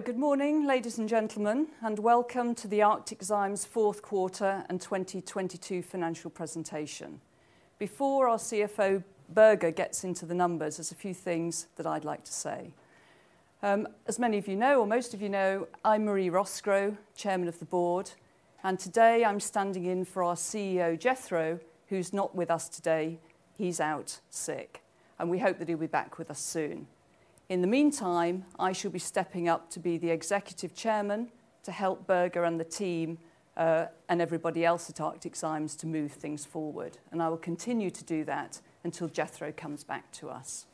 Good morning, ladies and gentlemen, and welcome to the ArcticZymes fourth quarter and 2022 financial presentation. Before our CFO Birger gets into the numbers, there's a few things that I'd like to say. As many of you know, or most of you know, I'm Marie Roskrow, Chairman of the Board, and today I'm standing in for our CEO, Jethro, who's not with us today. He's out sick, and we hope that he'll be back with us soon. In the meantime, I shall be stepping up to be the executive chairman to help Birger and the team, and everybody else at ArcticZymes to move things forward. I will continue to do that until Jethro comes back to us.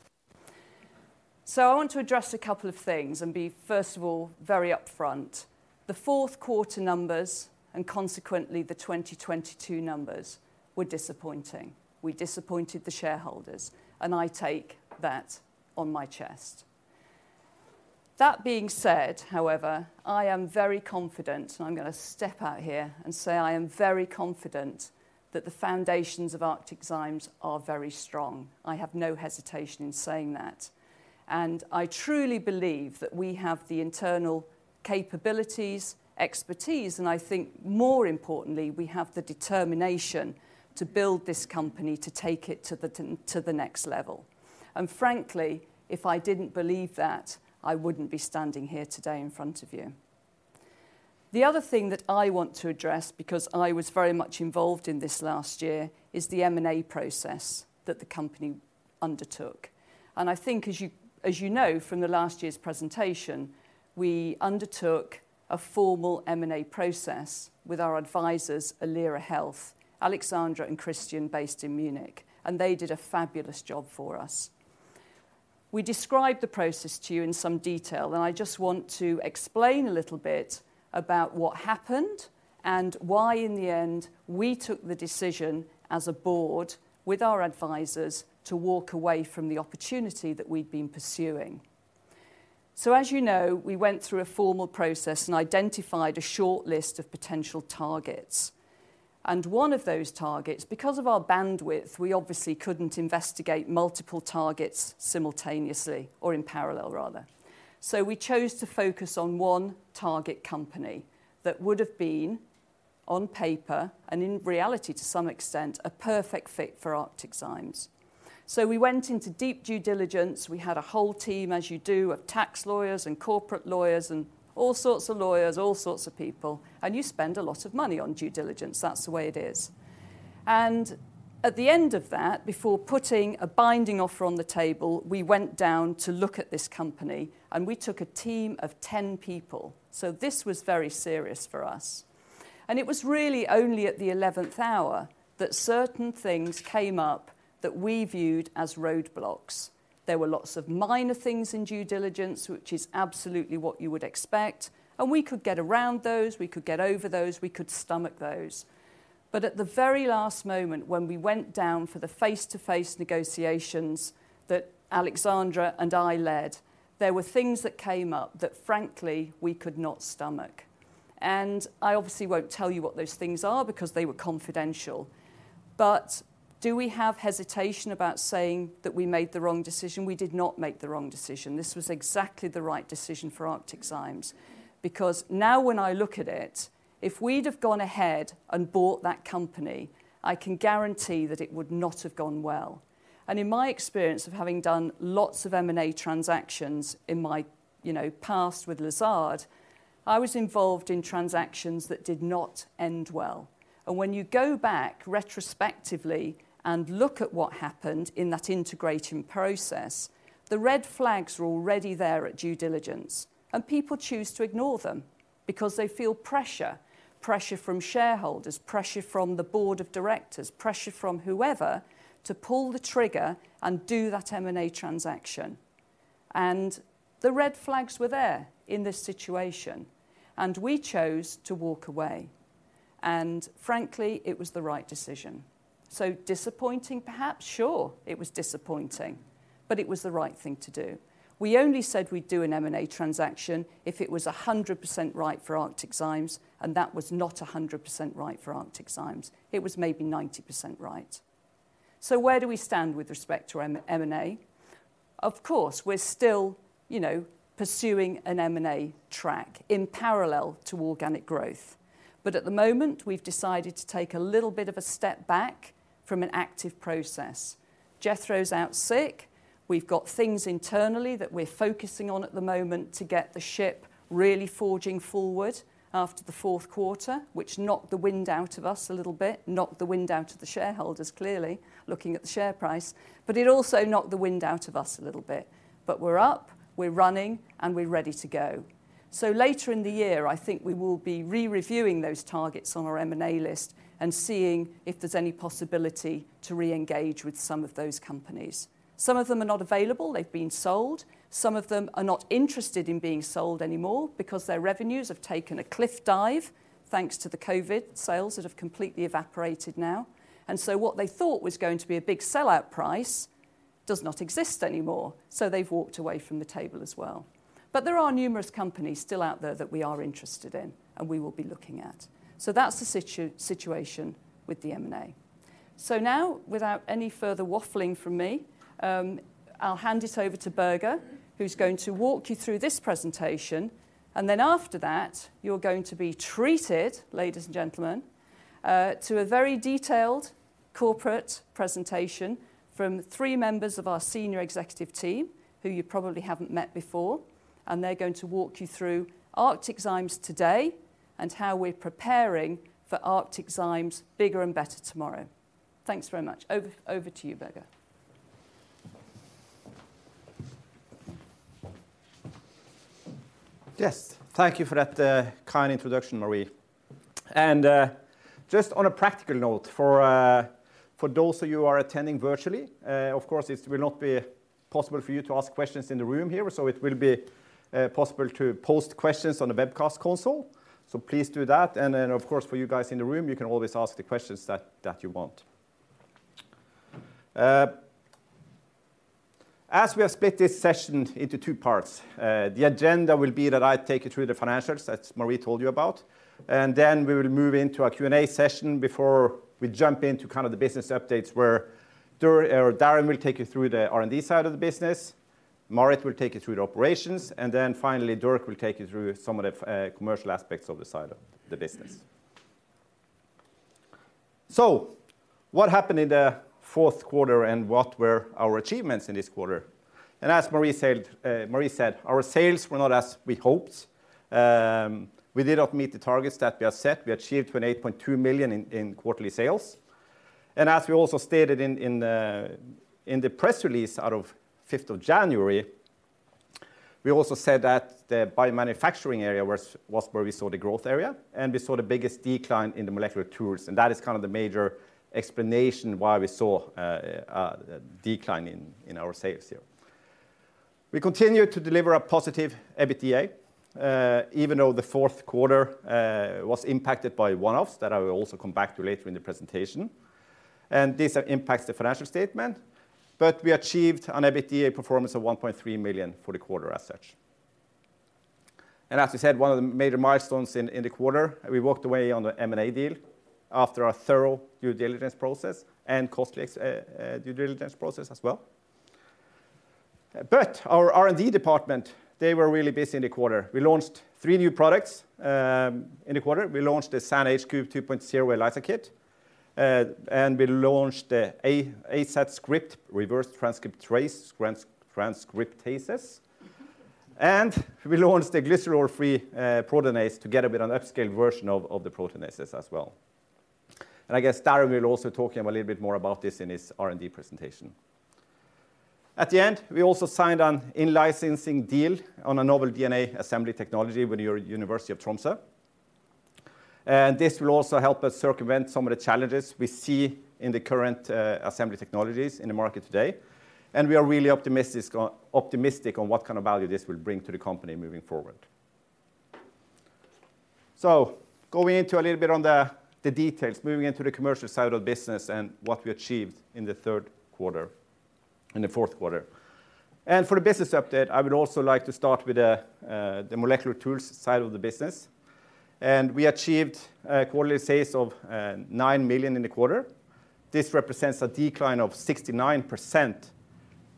I want to address a couple of things and be, first of all, very upfront. The fourth quarter numbers and consequently the 2022 numbers were disappointing. We disappointed the shareholders, and I take that on my chest. That being said, however, I am very confident, and I'm gonna step out here and say I am very confident that the foundations of ArcticZymes are very strong. I have no hesitation in saying that. I truly believe that we have the internal capabilities, expertise, and I think more importantly, we have the determination to build this company to take it to the next level. Frankly, if I didn't believe that, I wouldn't be standing here today in front of you. The other thing that I want to address, because I was very much involved in this last year, is the M&A process that the company undertook. I think as you know from the last year's presentation, we undertook a formal M&A process with our advisors, Alira Health, Alexandra and Christian based in Munich, and they did a fabulous job for us. We described the process to you in some detail, and I just want to explain a little bit about what happened and why in the end, we took the decision as a board with our advisors to walk away from the opportunity that we'd been pursuing. As you know, we went through a formal process and identified a short list of potential targets. One of those targets, because of our bandwidth, we obviously couldn't investigate multiple targets simultaneously or in parallel rather. We chose to focus on one target company that would have been on paper and in reality to some extent, a perfect fit for ArcticZymes. We went into deep due diligence. We had a whole team, as you do, of tax lawyers and corporate lawyers and all sorts of lawyers, all sorts of people. You spend a lot of money on due diligence. That's the way it is. At the end of that, before putting a binding offer on the table, we went down to look at this company and we took a team of 10 people. This was very serious for us. It was really only at the eleventh hour that certain things came up that we viewed as roadblocks. There were lots of minor things in due diligence, which is absolutely what you would expect, and we could get around those, we could get over those, we could stomach those. At the very last moment when we went down for the face-to-face negotiations that Alexandra and I led, there were things that came up that frankly we could not stomach. I obviously won't tell you what those things are because they were confidential. Do we have hesitation about saying that we made the wrong decision? We did not make the wrong decision. This was exactly the right decision for ArcticZymes because now when I look at it, if we'd have gone ahead and bought that company, I can guarantee that it would not have gone well. In my experience of having done lots of M&A transactions in my, you know, past with Lazard, I was involved in transactions that did not end well. When you go back retrospectively and look at what happened in that integrating process, the red flags were already there at due diligence, and people choose to ignore them because they feel pressure from shareholders, pressure from the board of directors, pressure from whoever to pull the trigger and do that M&A transaction. The red flags were there in this situation, and we chose to walk away. Frankly, it was the right decision. Disappointing perhaps? Sure, it was disappointing, but it was the right thing to do. We only said we'd do an M&A transaction if it was 100% right for ArcticZymes, and that was not 100% right for ArcticZymes. It was maybe 90% right. Where do we stand with respect to M&A? Of course, we're still, you know, pursuing an M&A track in parallel to organic growth. At the moment, we've decided to take a little bit of a step back from an active process. Jethro's out sick. We've got things internally that we're focusing on at the moment to get the ship really forging forward after the fourth quarter, which knocked the wind out of us a little bit, knocked the wind out of the shareholders, clearly, looking at the share price, it also knocked the wind out of us a little bit. We're up, we're running, and we're ready to go. Later in the year, I think we will be re-reviewing those targets on our M&A list and seeing if there's any possibility to re-engage with some of those companies. Some of them are not available. They've been sold. Some of them are not interested in being sold anymore because their revenues have taken a cliff dive thanks to the COVID sales that have completely evaporated now. What they thought was going to be a big sellout price does not exist anymore. They've walked away from the table as well. There are numerous companies still out there that we are interested in and we will be looking at. That's the situation with the M&A. Now, without any further waffling from me, I'll hand it over to Birger, who's going to walk you through this presentation. Then after that, you're going to be treated, ladies and gentlemen, to a very detailed corporate presentation from three members of our senior executive team, who you probably haven't met before, and they're going to walk you through ArcticZymes today and how we're preparing for ArcticZymes bigger and better tomorrow. Thanks very much. Over to you, Birger. Yes. Thank you for that kind introduction, Marie. Just on a practical note, for those of you who are attending virtually, of course, it will not be possible for you to ask questions in the room here, so it will be possible to post questions on the webcast console. Please do that. Then, of course, for you guys in the room, you can always ask the questions that you want. As we have split this session into two parts, the agenda will be that I take you through the financials that Marie told you about, and then we will move into a Q&A session before we jump into kind of the business updates where Darren will take you through the R&D side of the business, Marit will take you through the operations, and then finally, Dirk will take you through some of the commercial aspects of the side of the business. What happened in the fourth quarter and what were our achievements in this quarter? As Marie said, our sales were not as we hoped. We did not meet the targets that we had set. We achieved 28.2 million in quarterly sales. As we also stated in the press release out of fifth of January, we also said that the biomanufacturing area was where we saw the growth area, and we saw the biggest decline in the molecular tools. That is kind of the major explanation why we saw a decline in our sales here. We continued to deliver a positive EBITDA, even though the fourth quarter was impacted by one-offs that I will also come back to later in the presentation. This impacts the financial statement, but we achieved an EBITDA performance of 1.3 million for the quarter as such. As we said, one of the major milestones in the quarter, we walked away on the M&A deal after a thorough due diligence process and cost due diligence process as well. Our R&D department, they were really busy in the quarter. We launched 3 new products in the quarter. We launched the SAN HQ 2.0 ELISA kit. We launched the AZscript Reverse Transcriptase. We launched the glycerol-free proteinase to get a bit of an upscale version of the proteinases as well. I guess Darren will also talk a little bit more about this in his R&D presentation. At the end, we also signed an in-licensing deal on a novel DNA assembly technology with University of Tromsø. This will also help us circumvent some of the challenges we see in the current assembly technologies in the market today. We are really optimistic on what kind of value this will bring to the company moving forward. Going into a little bit on the details, moving into the commercial side of the business and what we achieved in the third quarter, in the fourth quarter. For the business update, I would also like to start with the molecular tools side of the business. We achieved quarterly sales of 9 million in the quarter. This represents a decline of 69%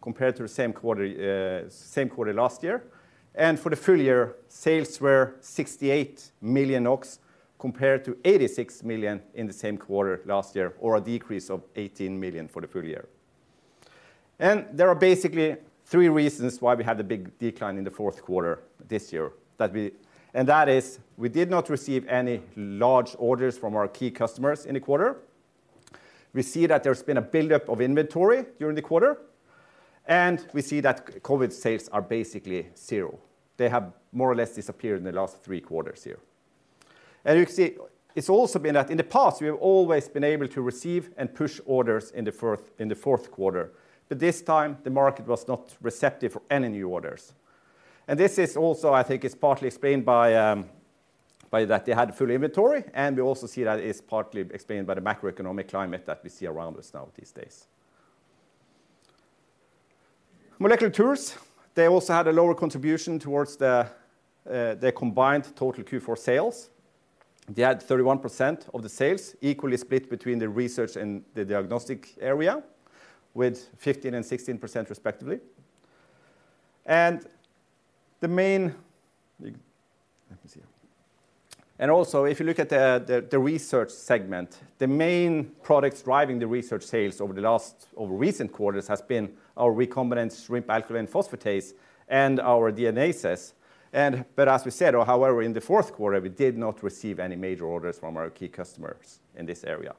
compared to the same quarter last year. For the full year, sales were 68 million compared to 86 million in the same quarter last year, or a decrease of 18 million for the full year. There are basically three reasons why we had the big decline in the fourth quarter this year. That is we did not receive any large orders from our key customers in the quarter. We see that there's been a buildup of inventory during the quarter. We see that C-COVID sales are basically 0. They have more or less disappeared in the last 3 quarters here. You can see it's also been that in the past, we have always been able to receive and push orders in the fourth quarter. This time, the market was not receptive for any new orders. This is also, I think it's partly explained by that they had full inventory, and we also see that it's partly explained by the macroeconomic climate that we see around us now these days. Molecular tools, they also had a lower contribution towards the combined total Q4 sales. They had 31% of the sales equally split between the research and the diagnostic area, with 15% and 16% respectively. Let me see. Also, if you look at the research segment, the main products driving the research sales over recent quarters has been our recombinant Shrimp Alkaline Phosphatase and our DNases. As we said, or however, in the fourth quarter, we did not receive any major orders from our key customers in this area.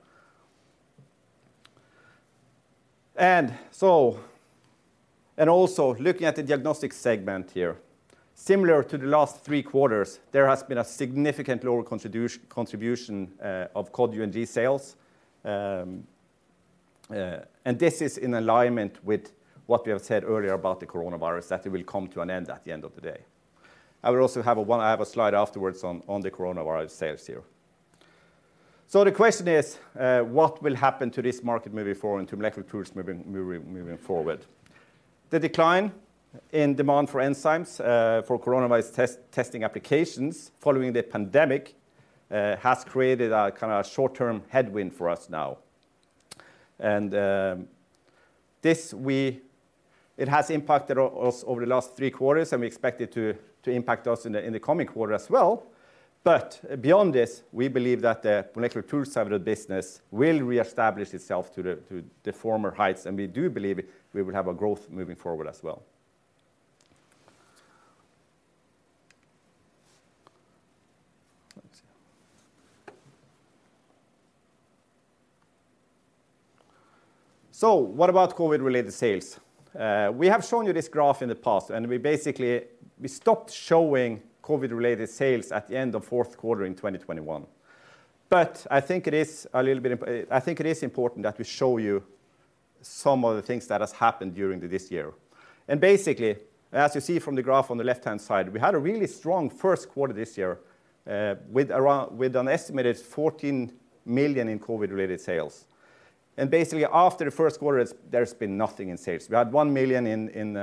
Also looking at the diagnostic segment here, similar to the last three quarters, there has been a significant lower contribution of COVID-19 sales. This is in alignment with what we have said earlier about the coronavirus, that it will come to an end at the end of the day. I have a slide afterwards on the coronavirus sales here. The question is, what will happen to this market moving forward, to molecular tools moving forward? The decline in demand for enzymes, for coronavirus testing applications following the pandemic, has created a kinda short-term headwind for us now. It has impacted us over the last 3 quarters, and we expect it to impact us in the coming quarter as well. Beyond this, we believe that the molecular tools side of the business will reestablish itself to the former heights, and we do believe we will have a growth moving forward as well. Let's see. What about COVID-related sales? We have shown you this graph in the past, and we basically, we stopped showing COVID-related sales at the end of fourth quarter in 2021. I think it is important that we show you some of the things that has happened during this year. Basically, as you see from the graph on the left-hand side, we had a really strong first quarter this year, with an estimated $14 million in COVID-related sales. Basically, after the first quarter, there's been nothing in sales. We had $1 million in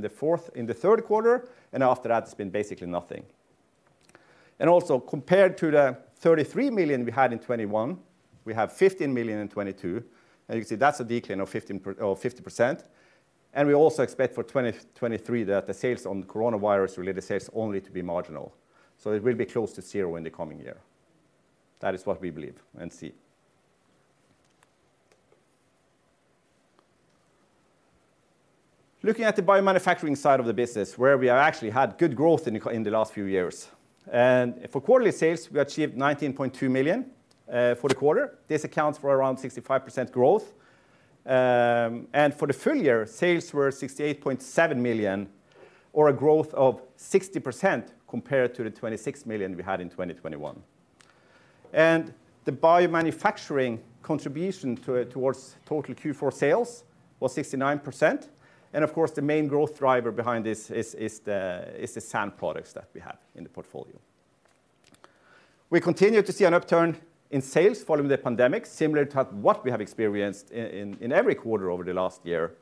the third quarter, and after that, it's been basically nothing. Also, compared to the $33 million we had in 2021, we have $15 million in 2022, and you can see that's a decline of 50%. We also expect for 2023 that the sales on coronavirus-related sales only to be marginal. It will be close to 0 in the coming year. That is what we believe and see. Looking at the biomanufacturing side of the business, where we have actually had good growth in the last few years. For quarterly sales, we achieved 19.2 million for the quarter. This accounts for around 65% growth. For the full year, sales were 68.7 million, or a growth of 60% compared to the 26 million we had in 2021. The biomanufacturing contribution towards total Q4 sales was 69%. Of course, the main growth driver behind this is the SAN products that we have in the portfolio. We continue to see an upturn in sales following the pandemic, similar to what we have experienced in every quarter over the last year.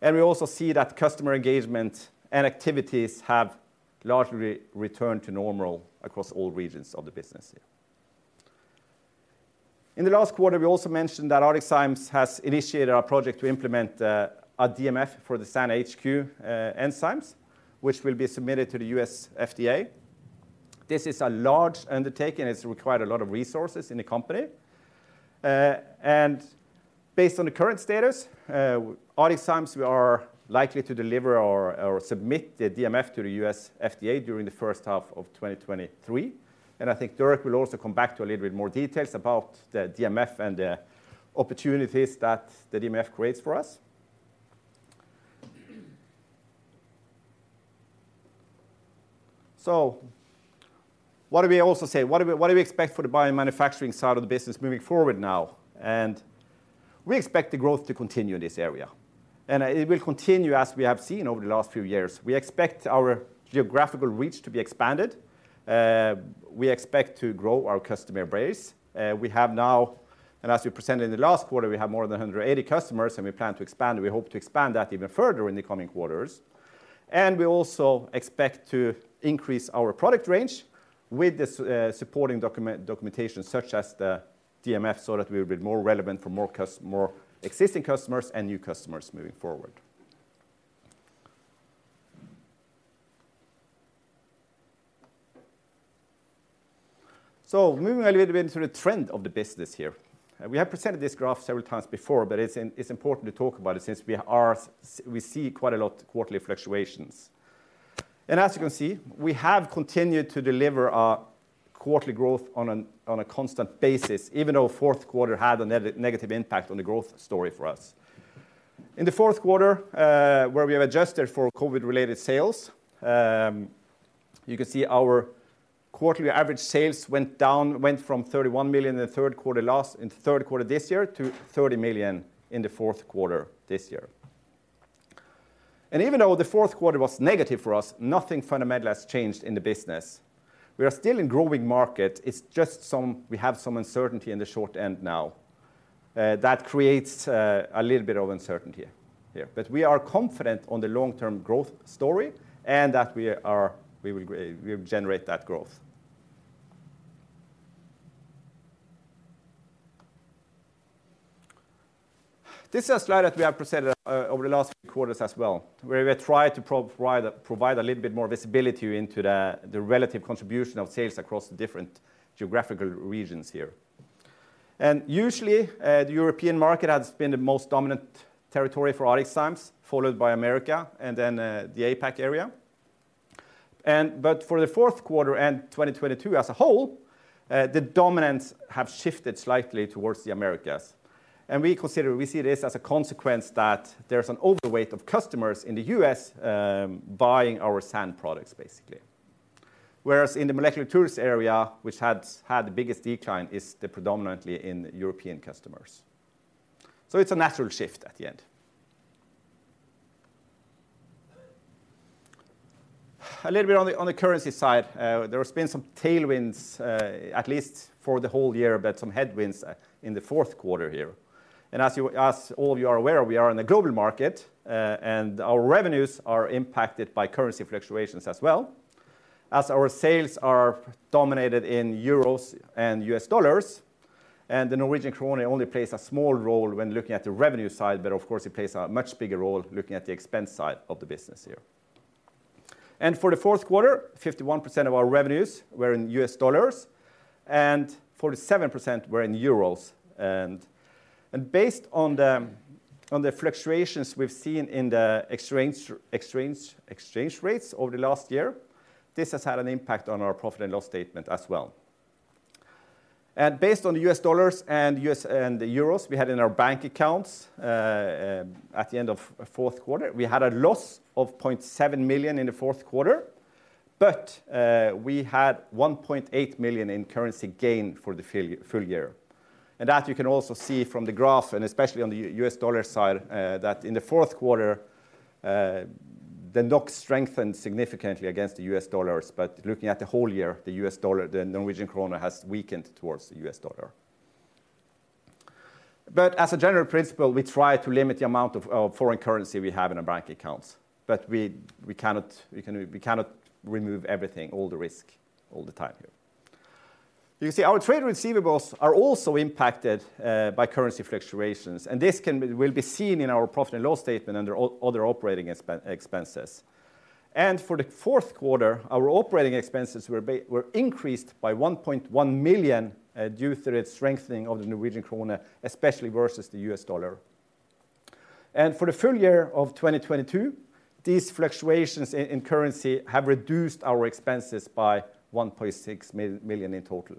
We also see that customer engagement and activities have largely returned to normal across all regions of the business here. In the last quarter, we also mentioned that ArcticZymes has initiated a project to implement a DMF for the SAN HQ enzymes, which will be submitted to the US FDA. This is a large undertaking. It's required a lot of resources in the company. Based on the current status, ArcticZymes, we are likely to deliver or submit the DMF to the US FDA during the first half of 2023. I think Dirk will also come back to a little bit more details about the DMF and the opportunities that the DMF creates for us. What do we also say? What do we expect for the biomanufacturing side of the business moving forward now? We expect the growth to continue in this area, and it will continue as we have seen over the last few years. We expect our geographical reach to be expanded. We expect to grow our customer base. We have now, and as we presented in the last quarter, we have more than 180 customers, and we plan to expand. We hope to expand that even further in the coming quarters. We also expect to increase our product range with the supporting documentation such as the DMF, so that we'll be more relevant for more existing customers and new customers moving forward. Moving a little bit into the trend of the business here. We have presented this graph several times before, but it's important to talk about it since we see quite a lot quarterly fluctuations. As you can see, we have continued to deliver our quarterly growth on a constant basis, even though fourth quarter had a negative impact on the growth story for us. In the fourth quarter, where we have adjusted for COVID-related sales, you can see our quarterly average sales went from 31 million in the third quarter this year to 30 million in the fourth quarter this year. Even though the fourth quarter was negative for us, nothing fundamental has changed in the business. We are still in growing market. It's just some. We have some uncertainty in the short end now. That creates a little bit of uncertainty here. We are confident on the long-term growth story and that we will generate that growth. This is a slide that we have presented over the last few quarters as well, where we try to provide a little bit more visibility into the relative contribution of sales across the different geographical regions here. Usually, the European market has been the most dominant territory for ArcticZymes, followed by America and then the APAC area. But for the fourth quarter and 2022 as a whole, the dominance have shifted slightly towards the Americas. We see this as a consequence that there's an overweight of customers in the U.S., buying our SAN products, basically. Whereas in the molecular tools area, which has had the biggest decline, is the predominantly in European customers. It's a natural shift at the end. A little bit on the currency side. There has been some tailwinds, at least for the whole year, but some headwinds in the fourth quarter here. As all of you are aware, we are in the global market, and our revenues are impacted by currency fluctuations as well, as our sales are dominated in euros and US dollars. The Norwegian krone only plays a small role when looking at the revenue side, but of course, it plays a much bigger role looking at the expense side of the business here. For the fourth quarter, 51% of our revenues were in US dollars, and 47% were in euros. Based on the fluctuations we've seen in the exchange rates over the last year, this has had an impact on our profit and loss statement as well. Based on the US dollars and the euros we had in our bank accounts, at the end of fourth quarter, we had a loss of 0.7 million in the fourth quarter, but we had 1.8 million in currency gain for the full year. That you can also see from the graph, and especially on the US dollar side, that in the fourth quarter, the NOK strengthened significantly against the US dollars. Looking at the whole year, the Norwegian krone has weakened towards the US dollar. As a general principle, we try to limit the amount of foreign currency we have in our bank accounts. We cannot remove everything, all the risk all the time here. You see, our trade receivables are also impacted by currency fluctuations, and this will be seen in our profit and loss statement under other operating expenses. For the fourth quarter, our operating expenses were increased by 1.1 million due to the strengthening of the Norwegian krone, especially versus the US dollar. For the full year of 2022, these fluctuations in currency have reduced our expenses by 1.6 million in total.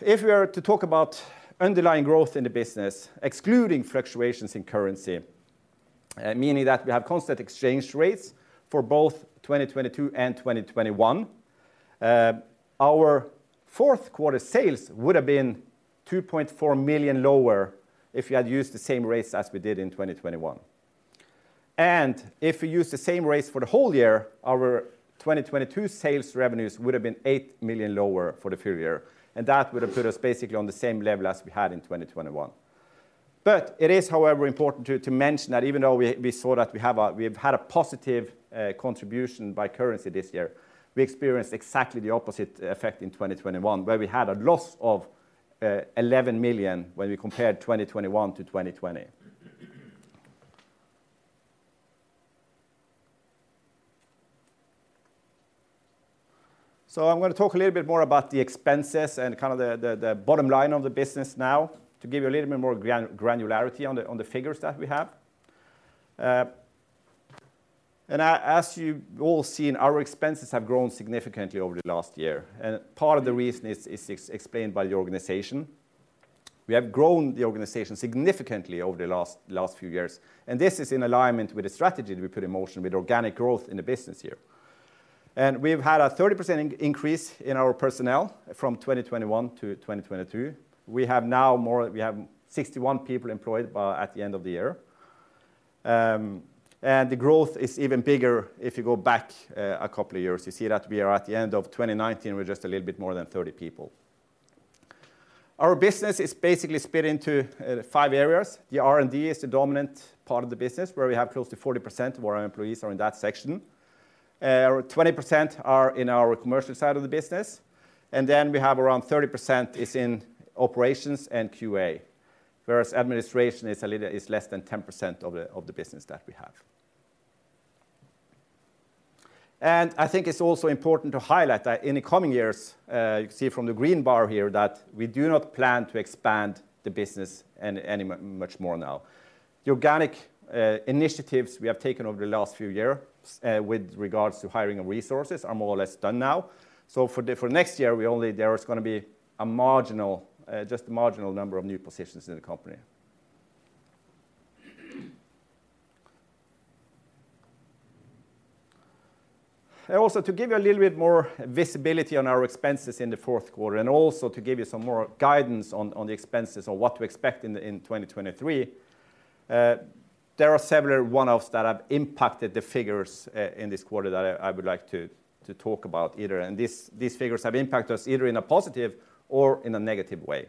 If we are to talk about underlying growth in the business, excluding fluctuations in currency, meaning that we have constant exchange rates for both 2022 and 2021, our fourth quarter sales would have been 2.4 million lower if you had used the same rates as we did in 2021. If we use the same rates for the whole year, our 2022 sales revenues would have been 8 million lower for the full year, and that would have put us basically on the same level as we had in 2021. It is, however, important to mention that even though we saw that we've had a positive contribution by currency this year, we experienced exactly the opposite effect in 2021, where we had a loss of 11 million when we compared 2021 to 2020. I'm gonna talk a little bit more about the expenses and kind of the bottom line of the business now to give you a little bit more granularity on the figures that we have. As you've all seen, our expenses have grown significantly over the last year, and part of the reason is explained by the organization. We have grown the organization significantly over the last few years. This is in alignment with the strategy that we put in motion with organic growth in the business here. We've had a 30% increase in our personnel from 2021 to 2022. We have 61 people employed at the end of the year. The growth is even bigger if you go back a couple of years. You see that we are at the end of 2019, we're just a little bit more than 30 people. Our business is basically split into 5 areas. The R&D is the dominant part of the business, where we have close to 40% of our employees are in that section. 20% are in our commercial side of the business, then we have around 30% is in operations and QA, whereas administration is less than 10% of the business that we have. I think it's also important to highlight that in the coming years, you see from the green bar here that we do not plan to expand the business any much more now. The organic initiatives we have taken over the last few years, with regards to hiring and resources are more or less done now. For next year, there is gonna be a marginal, just a marginal number of new positions in the company. Also to give you a little bit more visibility on our expenses in the fourth quarter and also to give you some more guidance on the expenses on what to expect in 2023, there are several one-offs that have impacted the figures in this quarter that I would like to talk about either. These figures have impacted us either in a positive or in a negative way.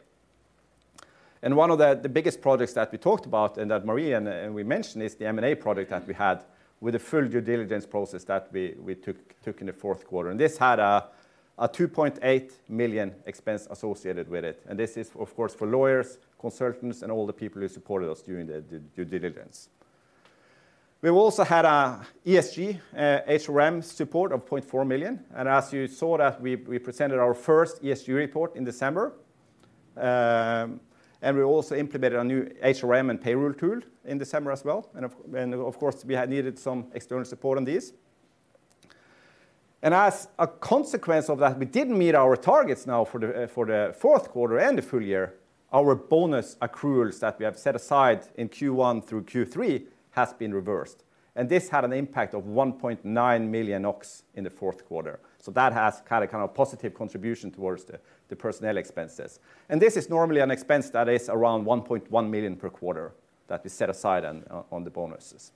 One of the biggest projects that we talked about and that Marie and we mentioned is the M&A project that we had with the full due diligence process that we took in the fourth quarter. This had a 2.8 million expense associated with it. This is of course for lawyers, consultants and all the people who supported us during the due diligence. We also had a ESG, HRM support of 0.4 million. As you saw that we presented our first ESG report in December. We also implemented a new HRM and payroll tool in December as well. Of course, we had needed some external support on this. As a consequence of that, we didn't meet our targets now for the fourth quarter and the full year. Our bonus accruals that we have set aside in Q1 through Q3 has been reversed, and this had an impact of 1.9 million in the fourth quarter. That has kind of positive contribution towards the personnel expenses. This is normally an expense that is around 1.1 million per quarter that we set aside on the bonuses.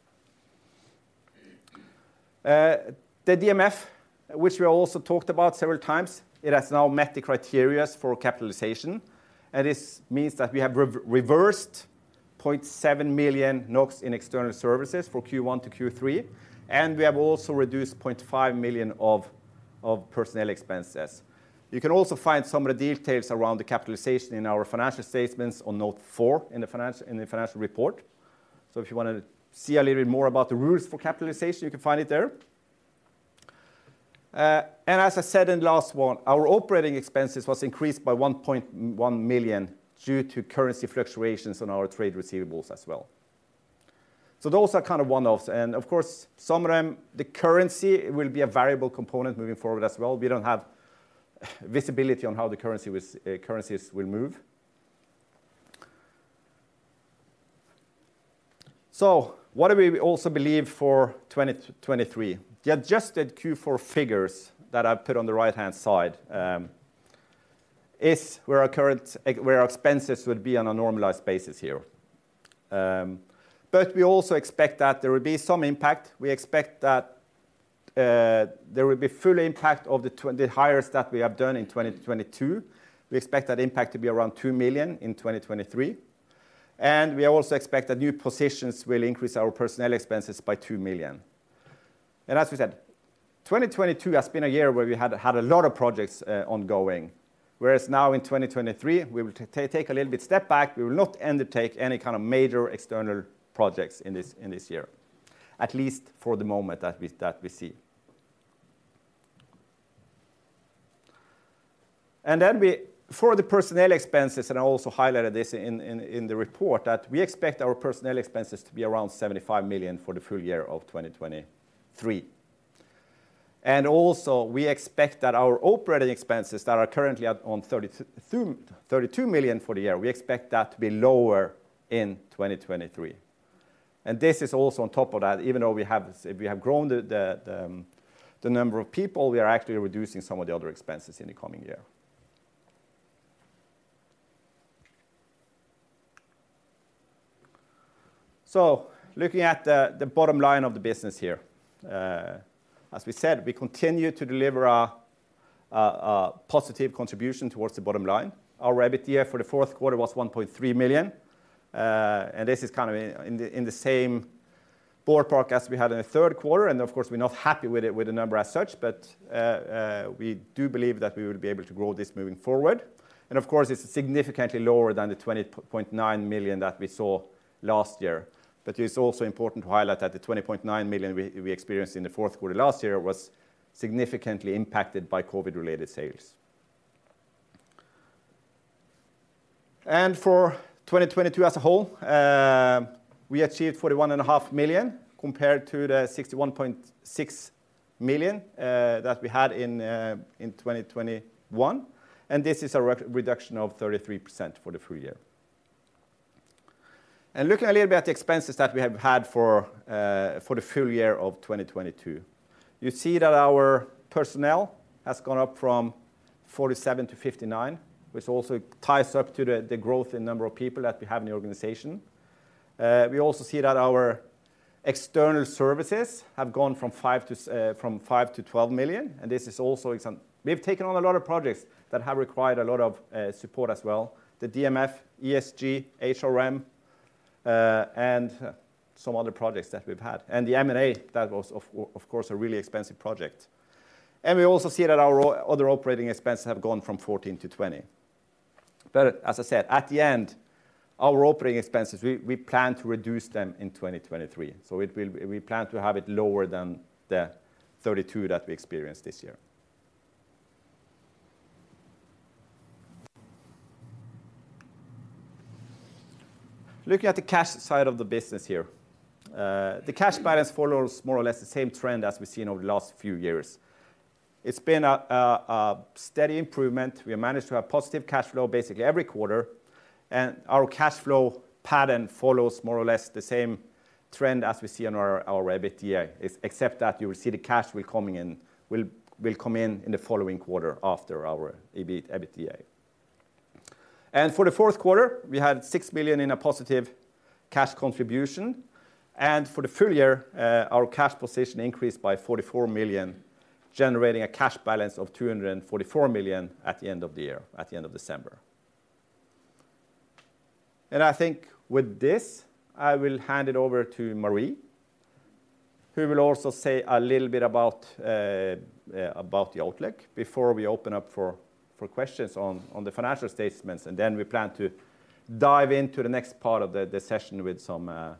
The DMF, which we also talked about several times, it has now met the criteria for capitalization, and this means that we have reversed 0.7 million NOK in external services for Q1 to Q3, and we have also reduced 0.5 million of personnel expenses. You can also find some of the details around the capitalization in our financial statements on note four in the financial report. If you wanna see a little bit more about the rules for capitalization, you can find it there. As I said in last one, our operating expenses was increased by 1.1 million due to currency fluctuations in our trade receivables as well. Those are kind of one-offs, and of course, some of them, the currency will be a variable component moving forward as well. We don't have visibility on how the currency was, currencies will move. What do we also believe for 2023? The adjusted Q4 figures that I've put on the right-hand side, is where our current where our expenses would be on a normalized basis here. But we also expect that there will be some impact. We expect that there will be full impact of the hires that we have done in 2022. We expect that impact to be around 2 million in 2023, and we also expect that new positions will increase our personnel expenses by 2 million. As we said, 2022 has been a year where we had a lot of projects ongoing, whereas now in 2023, we will take a little bit step back. We will not undertake any kind of major external projects in this year, at least for the moment that we see. For the personnel expenses, I also highlighted this in the report, that we expect our personnel expenses to be around 75 million for the full year of 2023. We expect that our operating expenses that are currently on 32 million for the year, we expect that to be lower in 2023. This is also on top of that, even though we have grown the number of people, we are actually reducing some of the other expenses in the coming year. Looking at the bottom line of the business here. As we said, we continue to deliver a positive contribution towards the bottom line. Our EBITDA for the fourth quarter was 1.3 million, and this is kind of in the same ballpark as we had in the third quarter. Of course, we're not happy with the number as such, but we do believe that we will be able to grow this moving forward. Of course, it's significantly lower than the 20.9 million that we saw last year. It is also important to highlight that the 20.9 million we experienced in the fourth quarter 2021 was significantly impacted by COVID-related sales. For 2022 as a whole, we achieved 41.5 million compared to the 61.6 million that we had in 2021, and this is a re-reduction of 33% for the full year. Looking a little bit at the expenses that we have had for the full year of 2022, you see that our personnel has gone up from 47 to 59, which also ties up to the growth in number of people that we have in the organization. We also see that our external services have gone from 5 million to 12 million. We've taken on a lot of projects that have required a lot of support as well. The DMF, ESG, HRM, and some other projects that we've had. The M&A, that was of course, a really expensive project. We also see that our other operating expenses have gone from 14 million to 20 million. As I said, at the end, our operating expenses, we plan to reduce them in 2023. We plan to have it lower than the 32 million that we experienced this year. Looking at the cash side of the business here. The cash balance follows more or less the same trend as we've seen over the last few years. It's been a steady improvement. We have managed to have positive cash flow basically every quarter, and our cash flow pattern follows more or less the same trend as we see on our EBITDA, except that you will see the cash will come in in the following quarter after our EBITDA. For the fourth quarter, we had 6 million in a positive cash contribution, for the full year, our cash position increased by 44 million, generating a cash balance of 244 million at the end of the year, at the end of December. I think with this, I will hand it over to Marie, who will also say a little bit about about the outlook before we open up for questions on the financial statements. We plan to dive into the next part of the session with some. Okay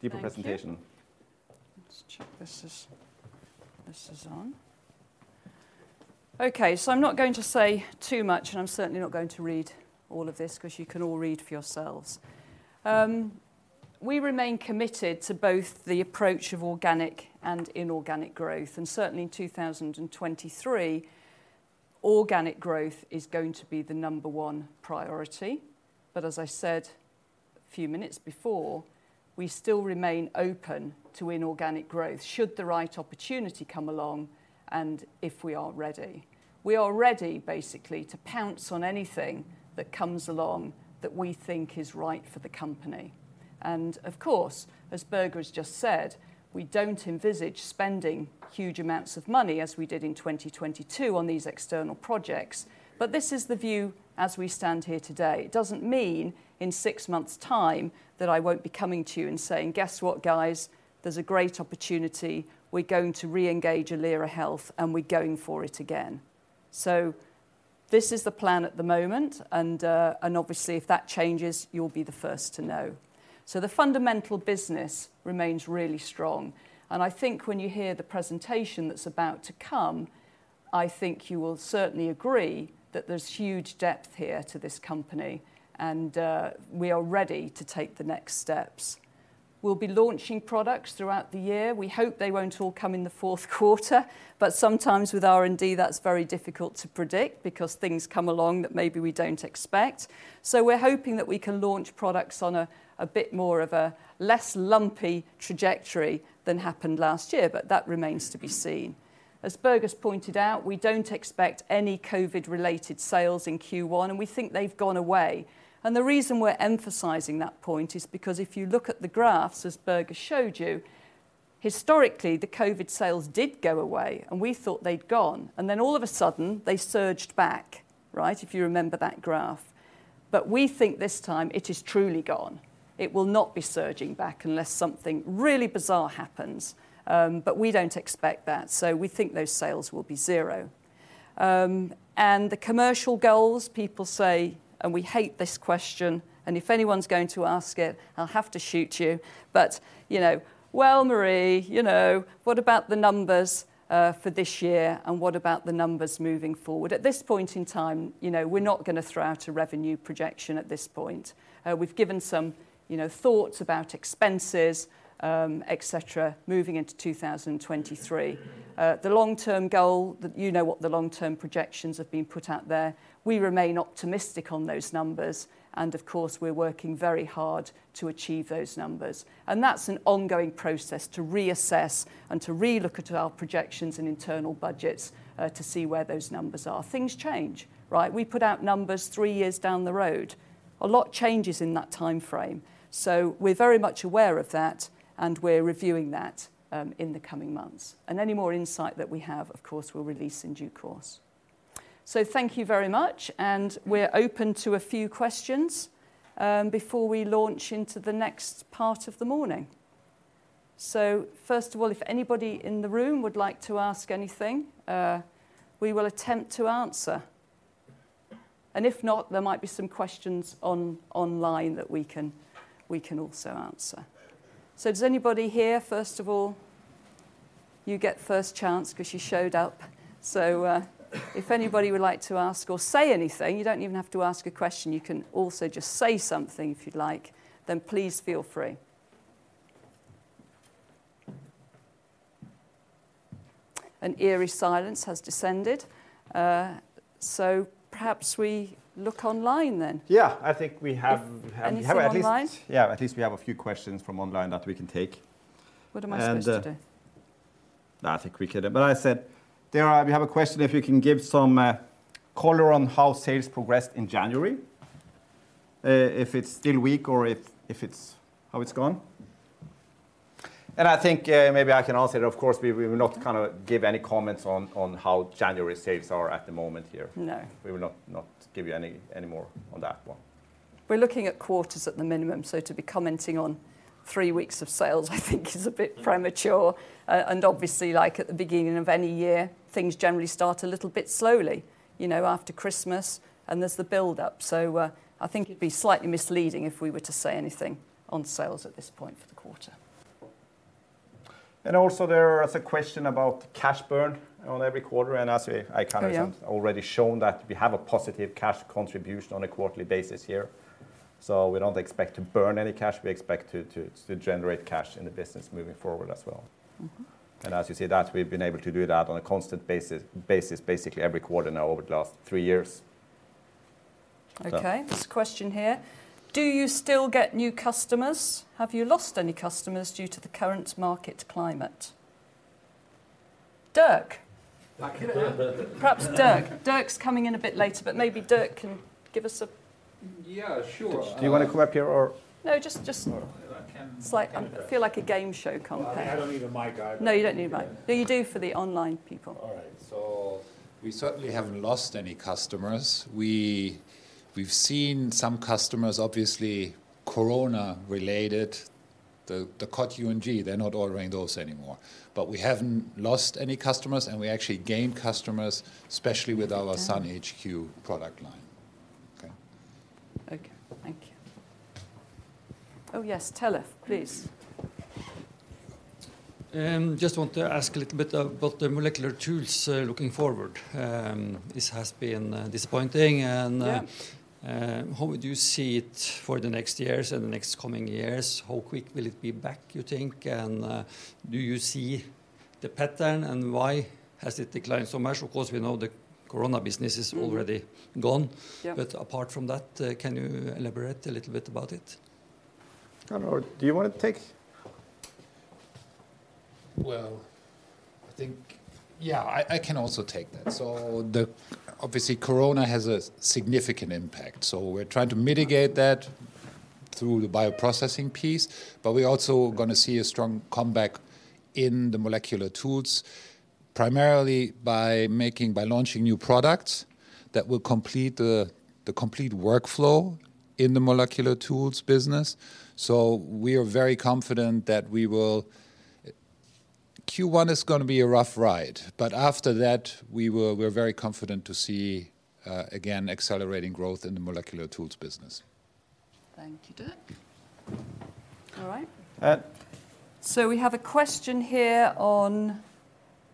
deeper presentation. Thank you. Let's check this is, this is on. Okay, I'm not going to say too much, and I'm certainly not going to read all of this because you can all read for yourselves. We remain committed to both the approach of organic and inorganic growth, and certainly in 2023, organic growth is going to be the number one priority. As I said a few minutes before, we still remain open to inorganic growth should the right opportunity come along and if we are ready. We are ready basically to pounce on anything that comes along that we think is right for the company. Of course, as Birger has just said, we don't envisage spending huge amounts of money as we did in 2022 on these external projects. This is the view as we stand here today. It doesn't mean in six months' time that I won't be coming to you and saying, "Guess what, guys? There's a great opportunity. We're going to re-engage Alira Health, and we're going for it again." This is the plan at the moment, and obviously, if that changes, you'll be the first to know. The fundamental business remains really strong, and I think when you hear the presentation that's about to come, I think you will certainly agree that there's huge depth here to this company, and we are ready to take the next steps. We'll be launching products throughout the year. We hope they won't all come in the fourth quarter, sometimes with R&D, that's very difficult to predict because things come along that maybe we don't expect. We're hoping that we can launch products on a bit more of a less lumpy trajectory than happened last year, but that remains to be seen. As Birger's pointed out, we don't expect any COVID-related sales in Q1, and we think they've gone away. The reason we're emphasizing that point is because if you look at the graphs, as Birger showed you, historically, the COVID sales did go away, and we thought they'd gone. All of a sudden, they surged back, right? If you remember that graph. We think this time it is truly gone. It will not be surging back unless something really bizarre happens. We don't expect that, so we think those sales will be 0. The commercial goals, people say, and we hate this question, and if anyone's going to ask it, I'll have to shoot you. You know, "Well, Marie, you know, what about the numbers for this year, and what about the numbers moving forward?" At this point in time, you know, we're not gonna throw out a revenue projection at this point. We've given some, you know, thoughts about expenses, et cetera, moving into 2023. The long-term goal, you know what the long-term projections have been put out there. We remain optimistic on those numbers, and of course, we're working very hard to achieve those numbers. That's an ongoing process to reassess and to relook at our projections and internal budgets to see where those numbers are. Things change, right? We put out numbers 3 years down the road. A lot changes in that timeframe. We're very much aware of that, and we're reviewing that in the coming months. Any more insight that we have, of course, we'll release in due course. Thank you very much, and we're open to a few questions before we launch into the next part of the morning. First of all, if anybody in the room would like to ask anything, we will attempt to answer. If not, there might be some questions online that we can also answer. Does anybody here, first of all, you get first chance 'cause you showed up. If anybody would like to ask or say anything, you don't even have to ask a question, you can also just say something if you'd like, then please feel free. An eerie silence has descended. Perhaps we look online then. Yeah, I think we have. Anything online? Yeah, at least we have a few questions from online that we can take. What am I supposed to do? I said, we have a question if you can give some color on how sales progressed in January, if it's still weak or if it's how it's gone. I think maybe I can answer it. Of course, we will not kinda give any comments on how January sales are at the moment here. No. We will not give you any more on that one. We're looking at quarters at the minimum, so to be commenting on three weeks of sales I think is a bit premature. Obviously, like at the beginning of any year, things generally start a little bit slowly, you know, after Christmas, and there's the build-up. I think it'd be slightly misleading if we were to say anything on sales at this point for the quarter. There is a question about cash burn on every quarter. Yeah... have already shown that we have a positive cash contribution on a quarterly basis here. We don't expect to burn any cash. We expect to generate cash in the business moving forward as well. Mm-hmm. As you see that, we've been able to do that on a constant basis, basically every quarter now over the last three years. Okay. This question here: Do you still get new customers? Have you lost any customers due to the current market climate? Dirk. I can. Perhaps Dirk. Dirk's coming in a bit later. Maybe Dirk can give us a... Yeah, sure. Do you wanna come up here or? No. I can- I feel like a game show compere. Well, I don't need a mic. I don't need- No, you don't need a mic. No, you do for the online people. All right. We certainly haven't lost any customers. We've seen some customers, obviously, corona related, the Cod UNG, they're not ordering those anymore. We haven't lost any customers, and we actually gained customers, especially with our SAN HQ product line. Okay. Okay. Thank you. Oh, yes. Telef, please. Just want to ask a little bit about the molecular tools looking forward. This has been disappointing. Yeah ... how would you see it for the next years and the next coming years? How quick will it be back, you think? Do you see the pattern, and why has it declined so much? Of course, we know the corona business is already gone. Mm-hmm. Yeah. Apart from that, can you elaborate a little bit about it? I don't know. Do you wanna take... Well, I think, yeah, I can also take that. Obviously, Corona has a significant impact, so we're trying to mitigate that through the bioprocessing piece, but we're also gonna see a strong comeback in the molecular tools, primarily by launching new products that will complete the complete workflow in the molecular tools business. We are very confident that we will. Q1 is gonna be a rough ride, but after that, we're very confident to see again, accelerating growth in the molecular tools business. Thank you, Dirk. All right. Uh- We have a question here on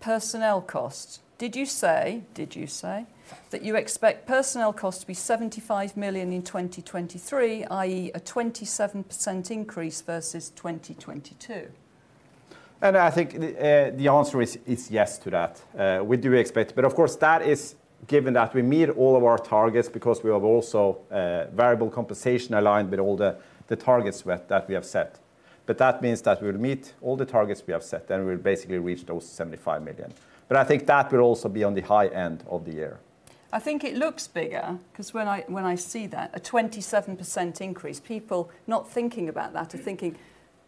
personnel costs. Did you say that you expect personnel costs to be 75 million in 2023, i.e., a 27% increase versus 2022? I think the answer is yes to that. We do expect. Of course, that is given that we meet all of our targets because we have also variable compensation aligned with all the targets that we have set. That means that we'll meet all the targets we have set, then we'll basically reach those 75 million. I think that will also be on the high end of the year. I think it looks bigger because when I see that, a 27% increase, people not thinking about that are thinking,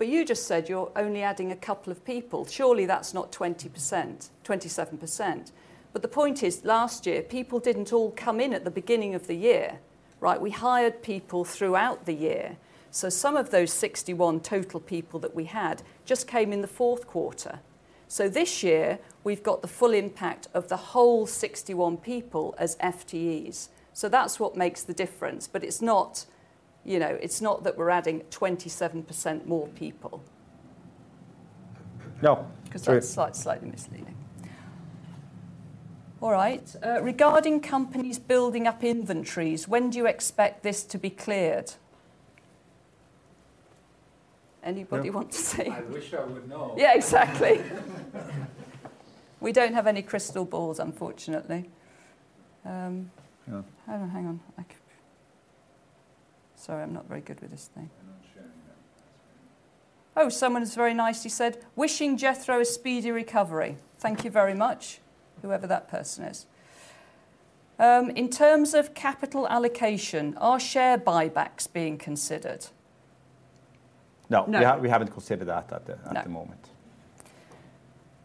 "You just said you're only adding a couple of people. Surely that's not 27%." The point is, last year, people didn't all come in at the beginning of the year, right? We hired people throughout the year. Some of those 61 total people that we had just came in the fourth quarter. This year, we've got the full impact of the whole 61 people as FTEs. That's what makes the difference. It's not, you know, it's not that we're adding 27% more people. No. 'Cause that's slightly misleading. All right. Regarding companies building up inventories, when do you expect this to be cleared? Anybody wants to say? I wish I would know. Yeah, exactly. We don't have any crystal balls, unfortunately. Yeah. Hold on, hang on. Sorry, I'm not very good with this thing. You're not sharing that. That's fine. Someone is very nice. He said, "Wishing Jethro a speedy recovery." Thank you very much, whoever that person is. In terms of capital allocation, are share buybacks being considered? No. No. We haven't considered that at the... No... at the moment.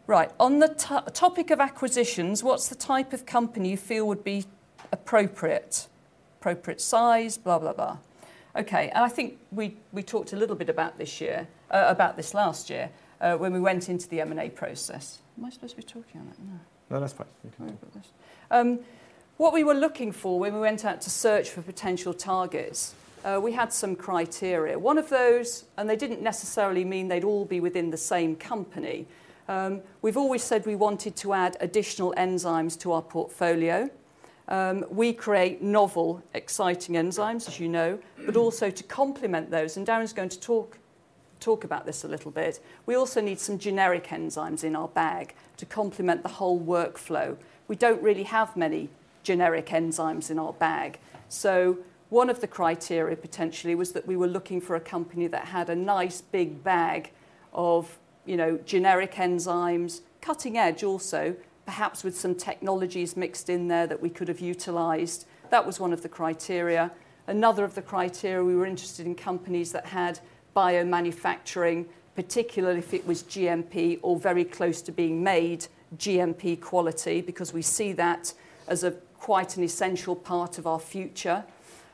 Right. On the topic of acquisitions, what's the type of company you feel would be appropriate? Appropriate size, blah, blah. Okay. I think we talked a little bit about this year, about this last year, when we went into the M&A process. Am I supposed to be talking on that? No. No, that's fine. You can. Sorry about this. What we were looking for when we went out to search for potential targets, we had some criteria. One of those, and they didn't necessarily mean they'd all be within the same company, we've always said we wanted to add additional enzymes to our portfolio. We create novel, exciting enzymes, as you know, but also to complement those, and Darren is going to talk about this a little bit, we also need some generic enzymes in our bag to complement the whole workflow. We don't really have many generic enzymes in our bag. One of the criteria, potentially, was that we were looking for a company that had a nice big bag of, you know, generic enzymes, cutting edge also, perhaps with some technologies mixed in there that we could have utilized. That was one of the criteria. Another of the criteria, we were interested in companies that had biomanufacturing, particularly if it was GMP or very close to being made GMP quality, because we see that as a quite an essential part of our future,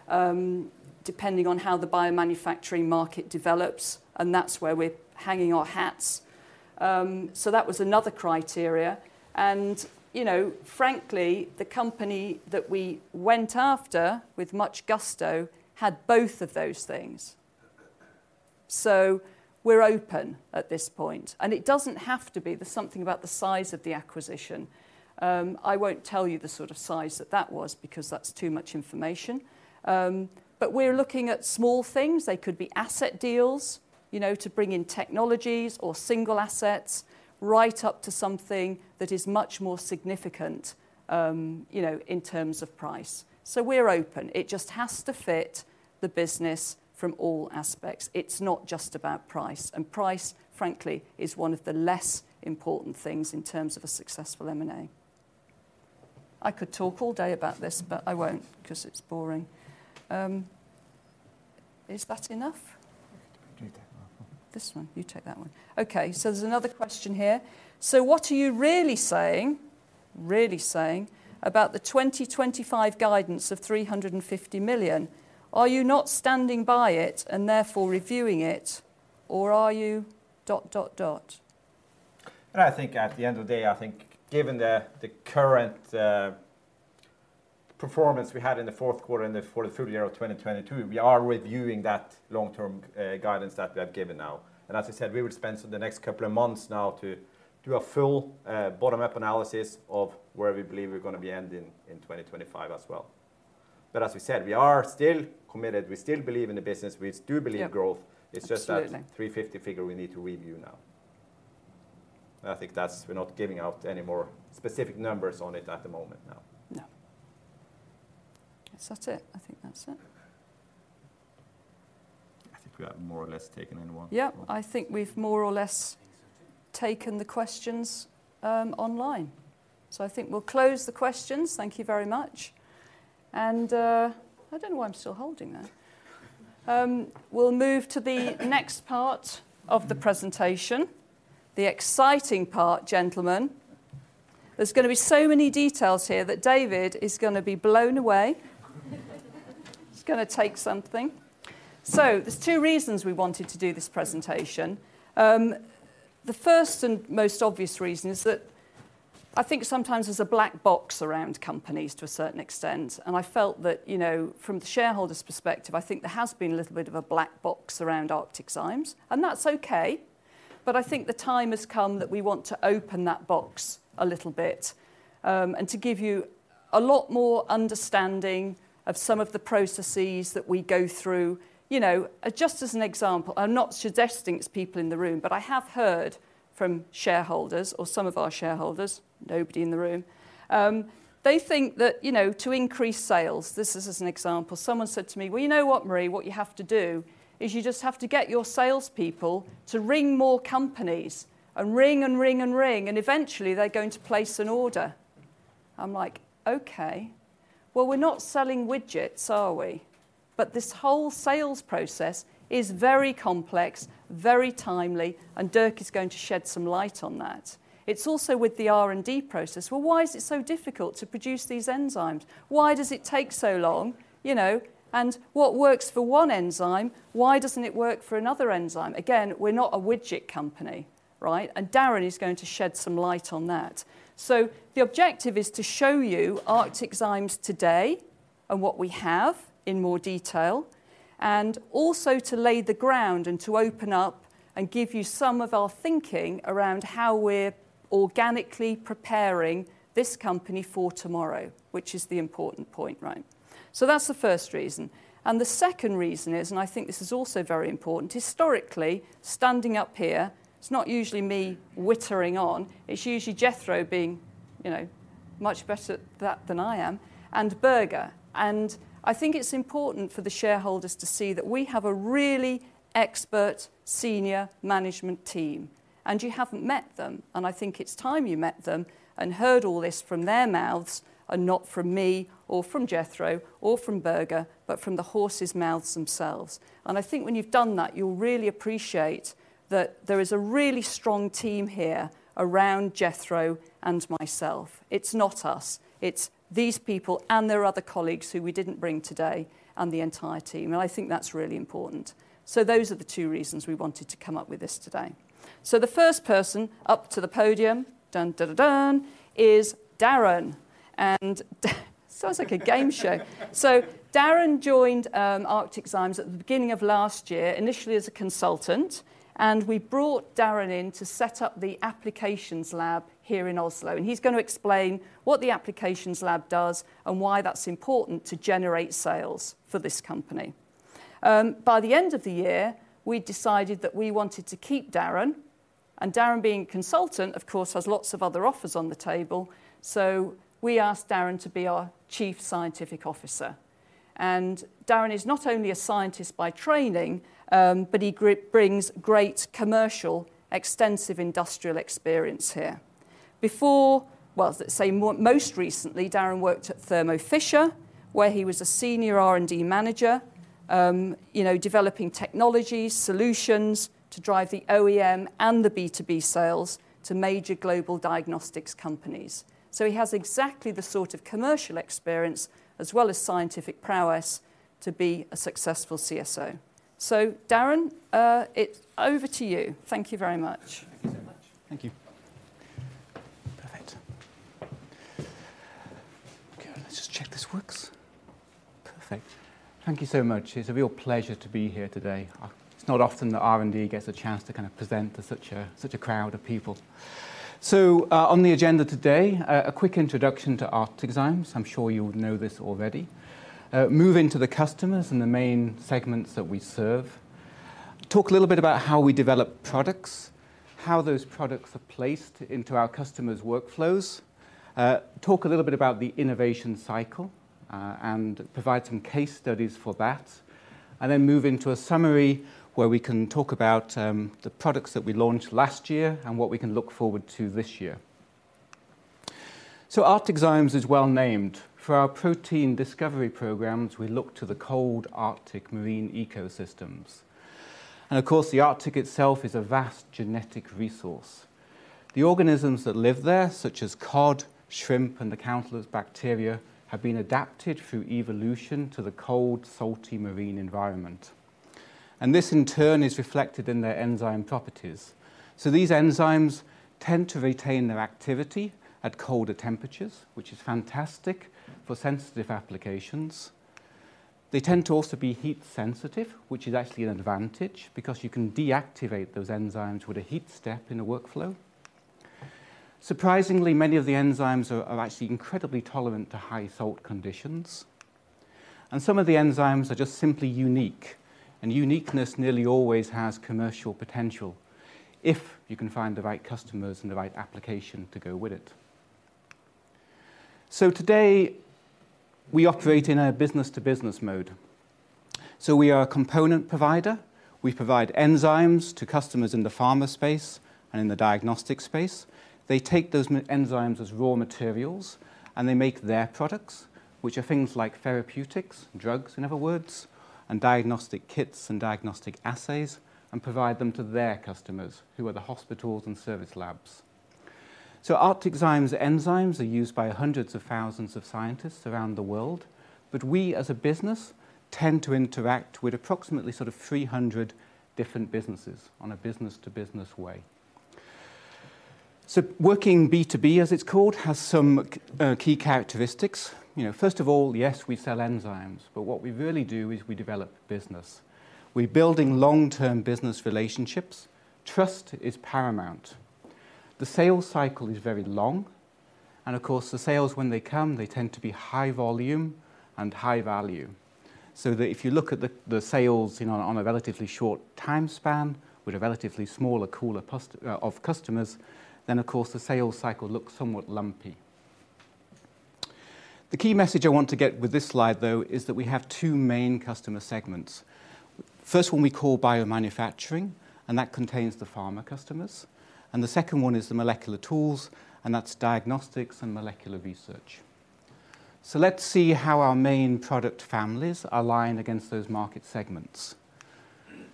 depending on how the biomanufacturing market develops, and that's where we're hanging our hats. That was another criteria. You know, frankly, the company that we went after with much gusto had both of those things. We're open at this point, and it doesn't have to be the something about the size of the acquisition. I won't tell you the sort of size that that was because that's too much information. We're looking at small things. They could be asset deals, you know, to bring in technologies or single assets right up to something that is much more significant, you know, in terms of price. We're open. It just has to fit the business from all aspects. It's not just about price. Price, frankly, is one of the less important things in terms of a successful M&A. I could talk all day about this, but I won't because it's boring. Is that enough? You can take that one. This one. You take that one. Okay. There's another question here. What are you really saying, about the 2025 guidance of 350 million? Are you not standing by it and therefore reviewing it, or are you... dot, dot? I think at the end of the day, I think given the current performance we had in the fourth quarter and through the year of 2022, we are reviewing that long-term guidance that we have given now. As I said, we will spend the next couple of months now to do a full bottom-up analysis of where we believe we're gonna be ending in 2025 as well. As we said, we are still committed. We still believe in the business. We do believe growth. Yep. Absolutely. It's just that 350 figure we need to review now. I think, we're not giving out any more specific numbers on it at the moment now. No. That's it. I think that's it. I think we have more or less taken anyone. Yeah, I think we've more or less taken the questions online. I think we'll close the questions. Thank you very much. I don't know why I'm still holding that. We'll move to the next part of the presentation, the exciting part, gentlemen. There's gonna be so many details here that David is gonna be blown away. It's gonna take something. There's two reasons we wanted to do this presentation. The first and most obvious reason is that I think sometimes there's a black box around companies to a certain extent. I felt that, you know, from the shareholder's perspective, I think there has been a little bit of a black box around ArcticZymes. That's okay. I think the time has come that we want to open that box a little bit. To give you a lot more understanding of some of the processes that we go through. You know, just as an example, and not suggesting it's people in the room, but I have heard from shareholders or some of our shareholders, nobody in the room, they think that, you know, to increase sales, this is as an example, someone said to me, "Well, you know what, Marie, what you have to do is you just have to get your salespeople to ring more companies and ring and ring and ring, and eventually they're going to place an order." I'm like, "Okay. Well, we're not selling widgets, are we? This whole sales process is very complex, very timely, and Dirk is going to shed some light on that." It's also with the R&D process. "Well, why is it so difficult to produce these enzymes? Why does it take so long? You know, what works for one enzyme, why doesn't it work for another enzyme?" Again, we're not a widget company, right? Darren is going to shed some light on that. The objective is to show you ArcticZymes today and what we have in more detail, and also to lay the ground and to open up and give you some of our thinking around how we're organically preparing this company for tomorrow, which is the important point, right? That's the first reason. The second reason is, and I think this is also very important, historically, standing up here, it's not usually me wittering on, it's usually Jethro being, you know, much better at that than I am, and Birger. I think it's important for the shareholders to see that we have a really expert senior management team, and you haven't met them, and I think it's time you met them and heard all this from their mouths and not from me or from Jethro or from Birger, but from the horse's mouths themselves. I think when you've done that, you'll really appreciate that there is a really strong team here around Jethro and myself. It's not us. It's these people and their other colleagues who we didn't bring today and the entire team, and I think that's really important. Those are the two reasons we wanted to come up with this today. The first person up to the podium, dun dun dun dun, is Darren and sounds like a game show. Darren joined ArcticZymes at the beginning of last year, initially as a consultant. We brought Darren in to set up the applications lab here in Oslo. He's gonna explain what the applications lab does and why that's important to generate sales for this company. By the end of the year, we decided that we wanted to keep Darren. Darren being a consultant, of course, has lots of other offers on the table. We asked Darren to be our Chief Scientific Officer. Darren is not only a scientist by training, but he brings great commercial extensive industrial experience here. Before, well, most recently, Darren worked at Thermo Fisher where he was a senior R&D manager, you know, developing technologies, solutions to drive the OEM and the B2B sales to major global diagnostics companies. He has exactly the sort of commercial experience as well as scientific prowess to be a successful CSO. Darren, it's over to you. Thank you very much. Thank you so much. Thank you. Perfect. Okay, let's just check this works. Perfect. Thank you so much. It's a real pleasure to be here today. It's not often that R&D gets a chance to kind of present to such a crowd of people. On the agenda today, a quick introduction to ArcticZymes. I'm sure you know this already. Move into the customers and the main segments that we serve. Talk a little bit about how we develop products, how those products are placed into our customers' workflows. Talk a little bit about the innovation cycle, and provide some case studies for that. Then move into a summary where we can talk about the products that we launched last year and what we can look forward to this year. ArcticZymes is well named. For our protein discovery programs, we look to the cold Arctic marine ecosystems. Of course, the Arctic itself is a vast genetic resource. The organisms that live there, such as cod, shrimp, and the countless bacteria, have been adapted through evolution to the cold, salty marine environment, and this in turn is reflected in their enzyme properties. These enzymes tend to retain their activity at colder temperatures, which is fantastic for sensitive applications. They tend to also be heat sensitive, which is actually an advantage because you can deactivate those enzymes with a heat step in a workflow. Surprisingly, many of the enzymes are actually incredibly tolerant to high salt conditions, and some of the enzymes are just simply unique, and uniqueness nearly always has commercial potential if you can find the right customers and the right application to go with it. Today we operate in a business-to-business mode. We are a component provider. We provide enzymes to customers in the pharma space and in the diagnostic space. They take those enzymes as raw materials, and they make their products, which are things like therapeutics, drugs in other words, and diagnostic kits and diagnostic assays, and provide them to their customers, who are the hospitals and service labs. ArcticZymes' enzymes are used by hundreds of thousands of scientists around the world, but we as a business tend to interact with approximately sort of 300 different businesses on a business-to-business way. Working B2B, as it's called, has some key characteristics. You know, first of all, yes, we sell enzymes, but what we really do is we develop business. We're building long-term business relationships. Trust is paramount. The sales cycle is very long and of course the sales when they come, they tend to be high volume and high value, so that if you look at the sales, you know, on a relatively short time span with a relatively smaller pool of customers, then of course the sales cycle looks somewhat lumpy. The key message I want to get with this slide though is that we have two main customer segments. First one we call biomanufacturing, and that contains the pharma customers, and the second one is the molecular tools, and that's diagnostics and molecular research. Let's see how our main product families align against those market segments.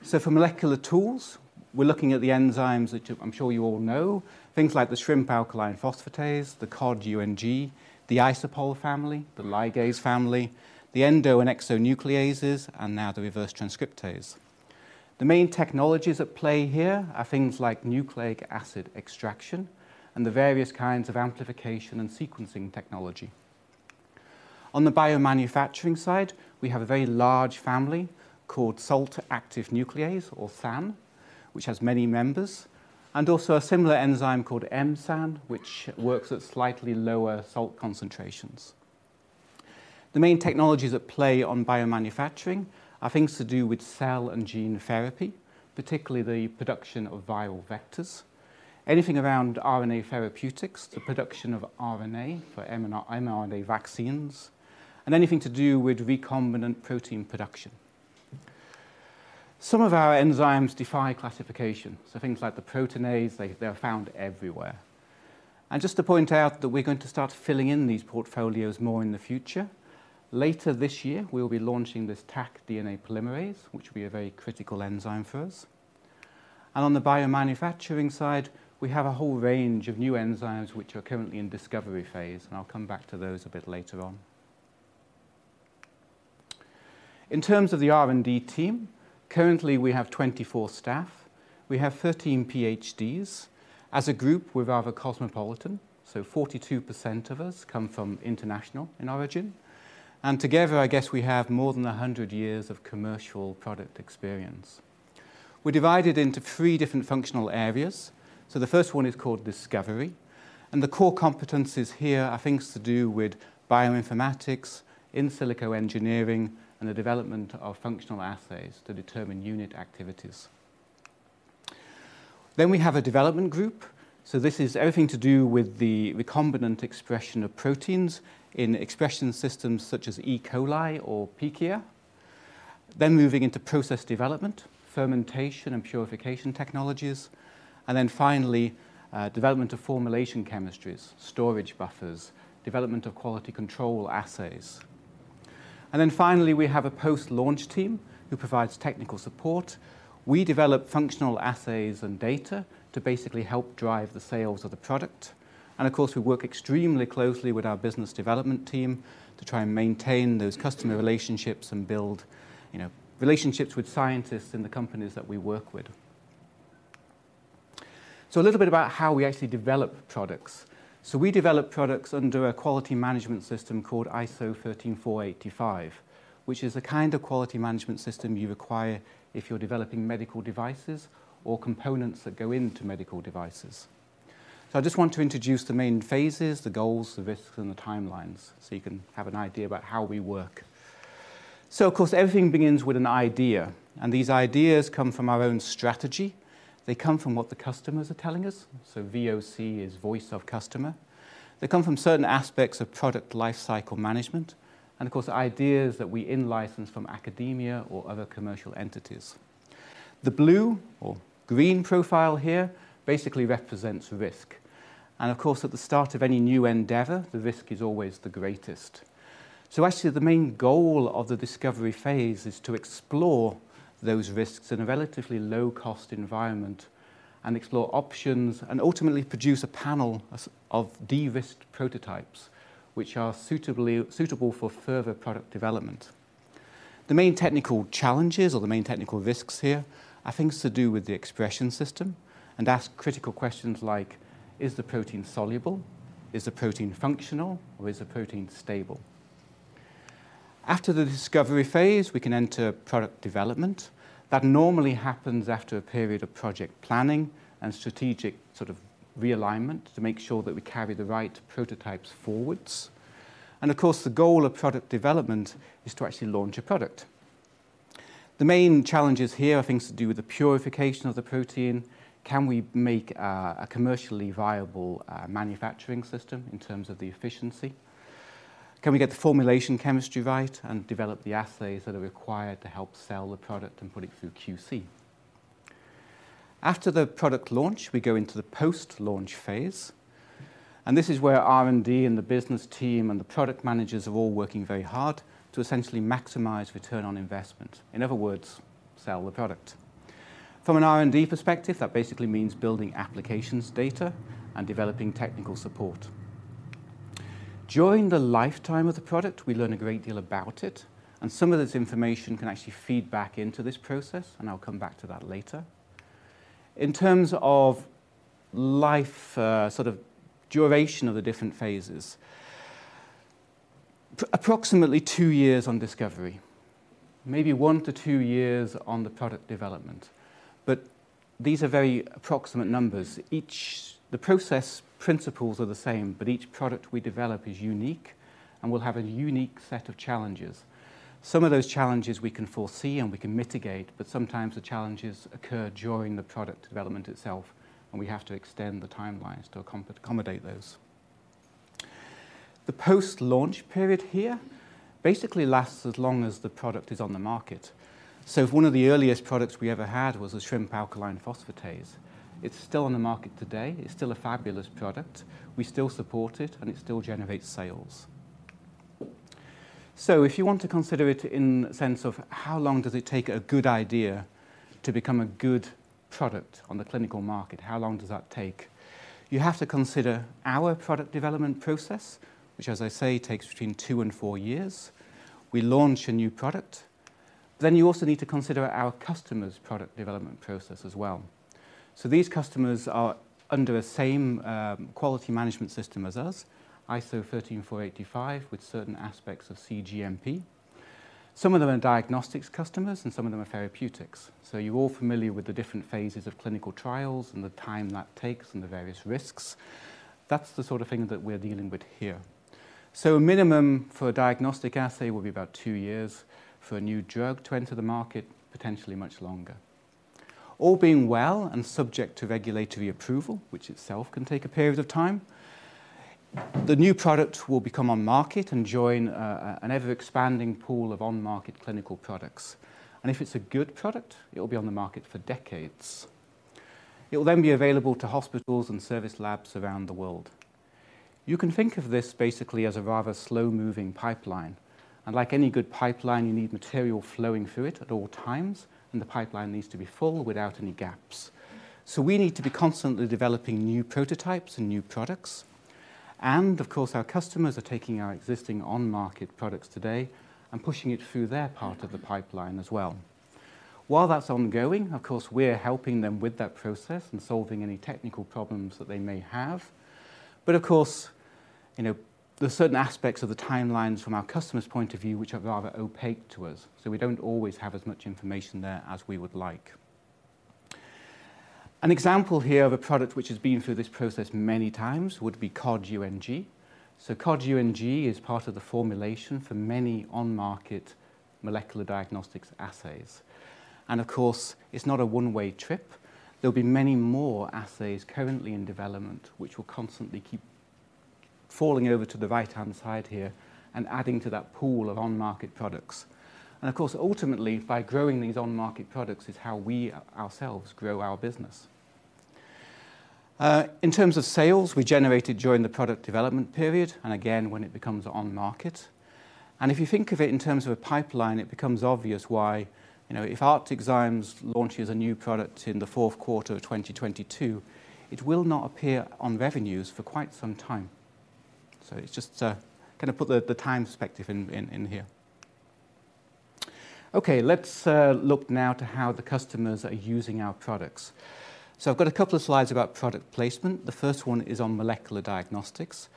For molecular tools, we're looking at the enzymes, which I'm sure you all know, things like the Shrimp Alkaline Phosphatase, the Cod UNG, the IsoPol family, the Ligase family, the Endo and Exo nucleases, and now the reverse transcriptase. The main technologies at play here are things like nucleic acid extraction and the various kinds of amplification and sequencing technology. On the biomanufacturing side, we have a very large family called Salt Active Nuclease or SAN, which has many members, and also a similar enzyme called M-SAN, which works at slightly lower salt concentrations. The main technologies at play on biomanufacturing are things to do with Cell and gene therapy, particularly the production of viral vectors. Anything around RNA therapeutics, the production of RNA for mRNA vaccines, and anything to do with recombinant protein production. Some of our enzymes defy classification, so things like the proteinase, they're found everywhere. Just to point out that we're going to start filling in these portfolios more in the future, later this year, we'll be launching this Taq DNA polymerase, which will be a very critical enzyme for us. On the biomanufacturing side, we have a whole range of new enzymes which are currently in discovery phase, and I'll come back to those a bit later on. In terms of the R&D team, currently we have 24 staff. We have 13 PhDs. As a group, we're rather cosmopolitan, so 42% of us come from international in origin, and together I guess we have more than 100 years of commercial product experience. We're divided into three different functional areas. The first one is called discovery, and the core competencies here are things to do with bioinformatics, in silico engineering, and the development of functional assays to determine unit activities. We have a development group, so this is everything to do with the recombinant expression of proteins in expression systems such as E. coli or Pichia. Moving into process development, fermentation and purification technologies, and then finally, development of formulation chemistries, storage buffers, development of quality control assays. Finally, we have a post-launch team who provides technical support. We develop functional assays and data to basically help drive the sales of the product. Of course, we work extremely closely with our business development team to try and maintain those customer relationships and build, you know, relationships with scientists in the companies that we work with. A little bit about how we actually develop products. We develop products under a quality management system called ISO 13485, which is the kind of quality management system you require if you're developing medical devices or components that go into medical devices. I just want to introduce the main phases, the goals, the risks, and the timelines, so you can have an idea about how we work. Of course, everything begins with an idea, and these ideas come from our own strategy. They come from what the customers are telling us, so VOC is voice of customer. They come from certain aspects of product lifecycle management, and of course, ideas that we in-license from academia or other commercial entities. The blue or green profile here basically represents risk, and of course, at the start of any new endeavor, the risk is always the greatest. Actually the main goal of the discovery phase is to explore those risks in a relatively low-cost environment and explore options, and ultimately produce a panel of de-risked prototypes which are suitable for further product development. The main technical challenges or the main technical risks here are things to do with the expression system and ask critical questions like, "Is the protein soluble? Is the protein functional or is the protein stable?" After the discovery phase, we can enter product development. That normally happens after a period of project planning and strategic sort of realignment to make sure that we carry the right prototypes forwards. Of course, the goal of product development is to actually launch a product. The main challenges here are things to do with the purification of the protein. Can we make a commercially viable manufacturing system in terms of the efficiency? Can we get the formulation chemistry right and develop the assays that are required to help sell the product and put it through QC? After the product launch, we go into the post-launch phase. This is where R&D and the business team and the product managers are all working very hard to essentially maximize return on investment. In other words, sell the product. From an R&D perspective, that basically means building applications data and developing technical support. During the lifetime of the product, we learn a great deal about it. Some of this information can actually feed back into this process. I'll come back to that later. In terms of life, sort of duration of the different phases, approximately two years on discovery, maybe 1years-2 years on the product development. These are very approximate numbers. Each... The process principles are the same, but each product we develop is unique and will have a unique set of challenges. Some of those challenges we can foresee and we can mitigate, but sometimes the challenges occur during the product development itself, and we have to extend the timelines to accommodate those. The post-launch period here basically lasts as long as the product is on the market. If one of the earliest products we ever had was a Shrimp Alkaline Phosphatase, it's still on the market today. It's still a fabulous product. We still support it, and it still generates sales. If you want to consider it in the sense of how long does it take a good idea to become a good product on the clinical market, how long does that take, you have to consider our product development process, which, as I say, takes between two and four years. You also need to consider our customer's product development process as well. These customers are under the same quality management system as us, ISO 13485, with certain aspects of cGMP. Some of them are diagnostics customers and some of them are therapeutics. You're all familiar with the different phases of clinical trials and the time that takes and the various risks. That's the sort of thing that we're dealing with here. A minimum for a diagnostic assay will be about two years. For a new drug to enter the market, potentially much longer. All being well and subject to regulatory approval, which itself can take a period of time, the new product will become on market and join an ever-expanding pool of on-market clinical products. If it's a good product, it'll be on the market for decades. It will then be available to hospitals and service labs around the world. You can think of this basically as a rather slow-moving pipeline. Like any good pipeline, you need material flowing through it at all times, and the pipeline needs to be full without any gaps. We need to be constantly developing new prototypes and new products and of course, our customers are taking our existing on-market products today and pushing it through their part of the pipeline as well. While that's ongoing, of course, we're helping them with that process and solving any technical problems that they may have. Of course, you know, there's certain aspects of the timelines from our customer's point of view which are rather opaque to us, so we don't always have as much information there as we would like. An example here of a product which has been through this process many times would be Cod UNG. Cod UNG is part of the formulation for many on-market molecular diagnostics assays. Of course, it's not a one-way trip. There'll be many more assays currently in development, which will constantly keep falling over to the right-hand side here and adding to that pool of on-market products. Of course, ultimately, by growing these on-market products is how we ourselves grow our business. In terms of sales, we generate it during the product development period and again when it becomes on market. If you think of it in terms of a pipeline, it becomes obvious why, you know, if ArcticZymes launches a new product in the fourth quarter of 2022, it will not appear on revenues for quite some time. It's just kinda put the time perspective in here. Okay, let's look now to how the customers are using our products. I've got a couple of slides about product placement. The first one is on molecular diagnostics.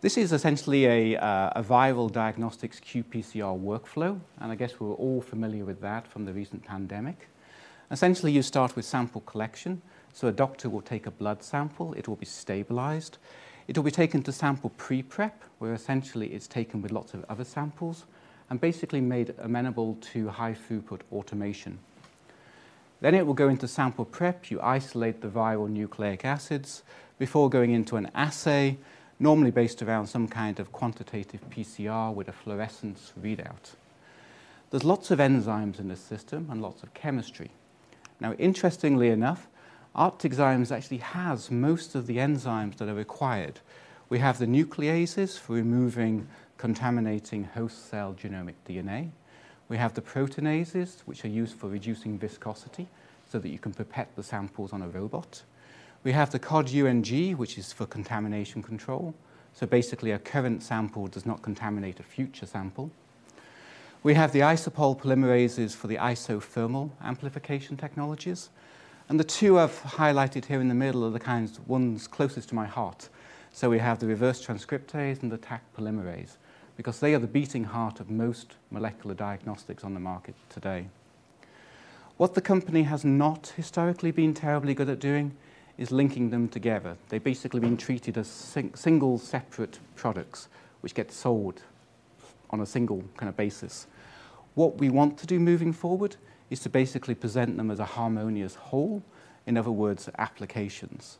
This is essentially a viral diagnostics qPCR workflow, and I guess we're all familiar with that from the recent pandemic. Essentially, you start with sample collection. A doctor will take a blood sample, it will be stabilized, it'll be taken to sample pre-prep, where essentially it's taken with lots of other samples and basically made amenable to high-throughput automation. It will go into sample prep. You isolate the viral nucleic acids before going into an assay normally based around some kind of quantitative PCR with a fluorescence readout. There's lots of enzymes in this system and lots of chemistry. Interestingly enough, ArcticZymes actually has most of the enzymes that are required. We have the nucleases for removing contaminating host cell genomic DNA. We have the proteinases, which are used for reducing viscosity so that you can pipette the samples on a robot. We have the Cod UNG, which is for contamination control, so basically a current sample does not contaminate a future sample. We have the IsoPol polymerases for the isothermal amplification technologies. The two I've highlighted here in the middle are the ones closest to my heart, so we have the reverse transcriptase and the Taq polymerase, because they are the beating heart of most molecular diagnostics on the market today. What the company has not historically been terribly good at doing is linking them together. They've basically been treated as single separate products which get sold on a single kinda basis. What we want to do moving forward is to basically present them as a harmonious whole, in other words, applications.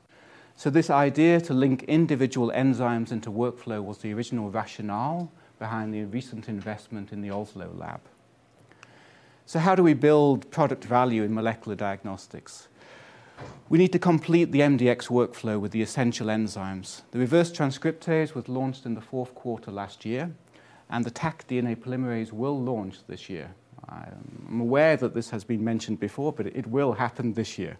This idea to link individual enzymes into workflow was the original rationale behind the recent investment in the Oslo lab. How do we build product value in molecular diagnostics? We need to complete the MDX workflow with the essential enzymes. The Reverse Transcriptase was launched in the 4th quarter last year, and the Taq DNA polymerase will launch this year. I'm aware that this has been mentioned before, but it will happen this year.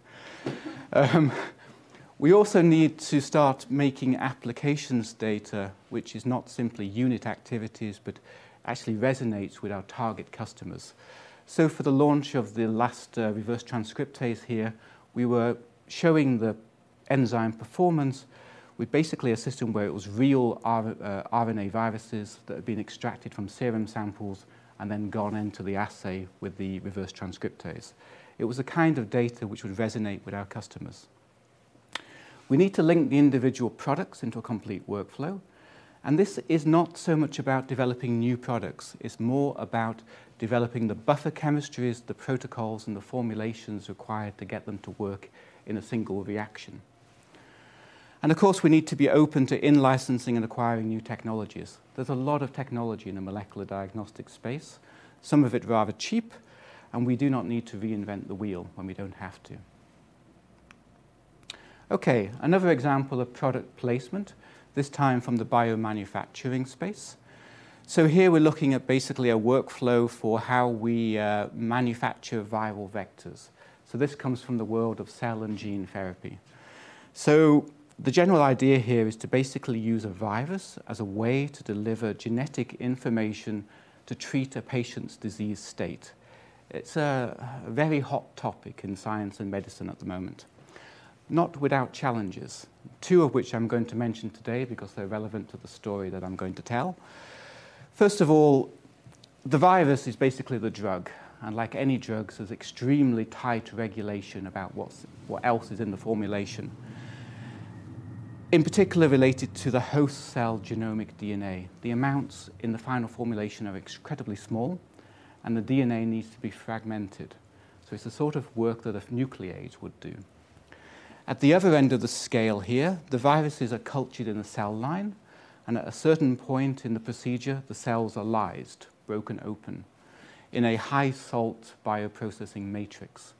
We also need to start making applications data which is not simply unit activities, but actually resonates with our target customers. So for the launch of the last Reverse Transcriptase here, we were showing the enzyme performance with basically a system where it was real RNA viruses that had been extracted from serum samples and then gone into the assay with the Reverse Transcriptase. It was the kind of data which would resonate with our customers. We need to link the individual products into a complete workflow, and this is not so much about developing new products. It's more about developing the buffer chemistries, the protocols, and the formulations required to get them to work in a single reaction. Of course, we need to be open to in-licensing and acquiring new technologies. There's a lot of technology in the molecular diagnostics space, some of it rather cheap, and we do not need to reinvent the wheel when we don't have to. Okay. Another example of product placement, this time from the biomanufacturing space. Here we're looking at basically a workflow for how we manufacture viral vectors. This comes from the world of cell and gene therapy. The general idea here is to basically use a virus as a way to deliver genetic information to treat a patient's disease state. It's a very hot topic in science and medicine at the moment. Not without challenges, two of which I'm going to mention today because they're relevant to the story that I'm going to tell. First of all, the virus is basically the drug, and like any drugs, is extremely tied to regulation about what else is in the formulation. In particular, related to the host cell genomic DNA. The amounts in the final formulation are incredibly small, and the DNA needs to be fragmented. It's the sort of work that a nuclease would do. At the other end of the scale here, the viruses are cultured in a cell line, and at a certain point in the procedure, the cells are lysed, broken open, in a high-salt bioprocessing matrix.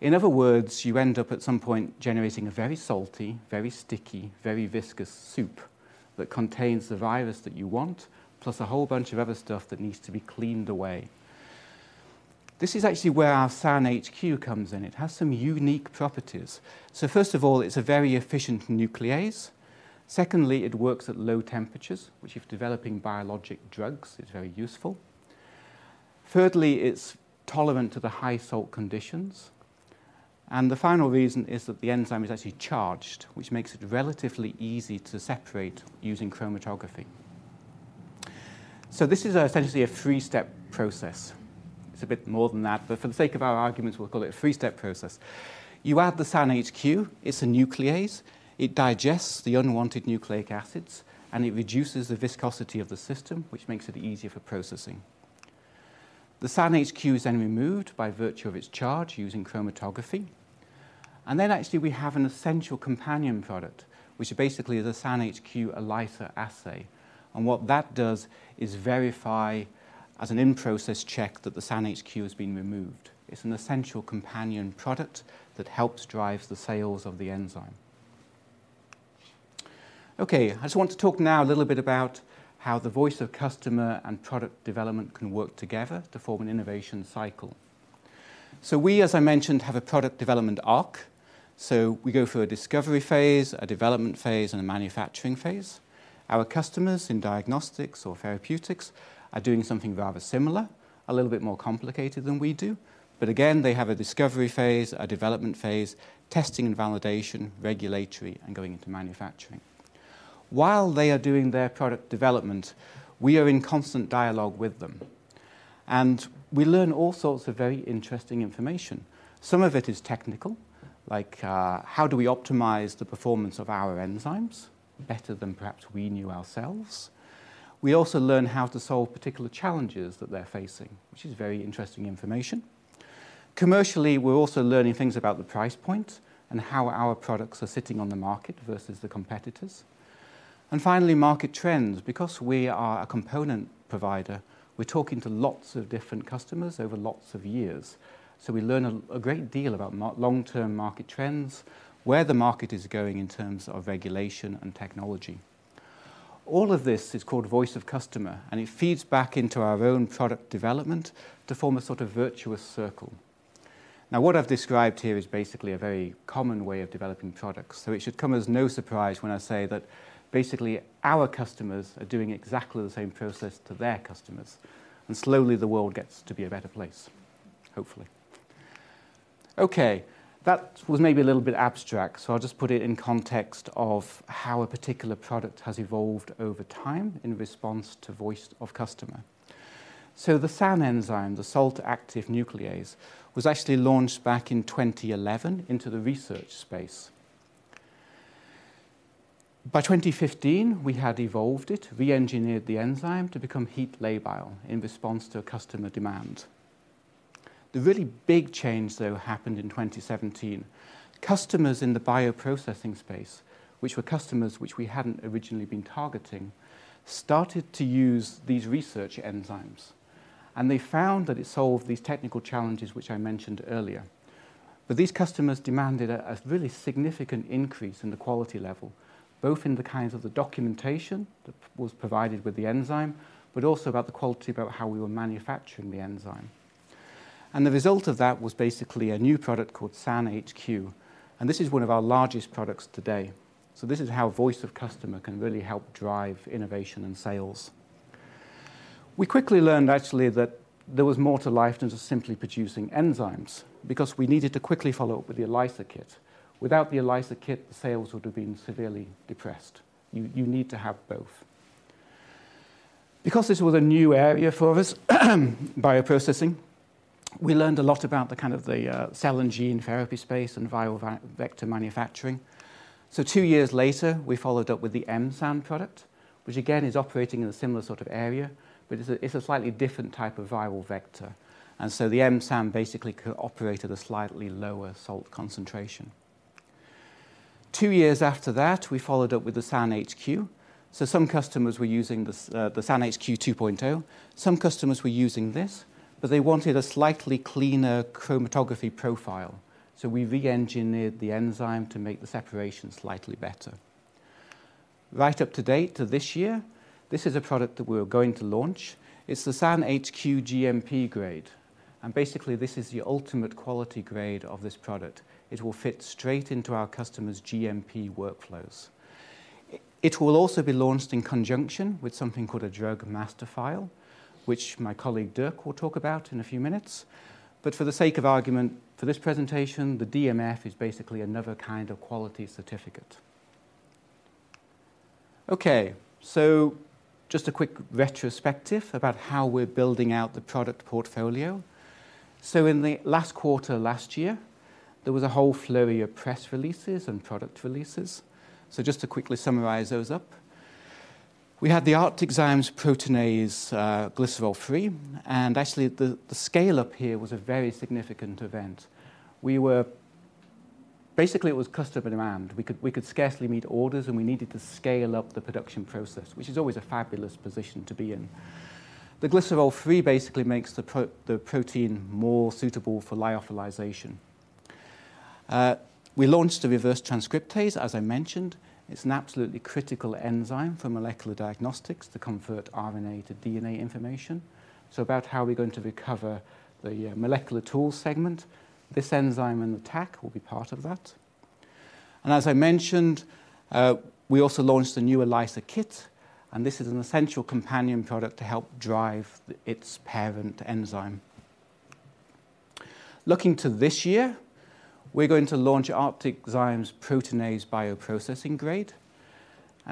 In other words, you end up at some point generating a very salty, very sticky, very viscous soup that contains the virus that you want, plus a whole bunch of other stuff that needs to be cleaned away. This is actually where our SAN HQ comes in. It has some unique properties. First of all, it's a very efficient nuclease. Secondly, it works at low temperatures, which if developing biologic drugs, is very useful. Thirdly, it's tolerant to the high salt conditions, and the final reason is that the enzyme is actually charged, which makes it relatively easy to separate using chromatography. This is essentially a three-step process. It's a bit more than that, but for the sake of our arguments, we'll call it a three-step process. You add the SAN HQ, it's a nuclease, it digests the unwanted nucleic acids, and it reduces the viscosity of the system, which makes it easier for processing. The SAN HQ is then removed by virtue of its charge using chromatography, and then actually we have an essential companion product, which basically is a SAN HQ ELISA assay, and what that does is verify, as an in-process check, that the SAN HQ has been removed. It's an essential companion product that helps drive the sales of the enzyme. Okay. I just want to talk now a little bit about how the voice of customer and product development can work together to form an innovation cycle. We, as I mentioned, have a product development arc. We go through a discovery phase, a development phase, and a manufacturing phase. Our customers in diagnostics or therapeutics are doing something rather similar, a little bit more complicated than we do. Again, they have a discovery phase, a development phase, testing and validation, regulatory, and going into manufacturing. While they are doing their product development, we are in constant dialogue with them, and we learn all sorts of very interesting information. Some of it is technical, like, how do we optimize the performance of our enzymes better than perhaps we knew ourselves? We also learn how to solve particular challenges that they're facing, which is very interesting information. Commercially, we're also learning things about the price point and how our products are sitting on the market versus the competitors. Finally, market trends. Because we are a component provider, we're talking to lots of different customers over lots of years, so we learn a great deal about long-term market trends, where the market is going in terms of regulation and technology. All of this is called voice of customer, and it feeds back into our own product development to form a sort of virtuous circle. What I've described here is basically a very common way of developing products, so it should come as no surprise when I say that basically our customers are doing exactly the same process to their customers, and slowly the world gets to be a better place, hopefully. Okay, that was maybe a little bit abstract, I'll just put it in context of how a particular product has evolved over time in response to voice of customer. The SAN enzyme, the Salt Active Nuclease, was actually launched back in 2011 into the research space. By 2015, we had evolved it, re-engineered the enzyme to become heat labile in response to customer demand. The really big change, though, happened in 2017. Customers in the bioprocessing space, which were customers which we hadn't originally been targeting, started to use these research enzymes, and they found that it solved these technical challenges which I mentioned earlier. These customers demanded a really significant increase in the quality level, both in the kinds of the documentation that was provided with the enzyme, but also about the quality about how we were manufacturing the enzyme. The result of that was basically a new product called SAN HQ, and this is one of our largest products today. This is how voice of customer can really help drive innovation and sales. We quickly learned actually that there was more to life than just simply producing enzymes, because we needed to quickly follow up with the ELISA kit. Without the ELISA kit, the sales would have been severely depressed. You need to have both. This was a new area for us, bioprocessing, we learned a lot about the kind of the cell and gene therapy space and viral vector manufacturing. two years later, we followed up with the M-SAN product, which again is operating in a similar sort of area, but it's a slightly different type of viral vector. The M-SAN basically co-operated a slightly lower salt concentration. Two years after that, we followed up with the SAN HQ, so some customers were using the SAN HQ 2.0, some customers were using this, but they wanted a slightly cleaner chromatography profile, so we re-engineered the enzyme to make the separation slightly better. Right up to date, to this year, this is a product that we're going to launch. It's the SAN HQ GMP grade, and basically this is the ultimate quality grade of this product. It will fit straight into our customers' GMP workflows. It will also be launched in conjunction with something called a Drug Master File, which my colleague Dirk will talk about in a few minutes. For the sake of argument, for this presentation, the DMF is basically another kind of quality certificate. Okay, so just a quick retrospective about how we're building out the product portfolio. In the last quarter last year, there was a whole flurry of press releases and product releases. Just to quickly summarize those up, we had the ArcticZymes Proteinase, glycerol free, and actually the scale-up here was a very significant event. Basically it was customer demand. We could scarcely meet orders and we needed to scale up the production process, which is always a fabulous position to be in. The glycerol free basically makes the protein more suitable for lyophilization. We launched a reverse transcriptase, as I mentioned. It's an absolutely critical enzyme for molecular diagnostics to convert RNA to DNA information. About how we're going to recover the molecular tools segment. This enzyme and the Taq will be part of that. As I mentioned, we also launched a new ELISA kit. This is an essential companion product to help drive its parent enzyme. Looking to this year, we're going to launch ArcticZymes Proteinase Bioprocessing Grade.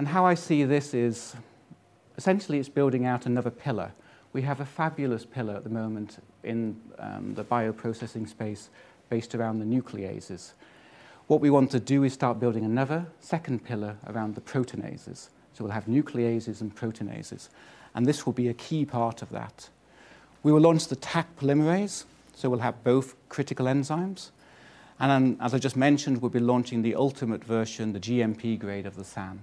How I see this is essentially it's building out another pillar. We have a fabulous pillar at the moment in the bioprocessing space based around the nucleases. What we want to do is start building another second pillar around the proteinases. We'll have nucleases and proteinases. This will be a key part of that. We will launch the Taq polymerase. We'll have both critical enzymes. As I just mentioned, we'll be launching the ultimate version, the GMP grade of the SAN.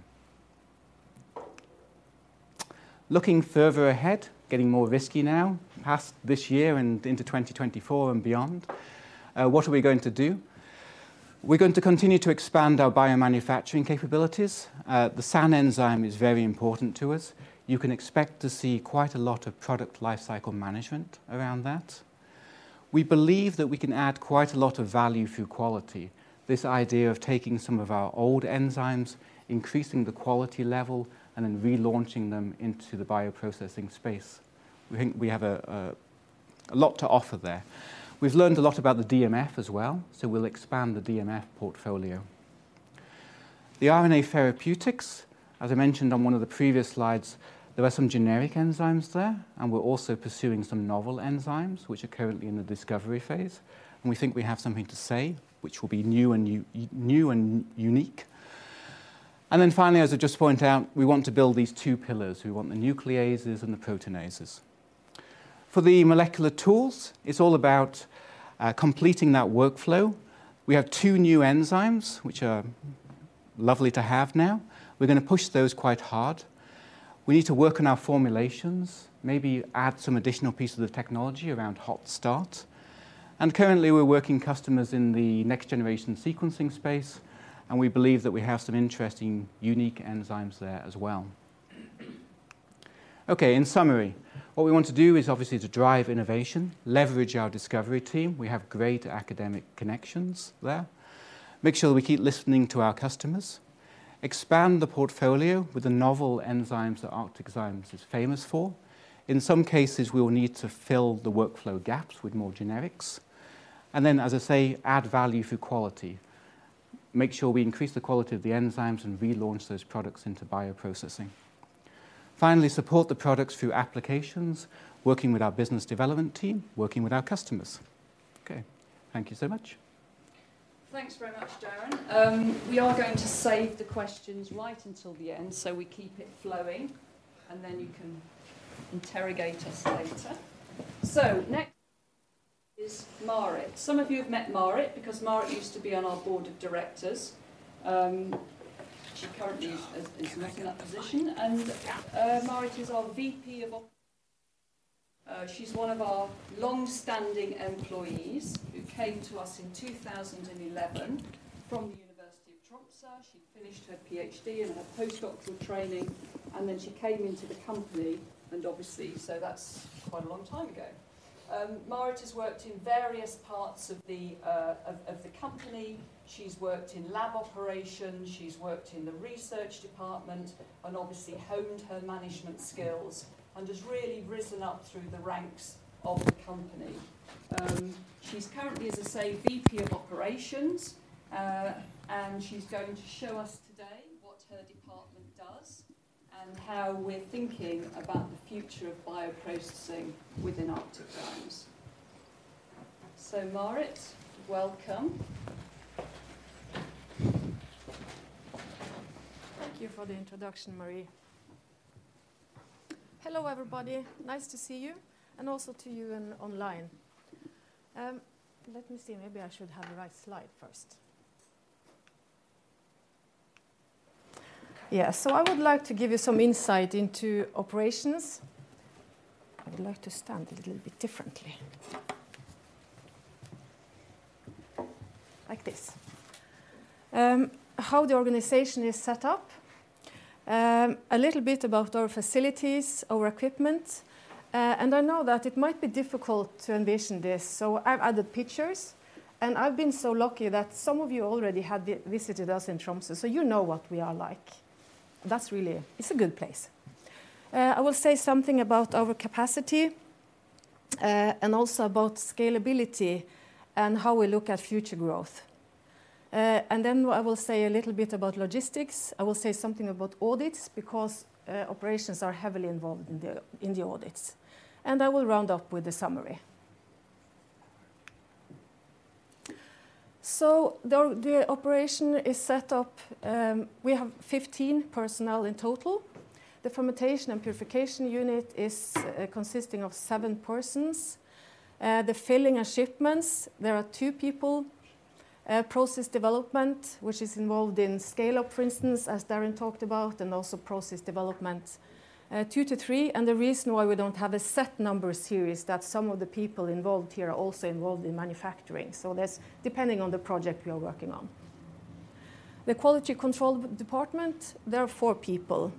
Looking further ahead, getting more risky now, past this year and into 2024 and beyond, what are we going to do? We're going to continue to expand our biomanufacturing capabilities. The SAN enzyme is very important to us. You can expect to see quite a lot of product lifecycle management around that. We believe that we can add quite a lot of value through quality. This idea of taking some of our old enzymes, increasing the quality level, and then relaunching them into the bioprocessing space. We think we have a lot to offer there. We've learned a lot about the DMF as well, so we'll expand the DMF portfolio. The RNA therapeutics, as I mentioned on one of the previous slides, there are some generic enzymes there, and we're also pursuing some novel enzymes which are currently in the discovery phase, and we think we have something to say which will be new and unique. Finally, as I just pointed out, we want to build these two pillars. We want the nucleases and the proteinases. For the molecular tools, it's all about completing that workflow. We have two new enzymes which are lovely to have now. We're gonna push those quite hard. We need to work on our formulations, maybe add some additional pieces of technology around Hot start. Currently we're working customers in the Next-generation sequencing space, and we believe that we have some interesting, unique enzymes there as well. In summary, what we want to do is obviously to drive innovation, leverage our discovery team, we have great academic connections there, make sure that we keep listening to our customers. Expand the portfolio with the novel enzymes that ArcticZymes is famous for. In some cases, we will need to fill the workflow gaps with more generics. As I say, add value through quality. Make sure we increase the quality of the enzymes and relaunch those products into bioprocessing. Finally, support the products through applications, working with our business development team, working with our customers. Okay, thank you so much. Thanks very much, Darren. We are going to save the questions right until the end, so we keep it flowing, and then you can interrogate us later. Next is Marit. Some of you have met Marit because Marit used to be on our board of directors. She currently is not in that position. Marit is our VP of Op. She's one of our long-standing employees who came to us in 2011 from the University of Tromsø. She finished her PhD and her postdoctoral training, and then she came into the company, and obviously, so that's quite a long time ago. Marit has worked in various parts of the company. She's worked in lab operations, she's worked in the research department and obviously honed her management skills and has really risen up through the ranks of the company. She's currently, as I say, VP of Operations, and she's going to show us today what her department does and how we're thinking about the future of bioprocessing within ArcticZymes Technologies. Marit, welcome. Thank you for the introduction, Marie. Hello, everybody. Nice to see you, and also to you in online. Let me see. Maybe I should have the right slide first. Yeah. I would like to give you some insight into operations. I would like to stand a little bit differently. Like this. How the organization is set up, a little bit about our facilities, our equipment, and I know that it might be difficult to envision this, so I've added pictures, and I've been so lucky that some of you already have visited us in Tromsø, so you know what we are like. That's really. It's a good place. I will say something about our capacity, and also about scalability and how we look at future growth. What I will say a little bit about logistics. I will say something about audits because operations are heavily involved in the audits. I will round up with the summary. The operation is set up, we have 15 personnel in total. The fermentation and purification unit is consisting of seven persons. The filling and shipments, there are two people. Process development, which is involved in scale-up, for instance, as Darren talked about, and also process development, 2- 3. The reason why we don't have a set number here is that some of the people involved here are also involved in manufacturing. That's depending on the project we are working on. The quality control department, there are four people.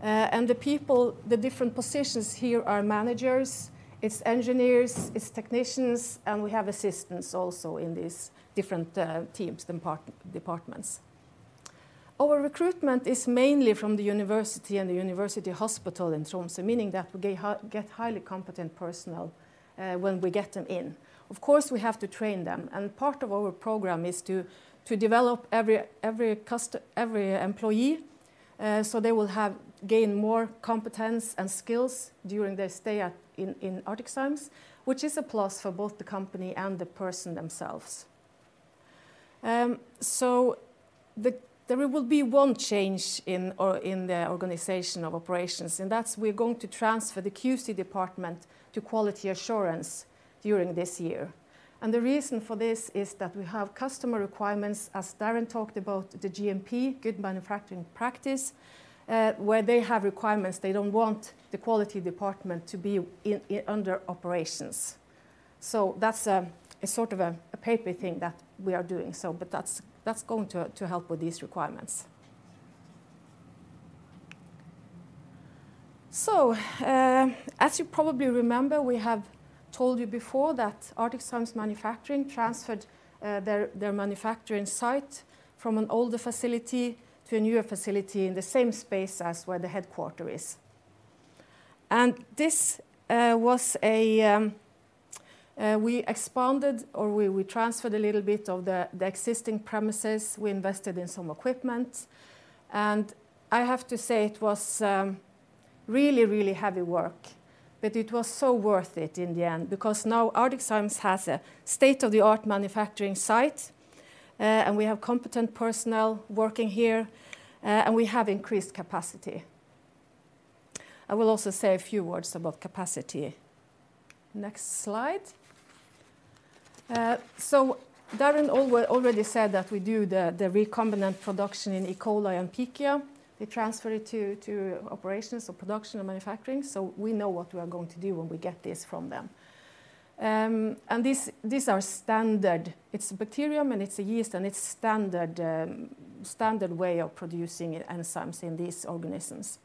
And the people, the different positions here are managers, it's engineers, it's technicians, and we have assistants also in these different teams department, departments. Our recruitment is mainly from the university and the university hospital in Tromsø, meaning that we get highly competent personnel when we get them in. Of course, we have to train them, and part of our program is to develop every employee so they will have gained more competence and skills during their stay at ArcticZymes, which is a plus for both the company and the person themselves. There will be one change in the organization of operations, and that's we're going to transfer the QC department to quality assurance during this year. The reason for this is that we have customer requirements, as Darren talked about, the GMP, good manufacturing practice, where they have requirements. They don't want the quality department to be under operations. That's a sort of a paper thing that we are doing. That's going to help with these requirements. As you probably remember, we have told you before that ArcticZymes manufacturing transferred their manufacturing site from an older facility to a newer facility in the same space as where the headquarter is. This was a we expanded or we transferred a little bit of the existing premises. We invested in some equipment, I have to say it was really heavy work. It was so worth it in the end because now ArcticZymes has a state-of-the-art manufacturing site, and we have competent personnel working here, and we have increased capacity. I will also say a few words about capacity. Next slide. So Darren already said that we do the recombinant production in E. coli and Pichia. They transfer it to operations or production or manufacturing, so we know what we are going to do when we get this from them. These are standard. It's a bacterium, and it's a yeast, and it's standard way of producing enzymes in these organisms.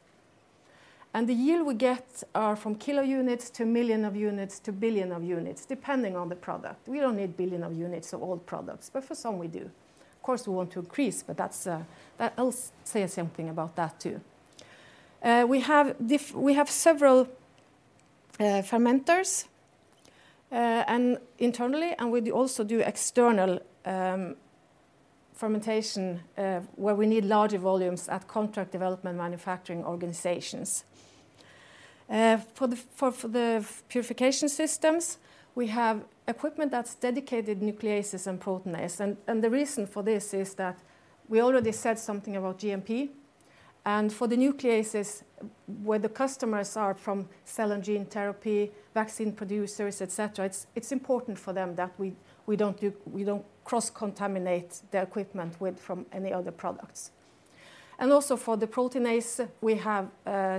The yield we get are from kilo units to million of units to billion of units, depending on the product. We don't need billion of units of all products, but for some we do. Of course, we want to increase, but that's that I'll say something about that too. We have several fermenters and internally, and we do also do external fermentation where we need larger volumes at contract development manufacturing organizations. for the purification systems, we have equipment that's dedicated nucleases and proteinase. The reason for this is that we already said something about GMP. For the nucleases where the customers are from cell and gene therapy, vaccine producers, et cetera, it's important for them that we don't cross-contaminate their equipment with from any other products. Also for the proteinase, we have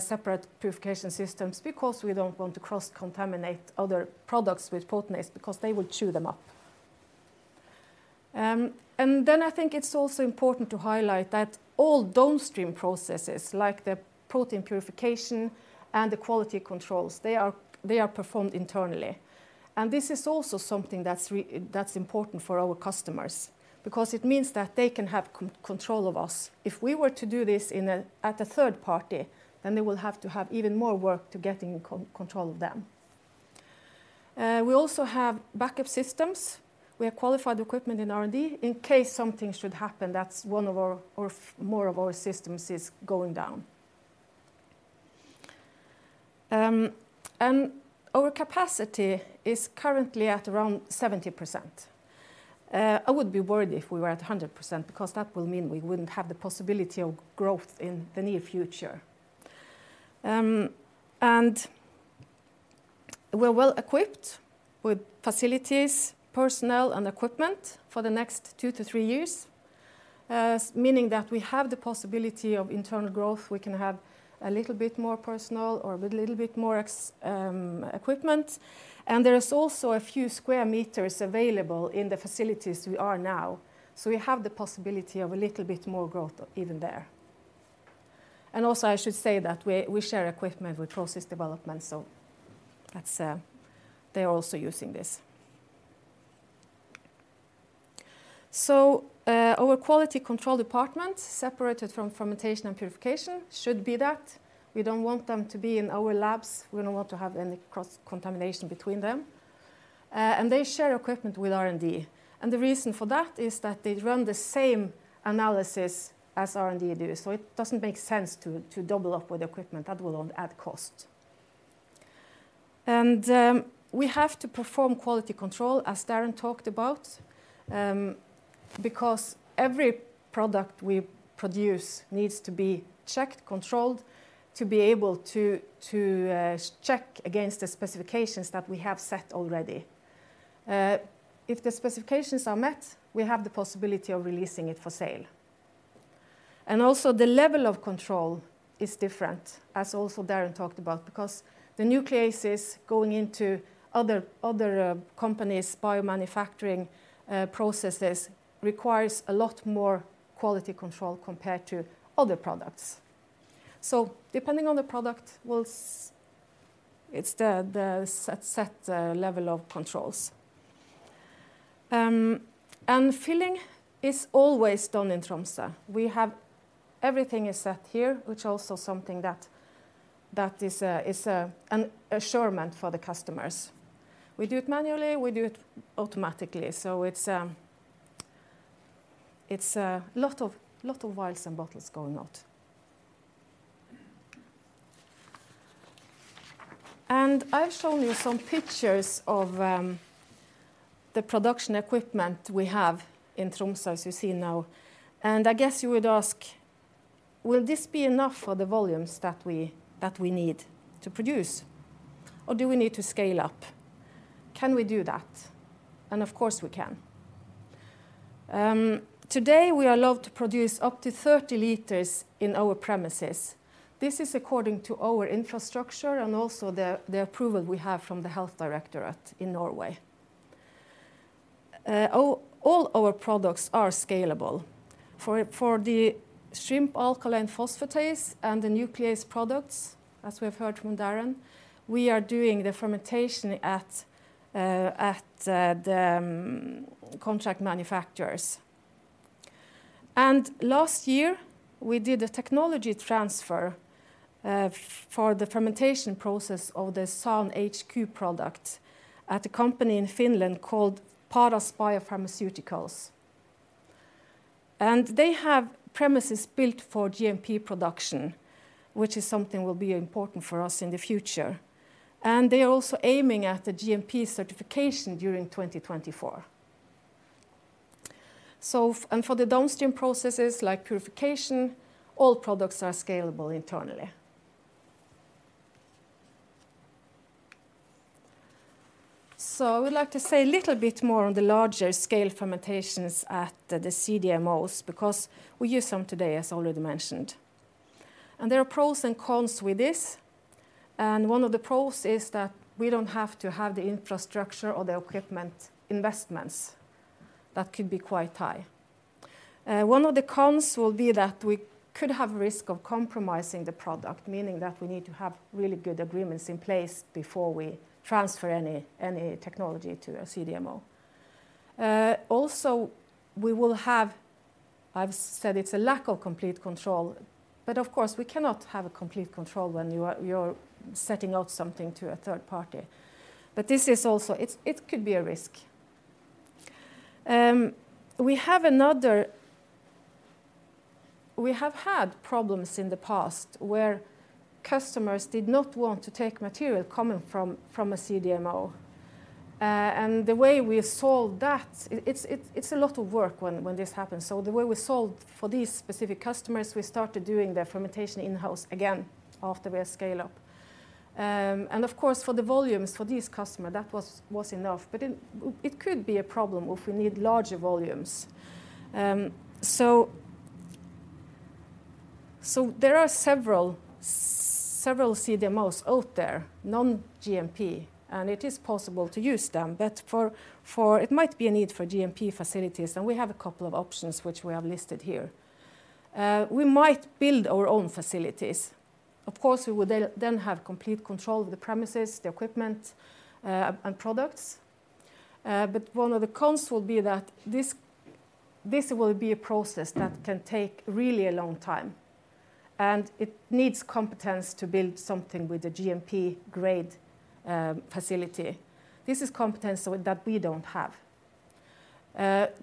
separate purification systems because we don't want to cross-contaminate other products with proteinase because they would chew them up. Then I think it's also important to highlight that all downstream processes like the protein purification and the quality controls, they are performed internally. This is also something that's important for our customers because it means that they can have control of us. If we were to do this at a third party, they will have to have even more work to get in control of them. We also have backup systems. We have qualified equipment in R&D in case something should happen that's one of our or more of our systems is going down. Our capacity is currently at around 70%. I would be worried if we were at 100% because that will mean we wouldn't have the possibility of growth in the near future. We're well equipped with facilities, personnel, and equipment for the next 2-3 years, meaning that we have the possibility of internal growth. We can have a little bit more personnel or a little bit more equipment. There is also a few square meters available in the facilities we are now. We have the possibility of a little bit more growth even there. Also, I should say that we share equipment with process development, so that's, they're also using this. Our quality control department separated from fermentation and purification should be that. We don't want them to be in our labs. We don't want to have any cross-contamination between them. They share equipment with R&D. The reason for that is that they run the same analysis as R&D do. It doesn't make sense to double up with equipment that will add cost. We have to perform quality control, as Darren talked about, because every product we produce needs to be checked, controlled to be able to check against the specifications that we have set already. If the specifications are met, we have the possibility of releasing it for sale. Also the level of control is different, as also Darren talked about, because the nucleases going into other companies' biomanufacturing processes requires a lot more quality control compared to other products. Depending on the product, we'll it's the set level of controls. Filling is always done in Tromsø. We have everything is set here, which also something that is an assurement for the customers. We do it manually, we do it automatically. It's a lot of vials and bottles going out. I've shown you some pictures of the production equipment we have in Tromsø as you see now. I guess you would ask, will this be enough for the volumes that we need to produce? Or do we need to scale up? Can we do that? Of course we can. Today we are allowed to produce up to 30 liters in our premises. This is according to our infrastructure and also the approval we have from the Health Directorate in Norway. All our products are scalable. For the Shrimp Alkaline Phosphatase and the nuclease products, as we have heard from Darren, we are doing the fermentation at the contract manufacturers. Last year, we did a technology transfer for the fermentation process of the SAN HQ product at a company in Finland called Paras Biopharmaceuticals. They have premises built for GMP production, which is something will be important for us in the future. They are also aiming at the GMP certification during 2024. For the downstream processes like purification, all products are scalable internally. I would like to say a little bit more on the larger scale fermentations at the CDMOs because we use some today, as already mentioned. There are pros and cons with this. One of the pros is that we don't have to have the infrastructure or the equipment investments that could be quite high. One of the cons will be that we could have risk of compromising the product, meaning that we need to have really good agreements in place before we transfer any technology to a CDMO. Also we will have, I've said it's a lack of complete control, but of course we cannot have a complete control when you are setting out something to a third party. This is also, it could be a risk. We have had problems in the past where customers did not want to take material coming from a CDMO. The way we solved that, it's a lot of work when this happens. The way we solved for these specific customers, we started doing the fermentation in-house again after we scale up. Of course for the volumes for these customers, that was enough. It could be a problem if we need larger volumes. There are several CDMOs out there, non-GMP, and it is possible to use them. It might be a need for GMP facilities, and we have a couple of options which we have listed here. We might build our own facilities. Of course, we would then have complete control of the premises, the equipment, and products. One of the cons will be that this will be a process that can take really a long time, and it needs competence to build something with a GMP grade facility. This is competence so that we don't have.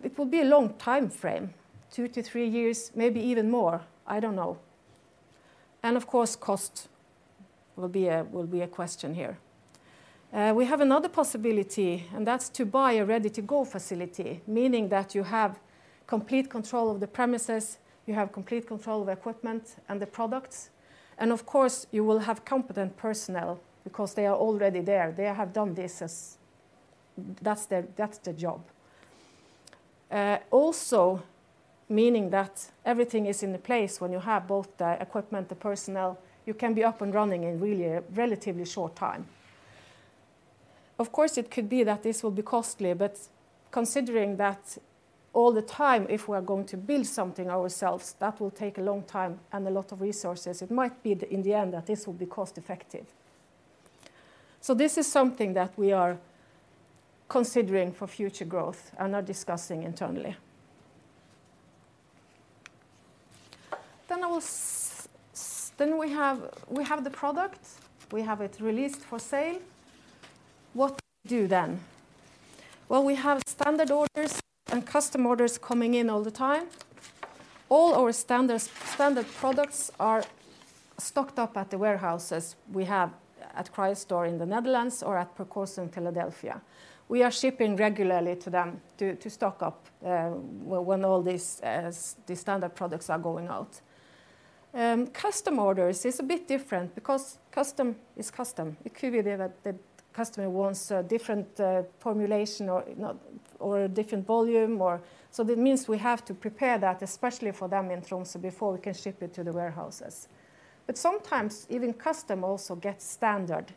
It will be a long timeframe, 2 to 3 years, maybe even more, I don't know. Of course, cost will be a question here. We have another possibility, and that's to buy a ready-to-go facility, meaning that you have complete control of the premises, you have complete control of equipment and the products. Of course, you will have competent personnel because they are already there. They have done this as. That's their job. Also meaning that everything is in place when you have both the equipment, the personnel, you can be up and running in really a relatively short time. Of course, it could be that this will be costly, but considering that all the time, if we are going to build something ourselves, that will take a long time and a lot of resources, it might be in the end that this will be cost-effective. This is something that we are considering for future growth and are discussing internally. We have the product, we have it released for sale. What do we do then? We have standard orders and custom orders coming in all the time. All our standard products are stocked up at the warehouses we have at Cryo Store in the Netherlands or at Patheon in Philadelphia. We are shipping regularly to them to stock up when all these the standard products are going out. Custom orders is a bit different because custom is custom. It could be that the customer wants a different formulation or not, or a different volume or... That means we have to prepare that, especially for them in Tromsø before we can ship it to the warehouses. Sometimes even custom also gets standard,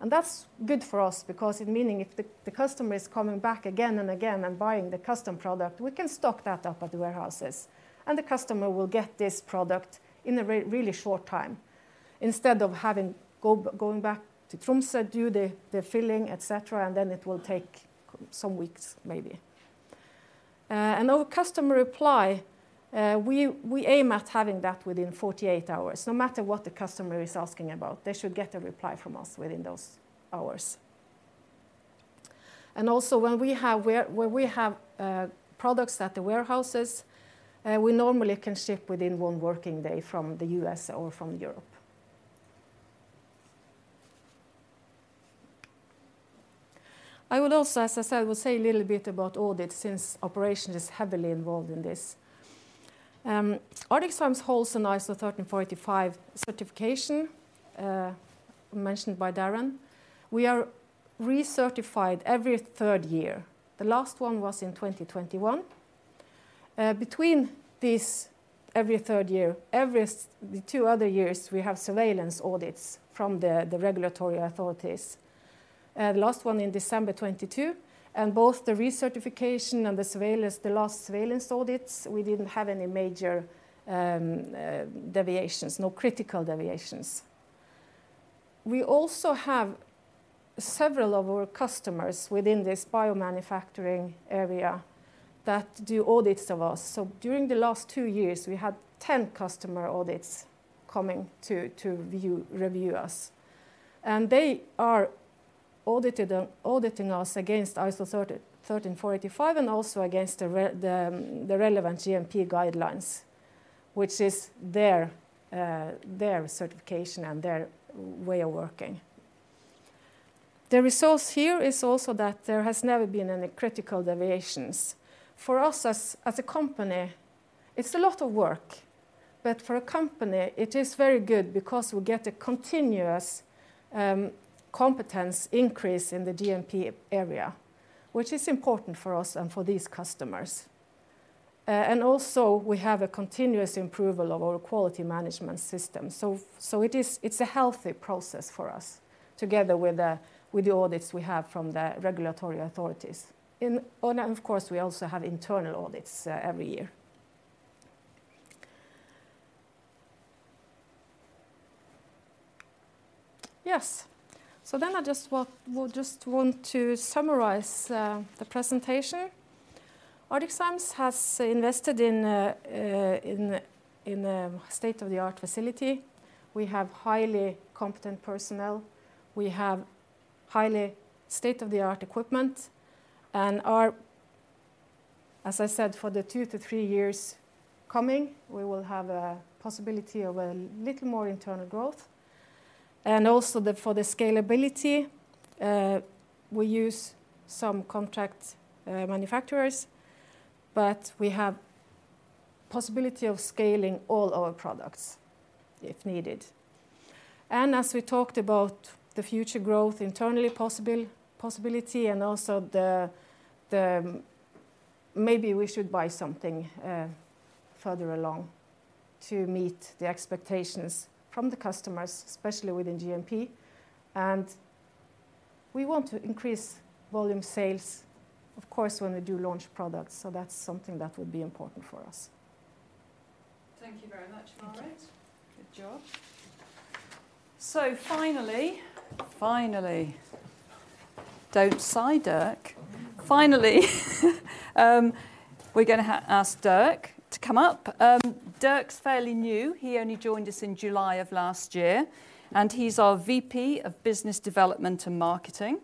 and that's good for us because it meaning if the customer is coming back again and again and buying the custom product, we can stock that up at the warehouses, and the customer will get this product in a really short time. Instead of having going back to Tromsø, do the filling, et cetera, and then it will take some weeks maybe. Our customer reply, we aim at having that within 48 hours. No matter what the customer is asking about, they should get a reply from us within those hours. When we have where we have products at the warehouses, we normally can ship within 1 working day from the U.S. or from Europe. I would also, as I said, will say a little bit about audit since operation is heavily involved in this. ArcticZymes holds an ISO 13485 certification, mentioned by Darren. We are recertified every third year. The last one was in 2021. Between this every third year, the two other years, we have surveillance audits from the regulatory authorities. The last one in December 2022, and both the recertification and the surveillance, the last surveillance audits, we didn't have any major deviations, no critical deviations. We also have several of our customers within this biomanufacturing area that do audits of us. During the last two years, we had 10 customer audits coming to review us. They are audited and auditing us against ISO 13485 and also against the relevant GMP guidelines, which is their certification and their way of working. The results here is also that there has never been any critical deviations. For us as a company, it's a lot of work, but for a company, it is very good because we get a continuous competence increase in the GMP area, which is important for us and for these customers. Also we have a continuous improvement of our quality management system. It is, it's a healthy process for us together with the audits we have from the regulatory authorities. Of course, we also have internal audits every year. Yes. I just want to summarize the presentation. ArcticZymes has invested in a state-of-the-art facility. We have highly competent personnel. We have highly state-of-the-art equipment and our... As I said, for the 2-3 years coming, we will have a possibility of a little more internal growth. Also, for the scalability, we use some contract manufacturers, but we have possibility of scaling all our products if needed. As we talked about the future growth internally possibility and also the, maybe we should buy something further along to meet the expectations from the customers, especially within GMP. We want to increase volume sales, of course, when we do launch products, so that's something that will be important for us. Thank you very much, Marit. Okay. Good job. Finally, finally. Don't sigh, Dirk. Oh. Finally, we're gonna ask Dirk to come up. Dirk's fairly new. He only joined us in July of last year, and he's our VP of Business Development and Marketing.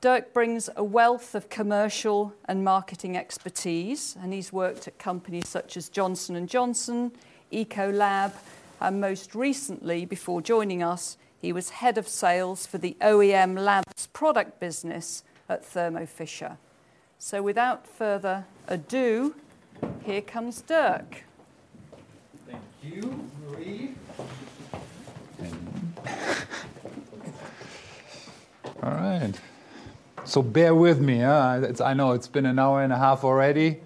Dirk brings a wealth of commercial and marketing expertise, and he's worked at companies such as Johnson & Johnson, Ecolab, and most recently, before joining us, he was head of sales for the OEM labs product business at Thermo Fisher. Without further ado, here comes Dirk. Thank you, Marie. All right. Bear with me, I know it's been an hour and a half already.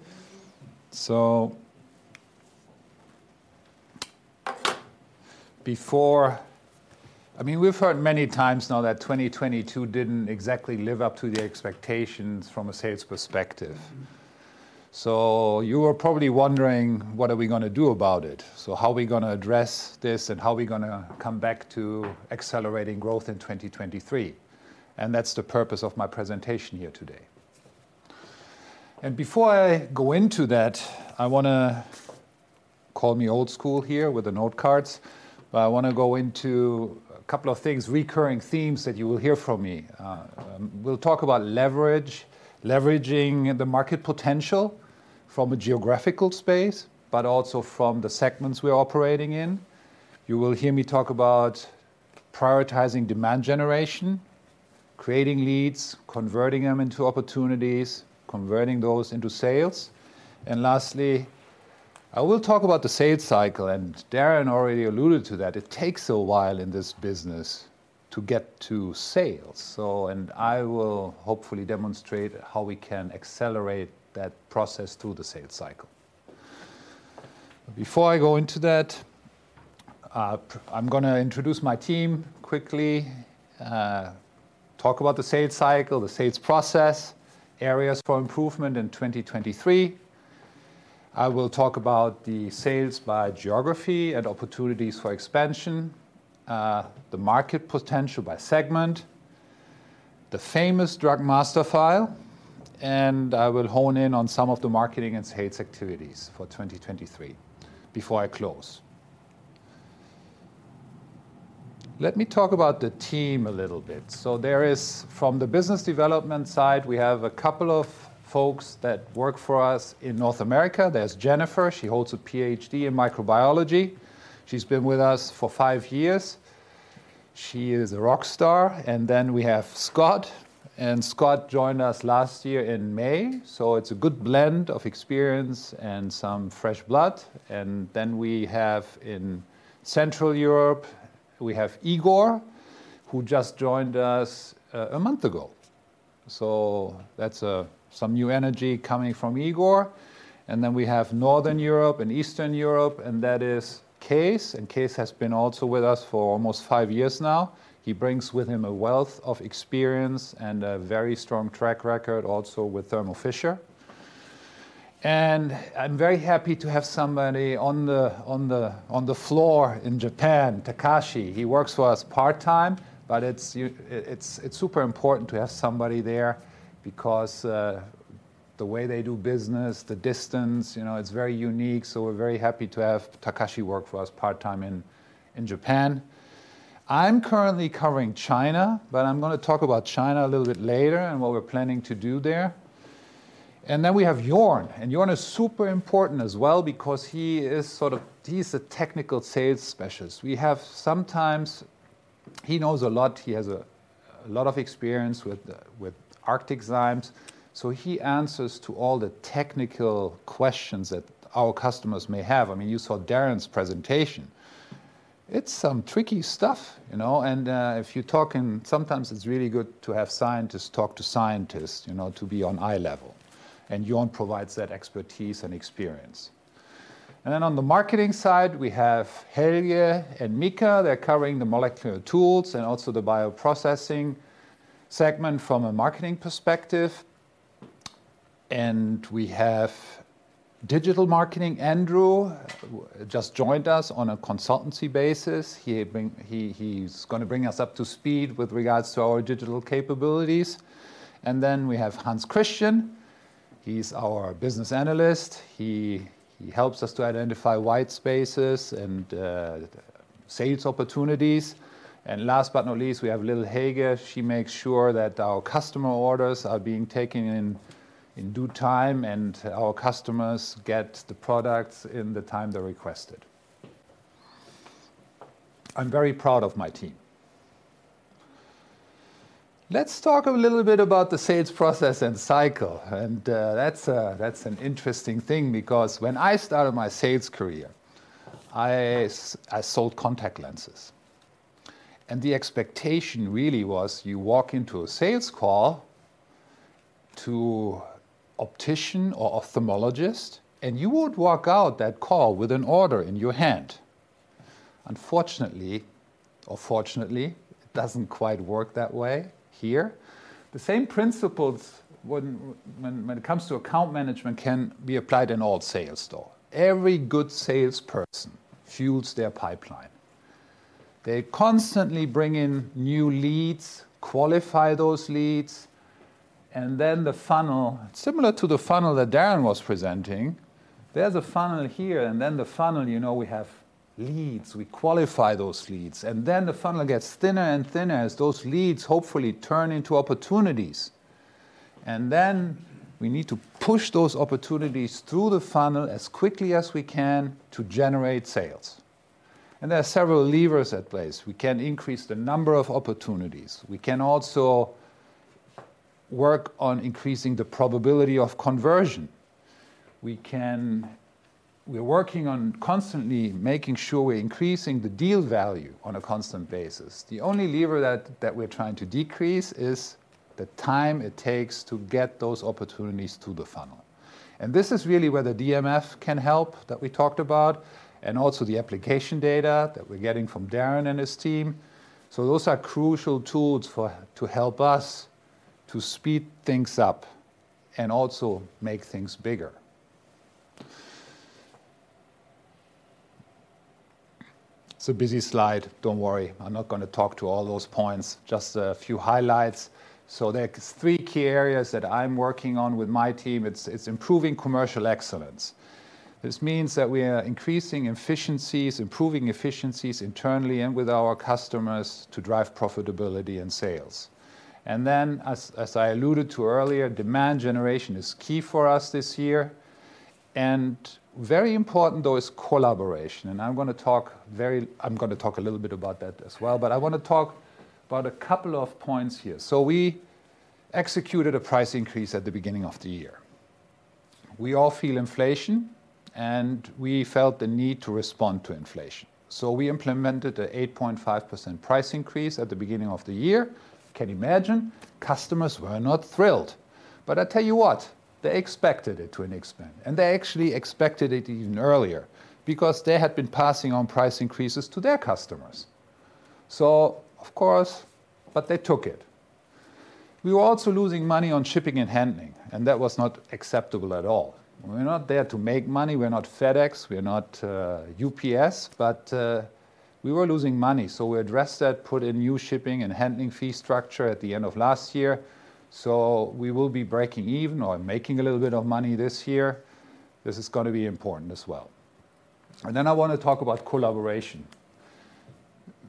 I mean, we've heard many times now that 2022 didn't exactly live up to the expectations from a sales perspective. Mm-hmm. You are probably wondering, what are we gonna do about it? How are we gonna address this, and how are we gonna come back to accelerating growth in 2023? That's the purpose of my presentation here today. Before I go into that, I wanna, call me old school here with the note cards, but I wanna go into a couple of things, recurring themes that you will hear from me. We'll talk about leverage, leveraging the market potential from a geographical space, but also from the segments we're operating in. You will hear me talk about prioritizing demand generation, creating leads, converting them into opportunities, converting those into sales. Lastly, I will talk about the sales cycle, and Darren already alluded to that. It takes a while in this business to get to sales. I will hopefully demonstrate how we can accelerate that process through the sales cycle. Before I go into that, I'm gonna introduce my team quickly, talk about the sales cycle, the sales process, areas for improvement in 2023. I will talk about the sales by geography and opportunities for expansion, the market potential by segment, the famous Drug Master File, and I will hone in on some of the marketing and sales activities for 2023 before I close. Let me talk about the team a little bit. There is, from the business development side, we have a couple of folks that work for us in North America. There's Jennifer, she holds a PhD in microbiology. She's been with us for five years. She is a rock star. Then we have Scott, and Scott joined us last year in May, so it's a good blend of experience and some fresh blood. Then we have, in Central Europe, we have Igor, who just joined us, one month ago. That's some new energy coming from Igor. Then we have Northern Europe and Eastern Europe, and that is Kees. Kees has been also with us for almost five years now. He brings with him a wealth of experience and a very strong track record, also with Thermo Fisher. I'm very happy to have somebody on the floor in Japan, Takashi. He works for us part-time, it's super important to have somebody there because the way they do business, the distance, you know, it's very unique, so we're very happy to have Takashi work for us part-time in Japan. I'm currently covering China, I'm gonna talk about China a little bit later and what we're planning to do there. We have Jorn, and Jorn is super important as well because he's a technical sales specialist. We have, sometimes, he knows a lot, he has a lot of experience with ArcticZymes, so he answers to all the technical questions that our customers may have. I mean, you saw Darren's presentation. It's some tricky stuff, you know, if you talk and sometimes it's really good to have scientists talk to scientists, you know, to be on eye level, and Jorn provides that expertise and experience. Then on the marketing side, we have Helge and Mika. They're covering the molecular tools and also the bioprocessing segment from a marketing perspective. We have digital marketing, Andrew just joined us on a consultancy basis. He's gonna bring us up to speed with regards to our digital capabilities. Then we have Hans Christian, he's our business analyst. He helps us to identify white spaces and sales opportunities. Last but not least, we have Lil Hagar. She makes sure that our customer orders are being taken in due time and our customers get the products in the time they're requested. I'm very proud of my team. Let's talk a little bit about the sales process and cycle. That's an interesting thing because when I started my sales career, I sold contact lenses, and the expectation really was you walk into a sales call to optician or ophthalmologist, and you would walk out that call with an order in your hand. Unfortunately or fortunately, it doesn't quite work that way here. The same principles when it comes to account management can be applied in all sales store. Every good salesperson fuels their pipeline. They constantly bring in new leads, qualify those leads. Similar to the funnel that Darren was presenting, there's a funnel here, and then the funnel, you know, we have leads. We qualify those leads, the funnel gets thinner and thinner as those leads hopefully turn into opportunities. We need to push those opportunities through the funnel as quickly as we can to generate sales. There are several levers at place. We can increase the number of opportunities. We can also work on increasing the probability of conversion. We're working on constantly making sure we're increasing the deal value on a constant basis. The only lever that we're trying to decrease is the time it takes to get those opportunities to the funnel. This is really where the DMF can help, that we talked about, and also the application data that we're getting from Darren and his team. Those are crucial tools to help us to speed things up and also make things bigger. It's a busy slide. Don't worry. I'm not gonna talk to all those points, just a few highlights. There's three key areas that I'm working on with my team. It's improving commercial excellence. This means that we are increasing efficiencies, improving efficiencies internally and with our customers to drive profitability and sales. As I alluded to earlier, demand generation is key for us this year. Very important though is collaboration, and I'm gonna talk a little bit about that as well, but I wanna talk about a couple of points here. We executed a price increase at the beginning of the year. We all feel inflation, and we felt the need to respond to inflation, so we implemented a 8.5% price increase at the beginning of the year. Can imagine customers were not thrilled. I tell you what, they expected it to an extent, and they actually expected it even earlier because they had been passing on price increases to their customers. Of course. They took it. We were also losing money on shipping and handling, and that was not acceptable at all. We're not there to make money. We're not FedEx. We're not UPS, but we were losing money, so we addressed that, put in new shipping and handling fee structure at the end of last year. We will be breaking even or making a little bit of money this year. This is gonna be important as well. Then I wanna talk about collaboration.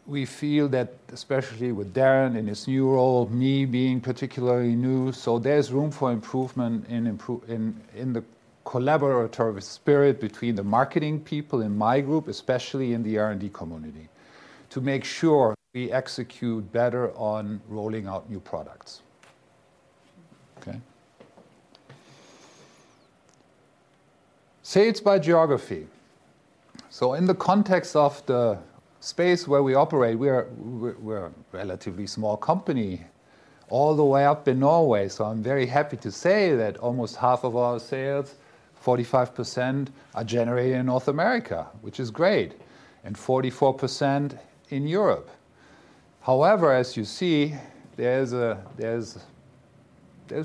We feel that, especially with Darren in his new role, me being particularly new, there's room for improvement in the collaboratory spirit between the marketing people in my group, especially in the R&D community, to make sure we execute better on rolling out new products. Okay. Sales by geography. In the context of the space where we operate, we're a relatively small company all the way up in Norway, so I'm very happy to say that almost half of our sales, 45%, are generated in North America, which is great, and 44% in Europe. However, as you see, there's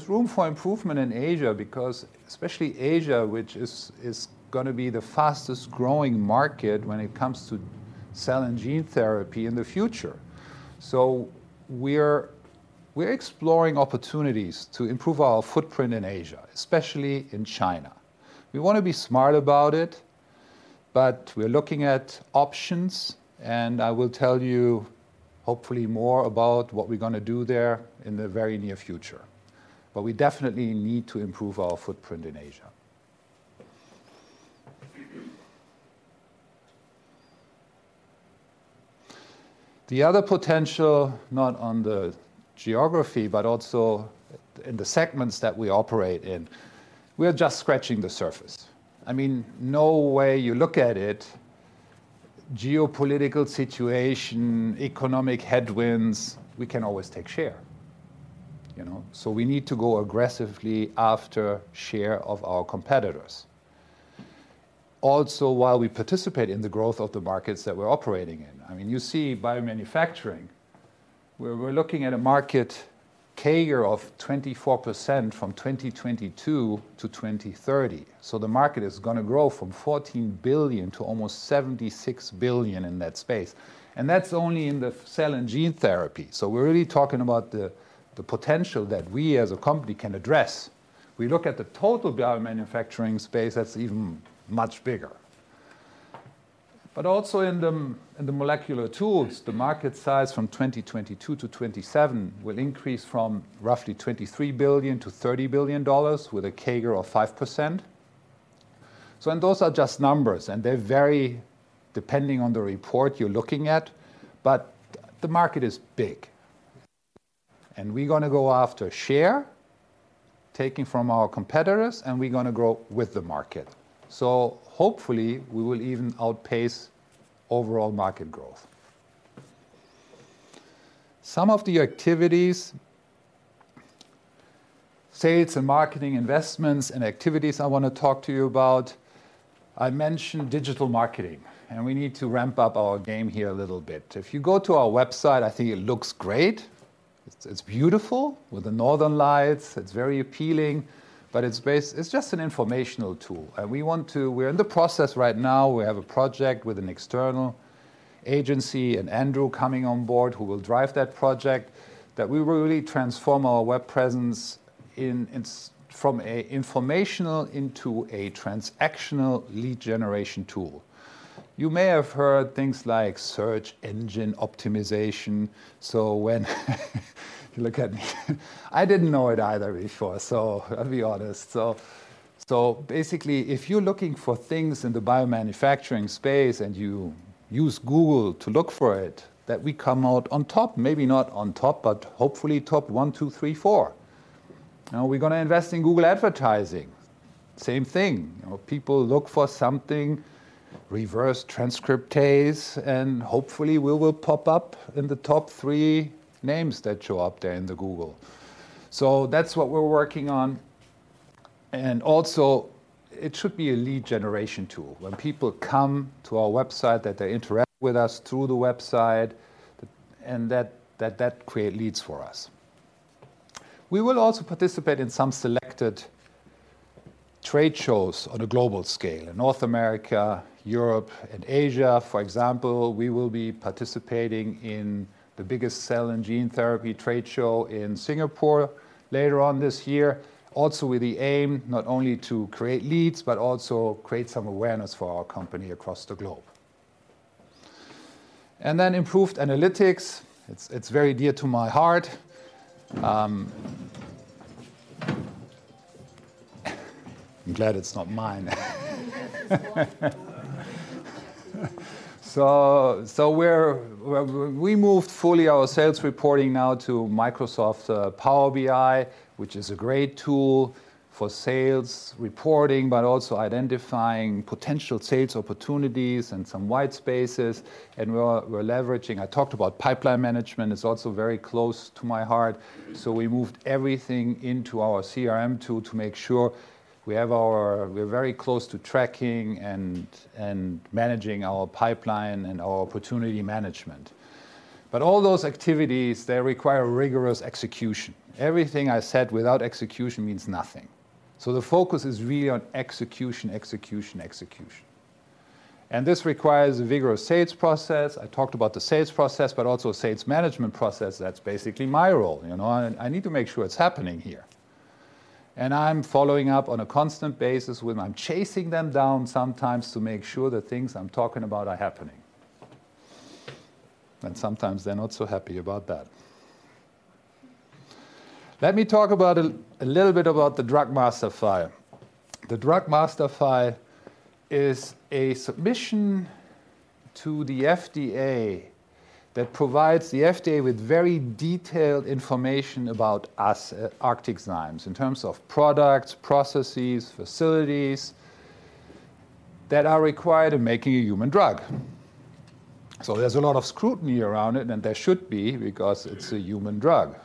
room for improvement in Asia because especially Asia, which is gonna be the fastest-growing market when it comes to Cell and gene therapy in the future. We're exploring opportunities to improve our footprint in Asia, especially in China. We wanna be smart about it, but we're looking at options, and I will tell you hopefully more about what we're gonna do there in the very near future. We definitely need to improve our footprint in Asia. The other potential, not on the geography, but also in the segments that we operate in, we're just scratching the surface. I mean, no way you look at it, geopolitical situation, economic headwinds, we can always take share, you know. We need to go aggressively after share of our competitors. Also, while we participate in the growth of the markets that we're operating in. I mean, you see biomanufacturing, where we're looking at a market CAGR of 24% from 2022 to 2030. The market is gonna grow from $14 billion to almost $76 billion in that space. That's only in the Cell and gene therapy. We're really talking about the potential that we as a company can address. We look at the total biomanufacturing space, that's even much bigger. Also in the molecular tools, the market size from 2022 to 2027 will increase from roughly $23 billion to $30 billion with a CAGR of 5%. Those are just numbers, and they vary depending on the report you're looking at, but the market is big. We're gonna go after share, taking from our competitors, and we're gonna grow with the market. Hopefully, we will even outpace overall market growth. Some of the activities, sales and marketing investments and activities I wanna talk to you about, I mentioned digital marketing. We need to ramp up our game here a little bit. If you go to our website, I think it looks great. It's beautiful with the northern lights, it's very appealing, but it's just an informational tool. We want to. We're in the process right now, we have a project with an external agency and Andrew coming on board who will drive that project, that we will really transform our web presence in from a informational into a transactional lead generation tool. You may have heard things like search engine optimization. When you look at me, I didn't know it either before. I'll be honest. Basically, if you're looking for things in the biomanufacturing space and you use Google to look for it, that we come out on top. Maybe not on top, but hopefully top one, two, three, four. We're gonna invest in Google advertising. Same thing. You know, people look for something, reverse transcriptase, and hopefully we will pop up in the top three names that show up there in the Google. That's what we're working on. Also, it should be a lead generation tool. When people come to our website, that they interact with us through the website, and that create leads for us. We will also participate in some selected trade shows on a global scale. In North America, Europe, and Asia, for example, we will be participating in the biggest cell and gene therapy trade show in Singapore later on this year, also with the aim not only to create leads, but also create some awareness for our company across the globe. Improved analytics. It's very dear to my heart. I'm glad it's not mine. We moved fully our sales reporting now to Microsoft Power BI, which is a great tool for sales reporting, but also identifying potential sales opportunities and some wide spaces, and we're leveraging. I talked about pipeline management, it's also very close to my heart. We moved everything into our CRM tool to make sure we're very close to tracking and managing our pipeline and our opportunity management. All those activities, they require rigorous execution. Everything I said without execution means nothing. The focus is really on execution, execution. This requires a vigorous sales process. I talked about the sales process, but also sales management process, that's basically my role, you know? I need to make sure it's happening here. I'm following up on a constant basis when I'm chasing them down sometimes to make sure the things I'm talking about are happening. Sometimes they're not so happy about that. Let me talk a little bit about the Drug Master File. The Drug Master File is a submission to the FDA that provides the FDA with very detailed information about us at ArcticZymes in terms of products, processes, facilities that are required in making a human drug. There's a lot of scrutiny around it, and there should be because it's a human drug.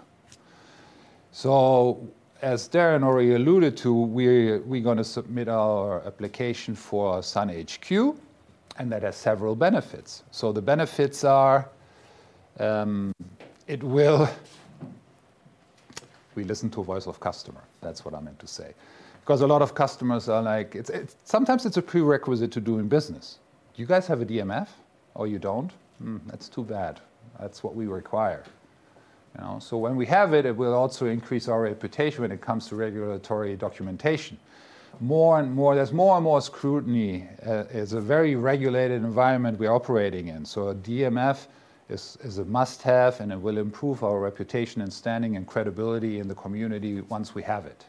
As Darren already alluded to, we're gonna submit our application for SAN HQ, and that has several benefits. The benefits are, we listen to voice of customer. 'Cause a lot of customers are like... It's sometimes a prerequisite to doing business. "Do you guys have a DMF? Oh, you don't? Hmm, that's too bad. That's what we require." you know? When we have it will also increase our reputation when it comes to regulatory documentation. More and more, there's more and more scrutiny. It's a very regulated environment we're operating in, so a DMF is a must-have, and it will improve our reputation and standing and credibility in the community once we have it.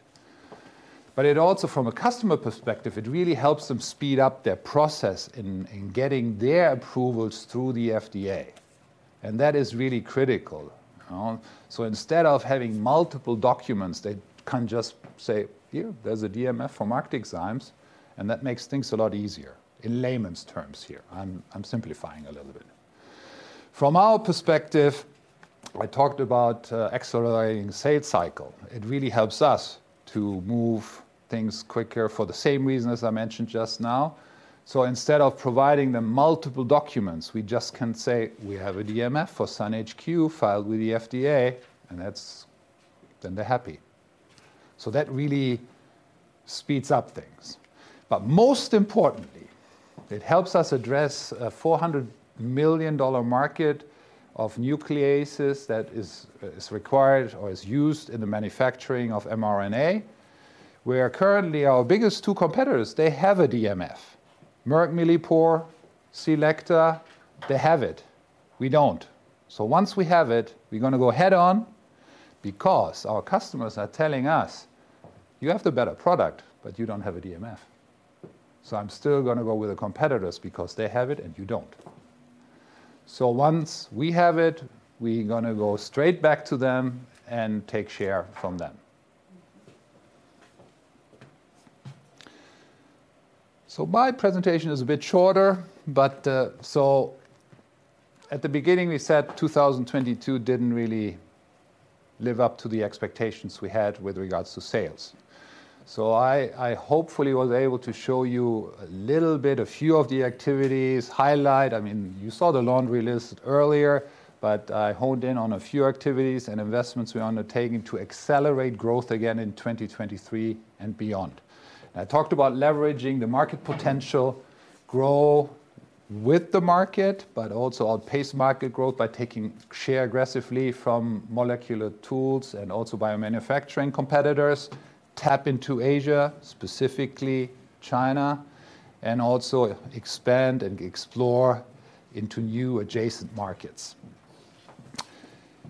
It also, from a customer perspective, it really helps them speed up their process in getting their approvals through the FDA. That is really critical, you know? Instead of having multiple documents, they can just say, "Here, there's a DMF for ArcticZymes," and that makes things a lot easier in layman's terms here. I'm simplifying a little bit. From our perspective, I talked about accelerating sales cycle. It really helps us to move things quicker for the same reason as I mentioned just now. Instead of providing them multiple documents, we just can say we have a DMF for SAN HQ filed with the FDA, and that's then they're happy. That really speeds up things. Most importantly, it helps us address a $400 million market of nucleases that is required or is used in the manufacturing of mRNA, where currently our biggest two competitors, they have a DMF. Merck Millipore, Silektis, they have it. We don't. Once we have it, we're gonna go head-on, because our customers are telling us, "You have the better product, but you don't have a DMF, so I'm still gonna go with the competitors because they have it and you don't." Once we have it, we're gonna go straight back to them and take share from them. My presentation is a bit shorter, but at the beginning, we said 2022 didn't really live up to the expectations we had with regards to sales. I hopefully was able to show you a little bit, a few of the activities, highlight. You saw the laundry list earlier, but I honed in on a few activities and investments we're undertaking to accelerate growth again in 2023 and beyond. I talked about leveraging the market potential, grow with the market, but also outpace market growth by taking share aggressively from molecular tools and also biomanufacturing competitors. Tap into Asia, specifically China, and also expand and explore into new adjacent markets.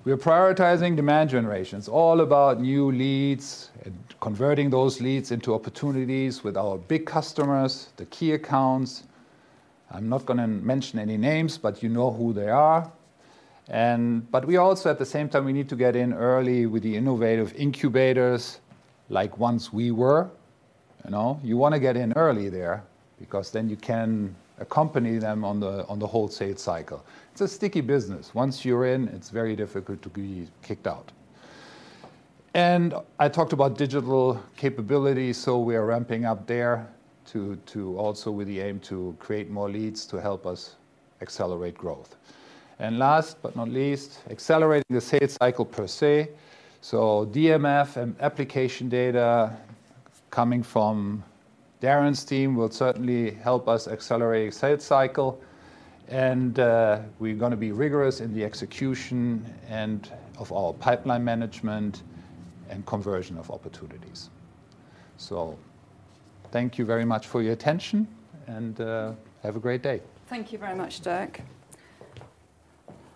We're prioritizing demand generation. It's all about new leads and converting those leads into opportunities with our big customers, the key accounts. I'm not gonna mention any names, but you know who they are. But we also, at the same time, we need to get in early with the innovative incubators, like once we were. You know? You wanna get in early there, because then you can accompany them on the, on the whole sales cycle. It's a sticky business. Once you're in, it's very difficult to be kicked out. I talked about digital capability, so we are ramping up there to also with the aim to create more leads to help us accelerate growth. Last but not least, accelerating the sales cycle per se. DMF and application data coming from Darren's team will certainly help us accelerate sales cycle, and we're gonna be rigorous in the execution and of all pipeline management and conversion of opportunities. Thank you very much for your attention and have a great day. Thank you very much, Dirk.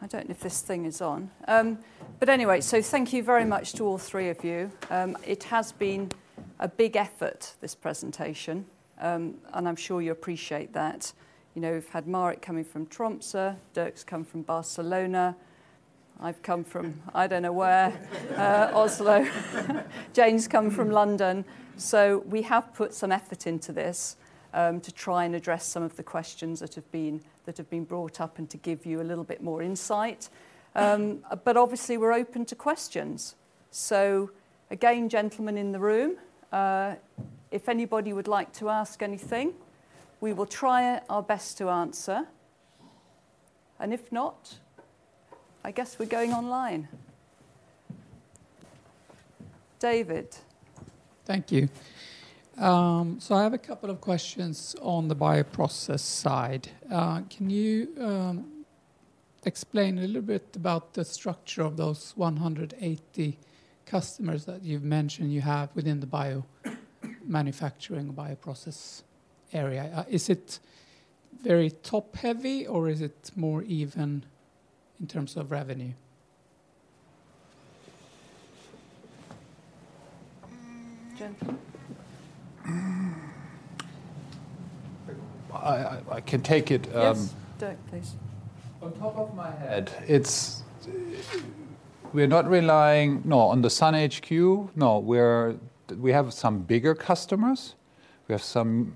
I don't know if this thing is on. Anyway, thank you very much to all three of you. It has been a big effort, this presentation, I'm sure you appreciate that. You know, we've had Marit coming from Tromsø. Dirk's come from Barcelona. I've come from I don't know where. Oslo. Jane's come from London. We have put some effort into this to try and address some of the questions that have been brought up and to give you a little bit more insight. Obviously, we're open to questions. Again, gentlemen in the room, if anybody would like to ask anything, we will try our best to answer. If not, I guess we're going online. David. Thank you. I have a couple of questions on the bioprocess side. Can you explain a little bit about the structure of those 180 customers that you've mentioned you have within the biomanufacturing bioprocess area? Is it very top-heavy, or is it more even in terms of revenue? Gentlemen. I can take it. Yes. Dirk, please. On top of my head, it's we're not relying, no, on the SAN HQ, no. We have some bigger customers. We have some,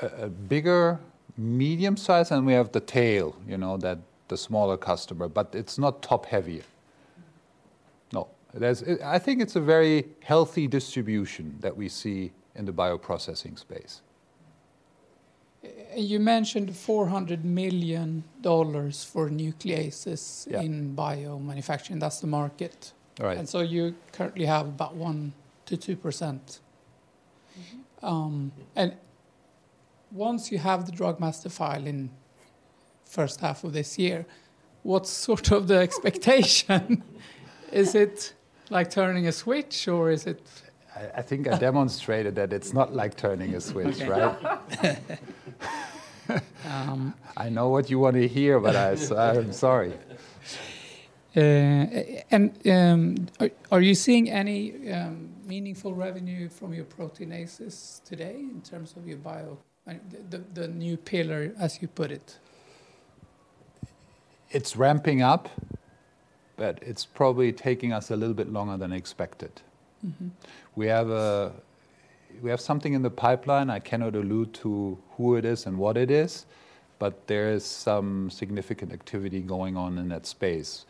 a bigger medium size, and we have the tail, you know, that the smaller customer. It's not top-heavy, no. There's I think it's a very healthy distribution that we see in the bioprocessing space. You mentioned $400 million for nucleases. Yeah in biomanufacturing. That's the market. Right. You currently have about 1%-2%. Once you have the Drug Master File in first half of this year, what's sort of the expectation? Is it like turning a switch or is it I think I demonstrated that it's not like turning a switch, right? Um- I know what you want to hear, but I'm sorry. Are you seeing any meaningful revenue from your proteinases today in terms of the new pillar, as you put it? It's ramping up. It's probably taking us a little bit longer than expected. Mm-hmm. We have something in the pipeline. I cannot allude to who it is and what it is. There is some significant activity going on in that space.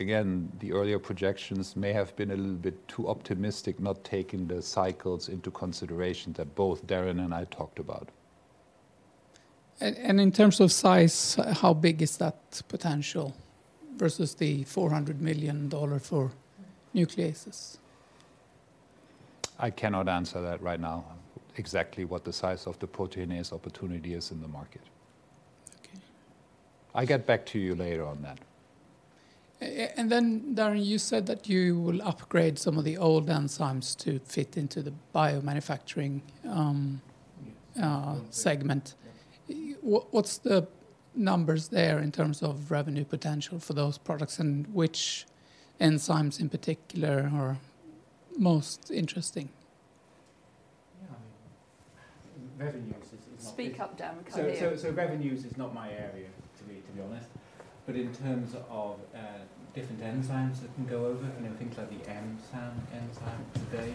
Again, the earlier projections may have been a little bit too optimistic, not taking the cycles into consideration that both Darren and I talked about. In terms of size, how big is that potential versus the $400 million for nucleases? I cannot answer that right now, exactly what the size of the proteinase opportunity is in the market. Okay. I'll get back to you later on that. Then Darren, you said that you will upgrade some of the old enzymes to fit into the biomanufacturing segment. What's the numbers there in terms of revenue potential for those products and which enzymes in particular are most interesting? Yeah, I mean, revenues is. Speak up, Darren. Can't hear you. Revenues is not my area to be honest. In terms of different enzymes that can go over, you know, things like the M-SAN enzyme today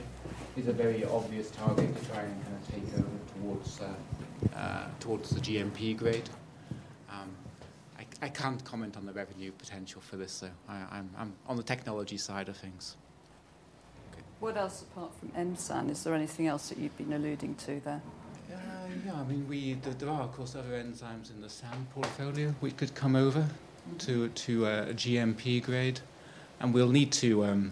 is a very obvious target to try and kinda take over towards the GMP grade. I can't comment on the revenue potential for this. I'm on the technology side of things. Okay. What else apart from M-SAN? Is there anything else that you've been alluding to there? Yeah. I mean, there are, of course, other enzymes in the SAN portfolio we could come over to a GMP grade, and we'll need to.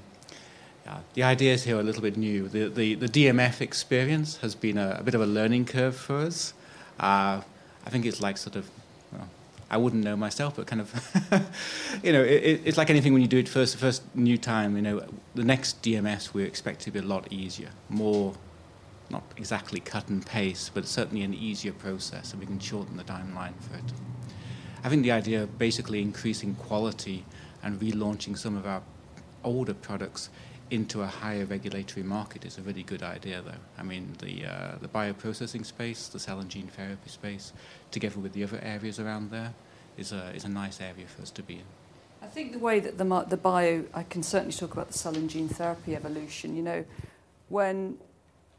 The ideas here are a little bit new. The DMF experience has been a bit of a learning curve for us. I think it's like sort of, well, I wouldn't know myself, but kind of, you know, it's like anything when you do it first, the first new time, you know. The next DMFs we expect to be a lot easier. More, not exactly cut and paste, but certainly an easier process, and we can shorten the timeline for it. I think the idea of basically increasing quality and relaunching some of our older products into a higher regulatory market is a really good idea, though. I mean, the bioprocessing space, the cell and gene therapy space, together with the other areas around there is a, is a nice area for us to be in. I think the way that I can certainly talk about the cell and gene therapy evolution. You know,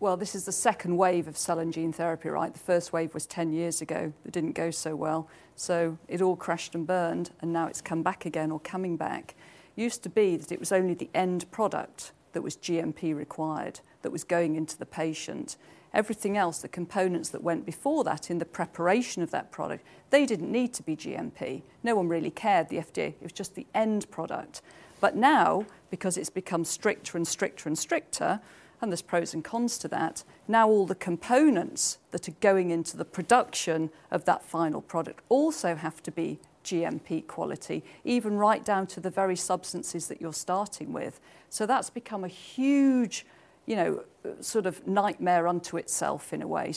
Well, this is the second wave of cell and gene therapy, right? The first wave was 10 years ago. It didn't go so well, so it all crashed and burned, and now it's come back again or coming back. Used to be that it was only the end product that was GMP required that was going into the patient. Everything else, the components that went before that in the preparation of that product, they didn't need to be GMP. No one really cared, the FDA. It was just the end product. Now, because it's become stricter and stricter and stricter, and there's pros and cons to that, all the components that are going into the production of that final product also have to be GMP quality, even right down to the very substances that you're starting with. That's become a huge, you know, sort of nightmare unto itself in a way.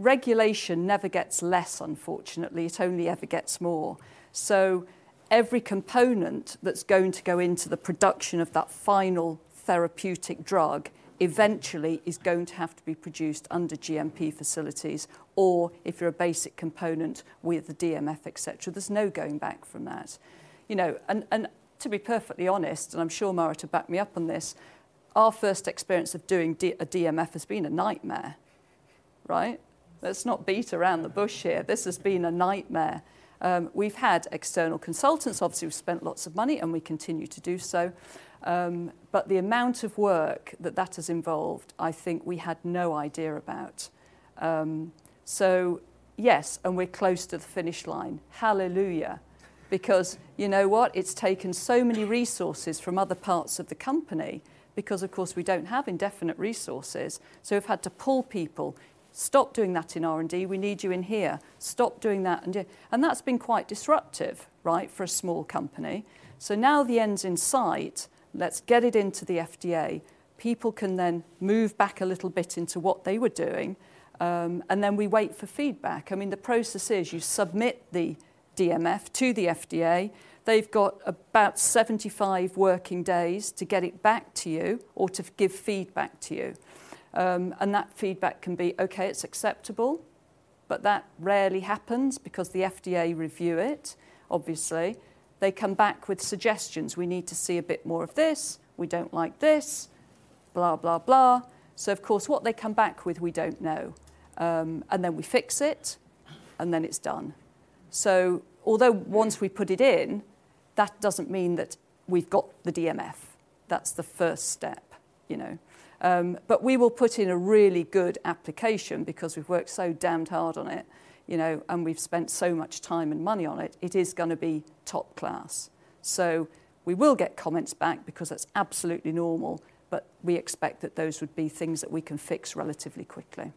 Regulation never gets less, unfortunately. It only ever gets more. Every component that's going to go into the production of that final therapeutic drug eventually is going to have to be produced under GMP facilities or if you're a basic component with the DMF, et cetera. There's no going back from that. You know, to be perfectly honest, and I'm sure Marit to back me up on this, our first experience of doing a DMF has been a nightmare, right? Let's not beat around the bush here. This has been a nightmare. We've had external consultants, obviously, we've spent lots of money and we continue to do so. The amount of work that that has involved, I think we had no idea about. Yes, and we're close to the finish line. Hallelujah. Because you know what? It's taken so many resources from other parts of the company because of course we don't have indefinite resources, so we've had to pull people. "Stop doing that in R&D. We need you in here. Stop doing that and..." That's been quite disruptive, right, for a small company. Now the end's in sight, let's get it into the FDA. People can then move back a little bit into what they were doing, and then we wait for feedback. I mean, the process is you submit the DMF to the FDA. They've got about 75 working days to get it back to you or to give feedback to you. And that feedback can be, "Okay, it's acceptable," but that rarely happens because the FDA review it, obviously. They come back with suggestions, "We need to see a bit more of this. We don't like this," blah, blah. Of course, what they come back with, we don't know. Then we fix it, and then it's done. Although once we put it in, that doesn't mean that we've got the DMF. That's the first step, you know. We will put in a really good application because we've worked so damned hard on it, you know, and we've spent so much time and money on it. It is gonna be top class. We will get comments back because that's absolutely normal, but we expect that those would be things that we can fix relatively quickly.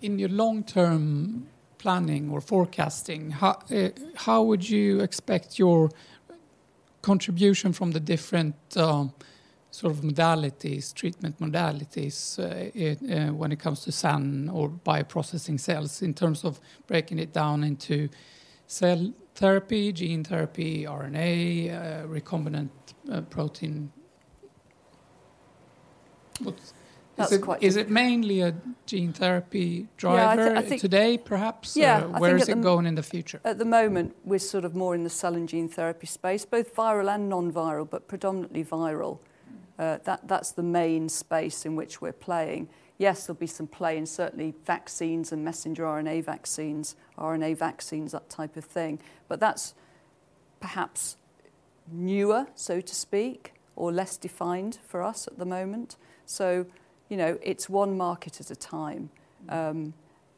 Just to follow up then. Mm-hmm. In your long-term planning or forecasting, how would you expect your contribution from the different, sort of modalities, treatment modalities, when it comes to SAN or bioprocessing cells in terms of breaking it down into cell therapy, gene therapy, RNA, recombinant protein? Looks- That's quite- Is it mainly a gene therapy driver? Yeah, I think.... today, perhaps? Yeah, I think. Where is it going in the future? At the moment, we're sort of more in the Cell and gene therapy space, both viral and non-viral, but predominantly viral. That's the main space in which we're playing. Yes, there'll be some play in certainly vaccines and mRNA vaccines, RNA vaccines, that type of thing, but that's perhaps newer, so to speak, or less defined for us at the moment. You know, it's one market at a time.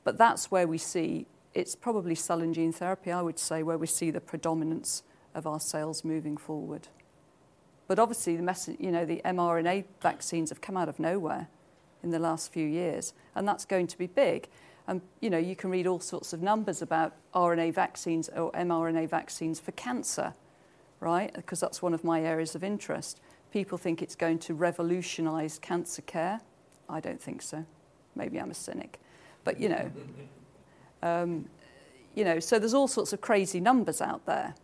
That's where we see it's probably Cell and gene therapy, I would say, where we see the predominance of our sales moving forward. Obviously, you know, the mRNA vaccines have come out of nowhere in the last few years, and that's going to be big. You know, you can read all sorts of numbers about RNA vaccines or mRNA vaccines for cancer, right? Because that's one of my areas of interest. People think it's going to revolutionize cancer care. I don't think so. Maybe I'm a cynic. You know, you know, so there's all sorts of crazy numbers out there.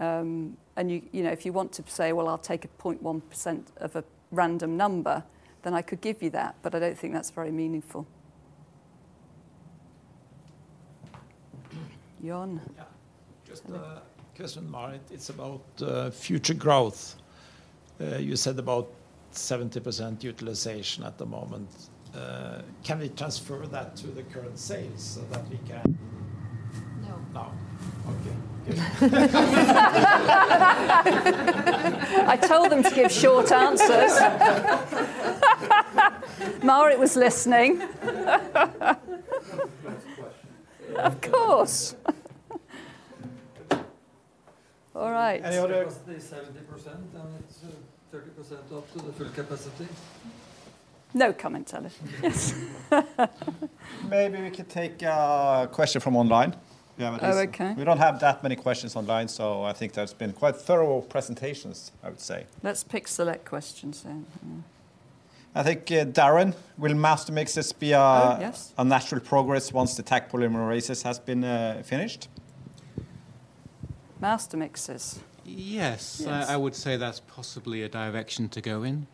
You, you know, if you want to say, "Well, I'll take a 0.1% of a random number," then I could give you that, but I don't think that's very meaningful. John? Yeah. Just a question, Marit. It's about future growth. You said about 70% utilization at the moment. Can we transfer that to the current sales so that we can. No. No. Okay. Okay. I told them to give short answers. Marit was listening. That's a nice question. Of course. All right. Any other- Capacity 70%, and it's 30% up to the full capacity. No comment,. Yes. Maybe we could take a question from online. We have at least- Oh, okay. We don't have that many questions online, so I think that's been quite thorough presentations, I would say. Let's pick select questions then. Mm-hmm. I think, Darren, will master mixes be? Oh, yes.... a natural progress once the Taq polymerases has been finished? Master mixes? Yes. Yes. I would say that's possibly a direction to go in.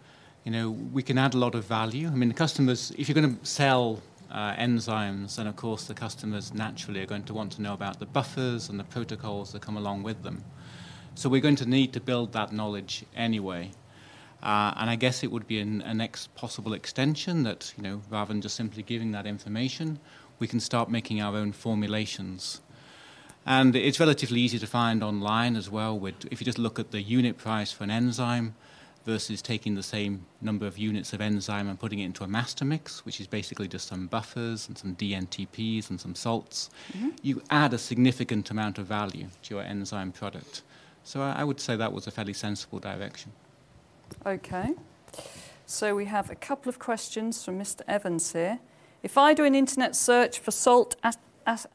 You know, we can add a lot of value. I mean, the customers, if you're gonna sell enzymes, then of course the customers naturally are going to want to know about the buffers and the protocols that come along with them. We're going to need to build that knowledge anyway. I guess it would be a next possible extension that, you know, rather than just simply giving that information, we can start making our own formulations. It's relatively easy to find online as well with. If you just look at the unit price for an enzyme versus taking the same number of units of enzyme and putting it into a master mix, which is basically just some buffers and some dNTPs and some salts. Mm-hmm... you add a significant amount of value to your enzyme product. I would say that was a fairly sensible direction. We have a couple of questions from Mr. Evans here. If I do an internet search for Salt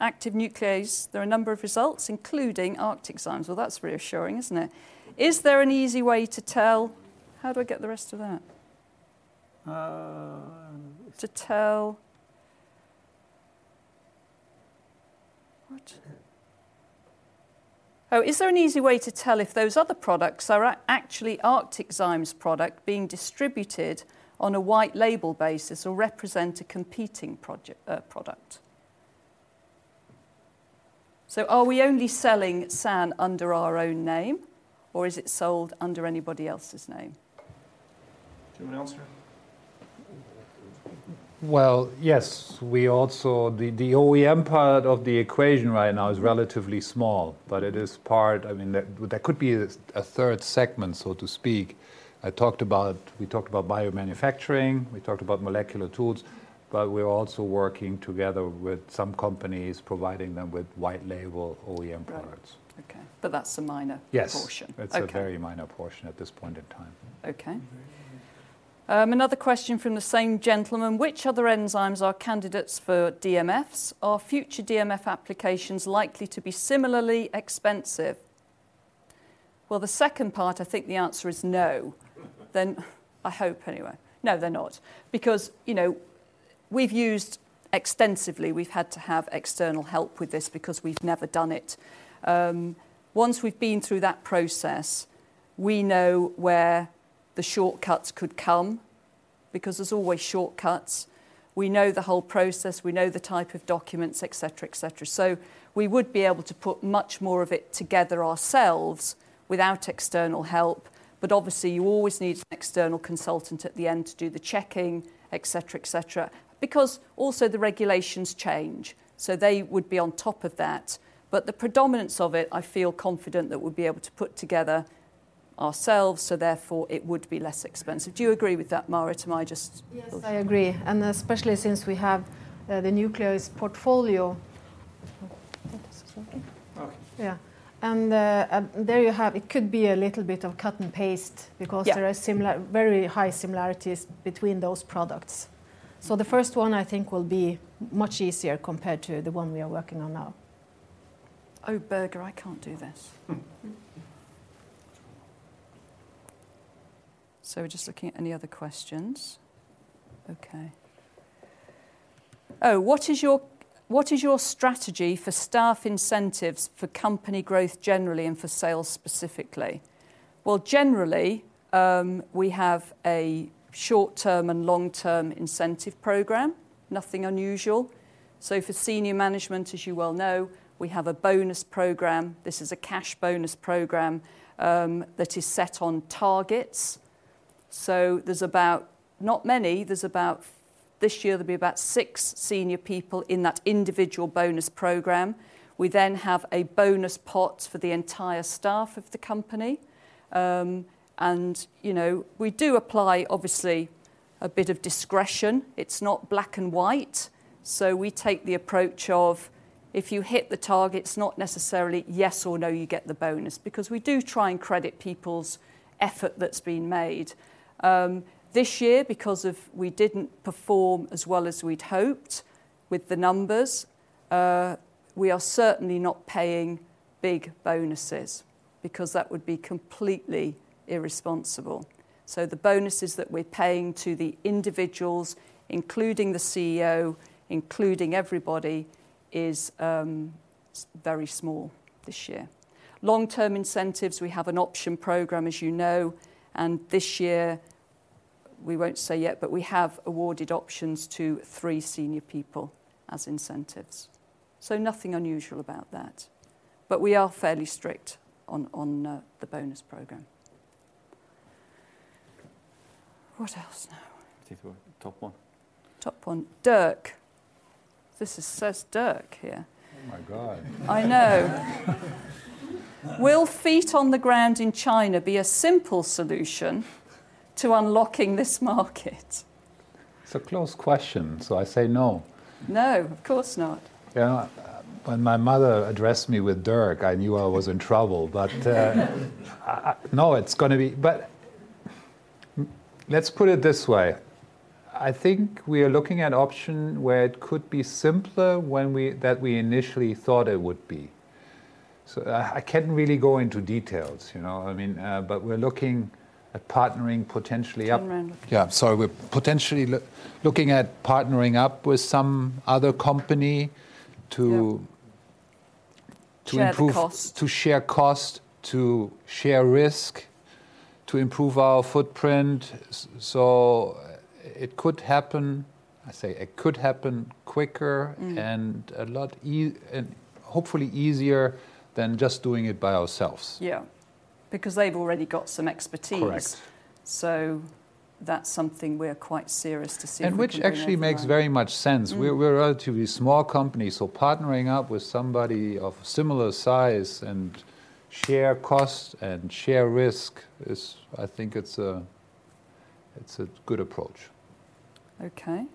Active Nuclease, there are a number of results, including ArcticZymes. Well, that's reassuring, isn't it? Is there an easy way to tell... How do I get the rest of that? Uh. To tell... What? Oh, is there an easy way to tell if those other products are actually ArcticZymes product being distributed on a white label basis or represent a competing product? Are we only selling SAN under our own name, or is it sold under anybody else's name? Anyone else here? Well, yes. The OEM part of the equation right now is relatively small, but it is part. I mean, that could be a third segment, so to speak. We talked about biomanufacturing, we talked about molecular tools, but we're also working together with some companies providing them with white label OEM products. Right. Okay. That's a minor- Yes... portion. Okay. It's a very minor portion at this point in time. Okay. Another question from the same gentleman. Which other enzymes are candidates for DMFs? Are future DMF applications likely to be similarly expensive? Well, the second part, I think the answer is no. I hope anyway. No, they're not, because, you know, we've used extensively, we've had to have external help with this because we've never done it. Once we've been through that process, we know where the shortcuts could come, because there's always shortcuts. We know the whole process, we know the type of documents, et cetera, et cetera. We would be able to put much more of it together ourselves without external help, but obviously you always need an external consultant at the end to do the checking, et cetera, et cetera. Also the regulations change, so they would be on top of that. The predominance of it, I feel confident that we'll be able to put together ourselves, so therefore it would be less expensive. Do you agree with that, Marit? Am I just... Yes, I agree. Especially since we have, the nuclease portfolio. Is this working? Okay. Yeah. There you have it. Could be a little bit of cut and paste. Yeah... there are similar, very high similarities between those products. The first one I think will be much easier compared to the one we are working on now. Oh, Birger, I can't do this. We're just looking at any other questions. Okay. Oh, what is your strategy for staff incentives for company growth generally and for sales specifically? Well, generally, we have a short-term and long-term incentive program. Nothing unusual. For senior management, as you well know, we have a bonus program. This is a cash bonus program that is set on targets. This year, there'll be about 6 senior people in that individual bonus program. We then have a bonus pot for the entire staff of the company. You know, we do apply, obviously, a bit of discretion. It's not black and white. We take the approach of, if you hit the targets, not necessarily yes or no you get the bonus, because we do try and credit people's effort that's been made. This year because of we didn't perform as well as we'd hoped with the numbers, we are certainly not paying big bonuses because that would be completely irresponsible. The bonuses that we're paying to the individuals, including the CEO, including everybody, is very small this year. Long-term incentives, we have an option program, as you know, and this year, we won't say yet, but we have awarded options to three senior people as incentives. Nothing unusual about that. We are fairly strict on the bonus program. What else now? I think top one. Top one. Dirk. This says Dirk here. Oh my God. I know. Will feet on the ground in China be a simple solution to unlocking this market? It's a closed question, so I say no. No, of course not. Yeah. When my mother addressed me with Dirk, I knew I was in trouble. No, it's gonna be. let's put it this way. I think we are looking at option where it could be simpler when we, that we initially thought it would be. I can't really go into details, you know. I mean, we're looking at partnering potentially up- Turn around. Yeah, sorry. We're potentially looking at partnering up with some other company to- Yeah... to. Share the cost.... to share cost, to share risk, to improve our footprint. It could happen, I say it could happen quicker- Mm A lot and hopefully easier than just doing it by ourselves. Yeah. They've already got some expertise. Correct. That's something we're quite serious to see if we can organize. Which actually makes very much sense. Mm. We're a relatively small company, so partnering up with somebody of similar size and share cost and share risk is, I think it's a good approach. Okay.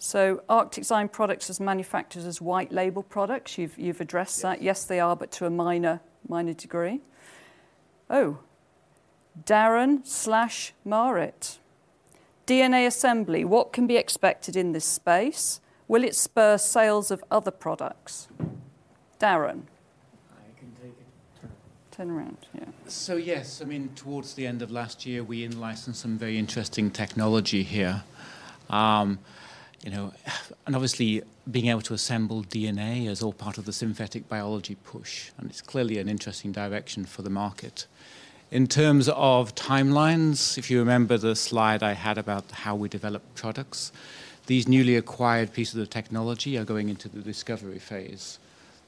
ArcticZymes products is manufactured as white label products. You've addressed that. Yes. Yes, they are, but to a minor degree. Oh, Darren/Marit. DNA assembly, what can be expected in this space? Will it spur sales of other products? Darren. I can take it. Turn. Turn around. Yeah. Yes, I mean, towards the end of last year, we in-licensed some very interesting technology here. You know, obviously being able to assemble DNA is all part of the synthetic biology push, and it's clearly an interesting direction for the market. In terms of timelines, if you remember the slide I had about how we develop products, these newly acquired pieces of technology are going into the discovery phase,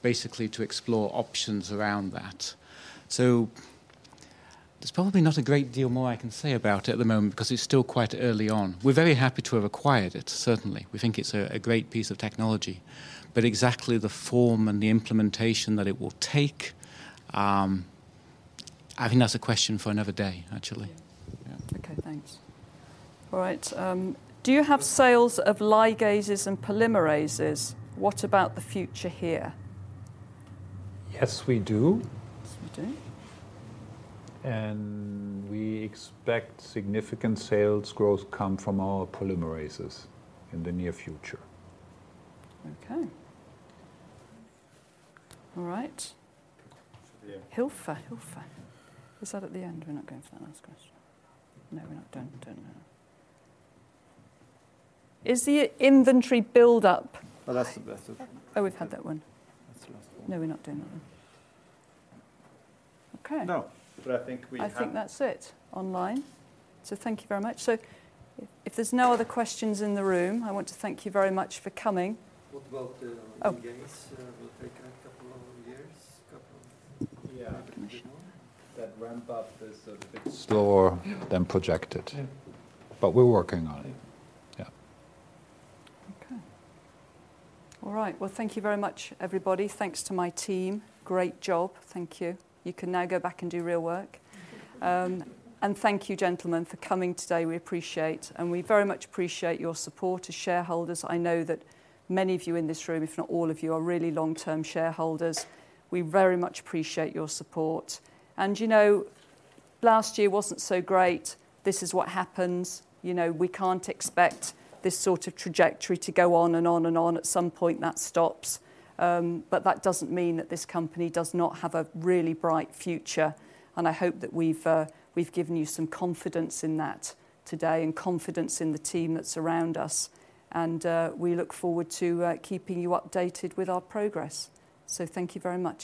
basically to explore options around that. There's probably not a great deal more I can say about it at the moment because it's still quite early on. We're very happy to have acquired it, certainly. We think it's a great piece of technology. Exactly the form and the implementation that it will take, I think that's a question for another day, actually. Yeah. Okay, thanks. All right. Do you have sales of ligases and polymerases? What about the future here? Yes, we do. Yes, we do. We expect significant sales growth come from our polymerases in the near future. Okay. All right. Over here. Hilfe. Hilfe. Is that at the end? We're not going for that last question. No, we're not. Don't know. Is the inventory build up- Oh, that's the last one. Oh, we've had that one. That's the last one. No, we're not doing that one. Okay. No, but I think we have-. I think that's it online. Thank you very much. If there's no other questions in the room, I want to thank you very much for coming. What about the- Oh... ligase? Will take a couple more years. Yeah couple more? That ramp-up is a bit... slower than projected. Yeah. We're working on it. Yeah. Okay. All right. Well, thank you very much, everybody. Thanks to my team. Great job. Thank you. You can now go back and do real work. Thank you, gentlemen, for coming today. We appreciate, and we very much appreciate your support as shareholders. I know that many of you in this room, if not all of you, are really long-term shareholders. We very much appreciate your support. You know, last year wasn't so great. This is what happens. You know, we can't expect this sort of trajectory to go on and on and on. At some point, that stops, but that doesn't mean that this company does not have a really bright future, and I hope that we've given you some confidence in that today and confidence in the team that surround us. We look forward to keeping you updated with our progress. Thank you very much.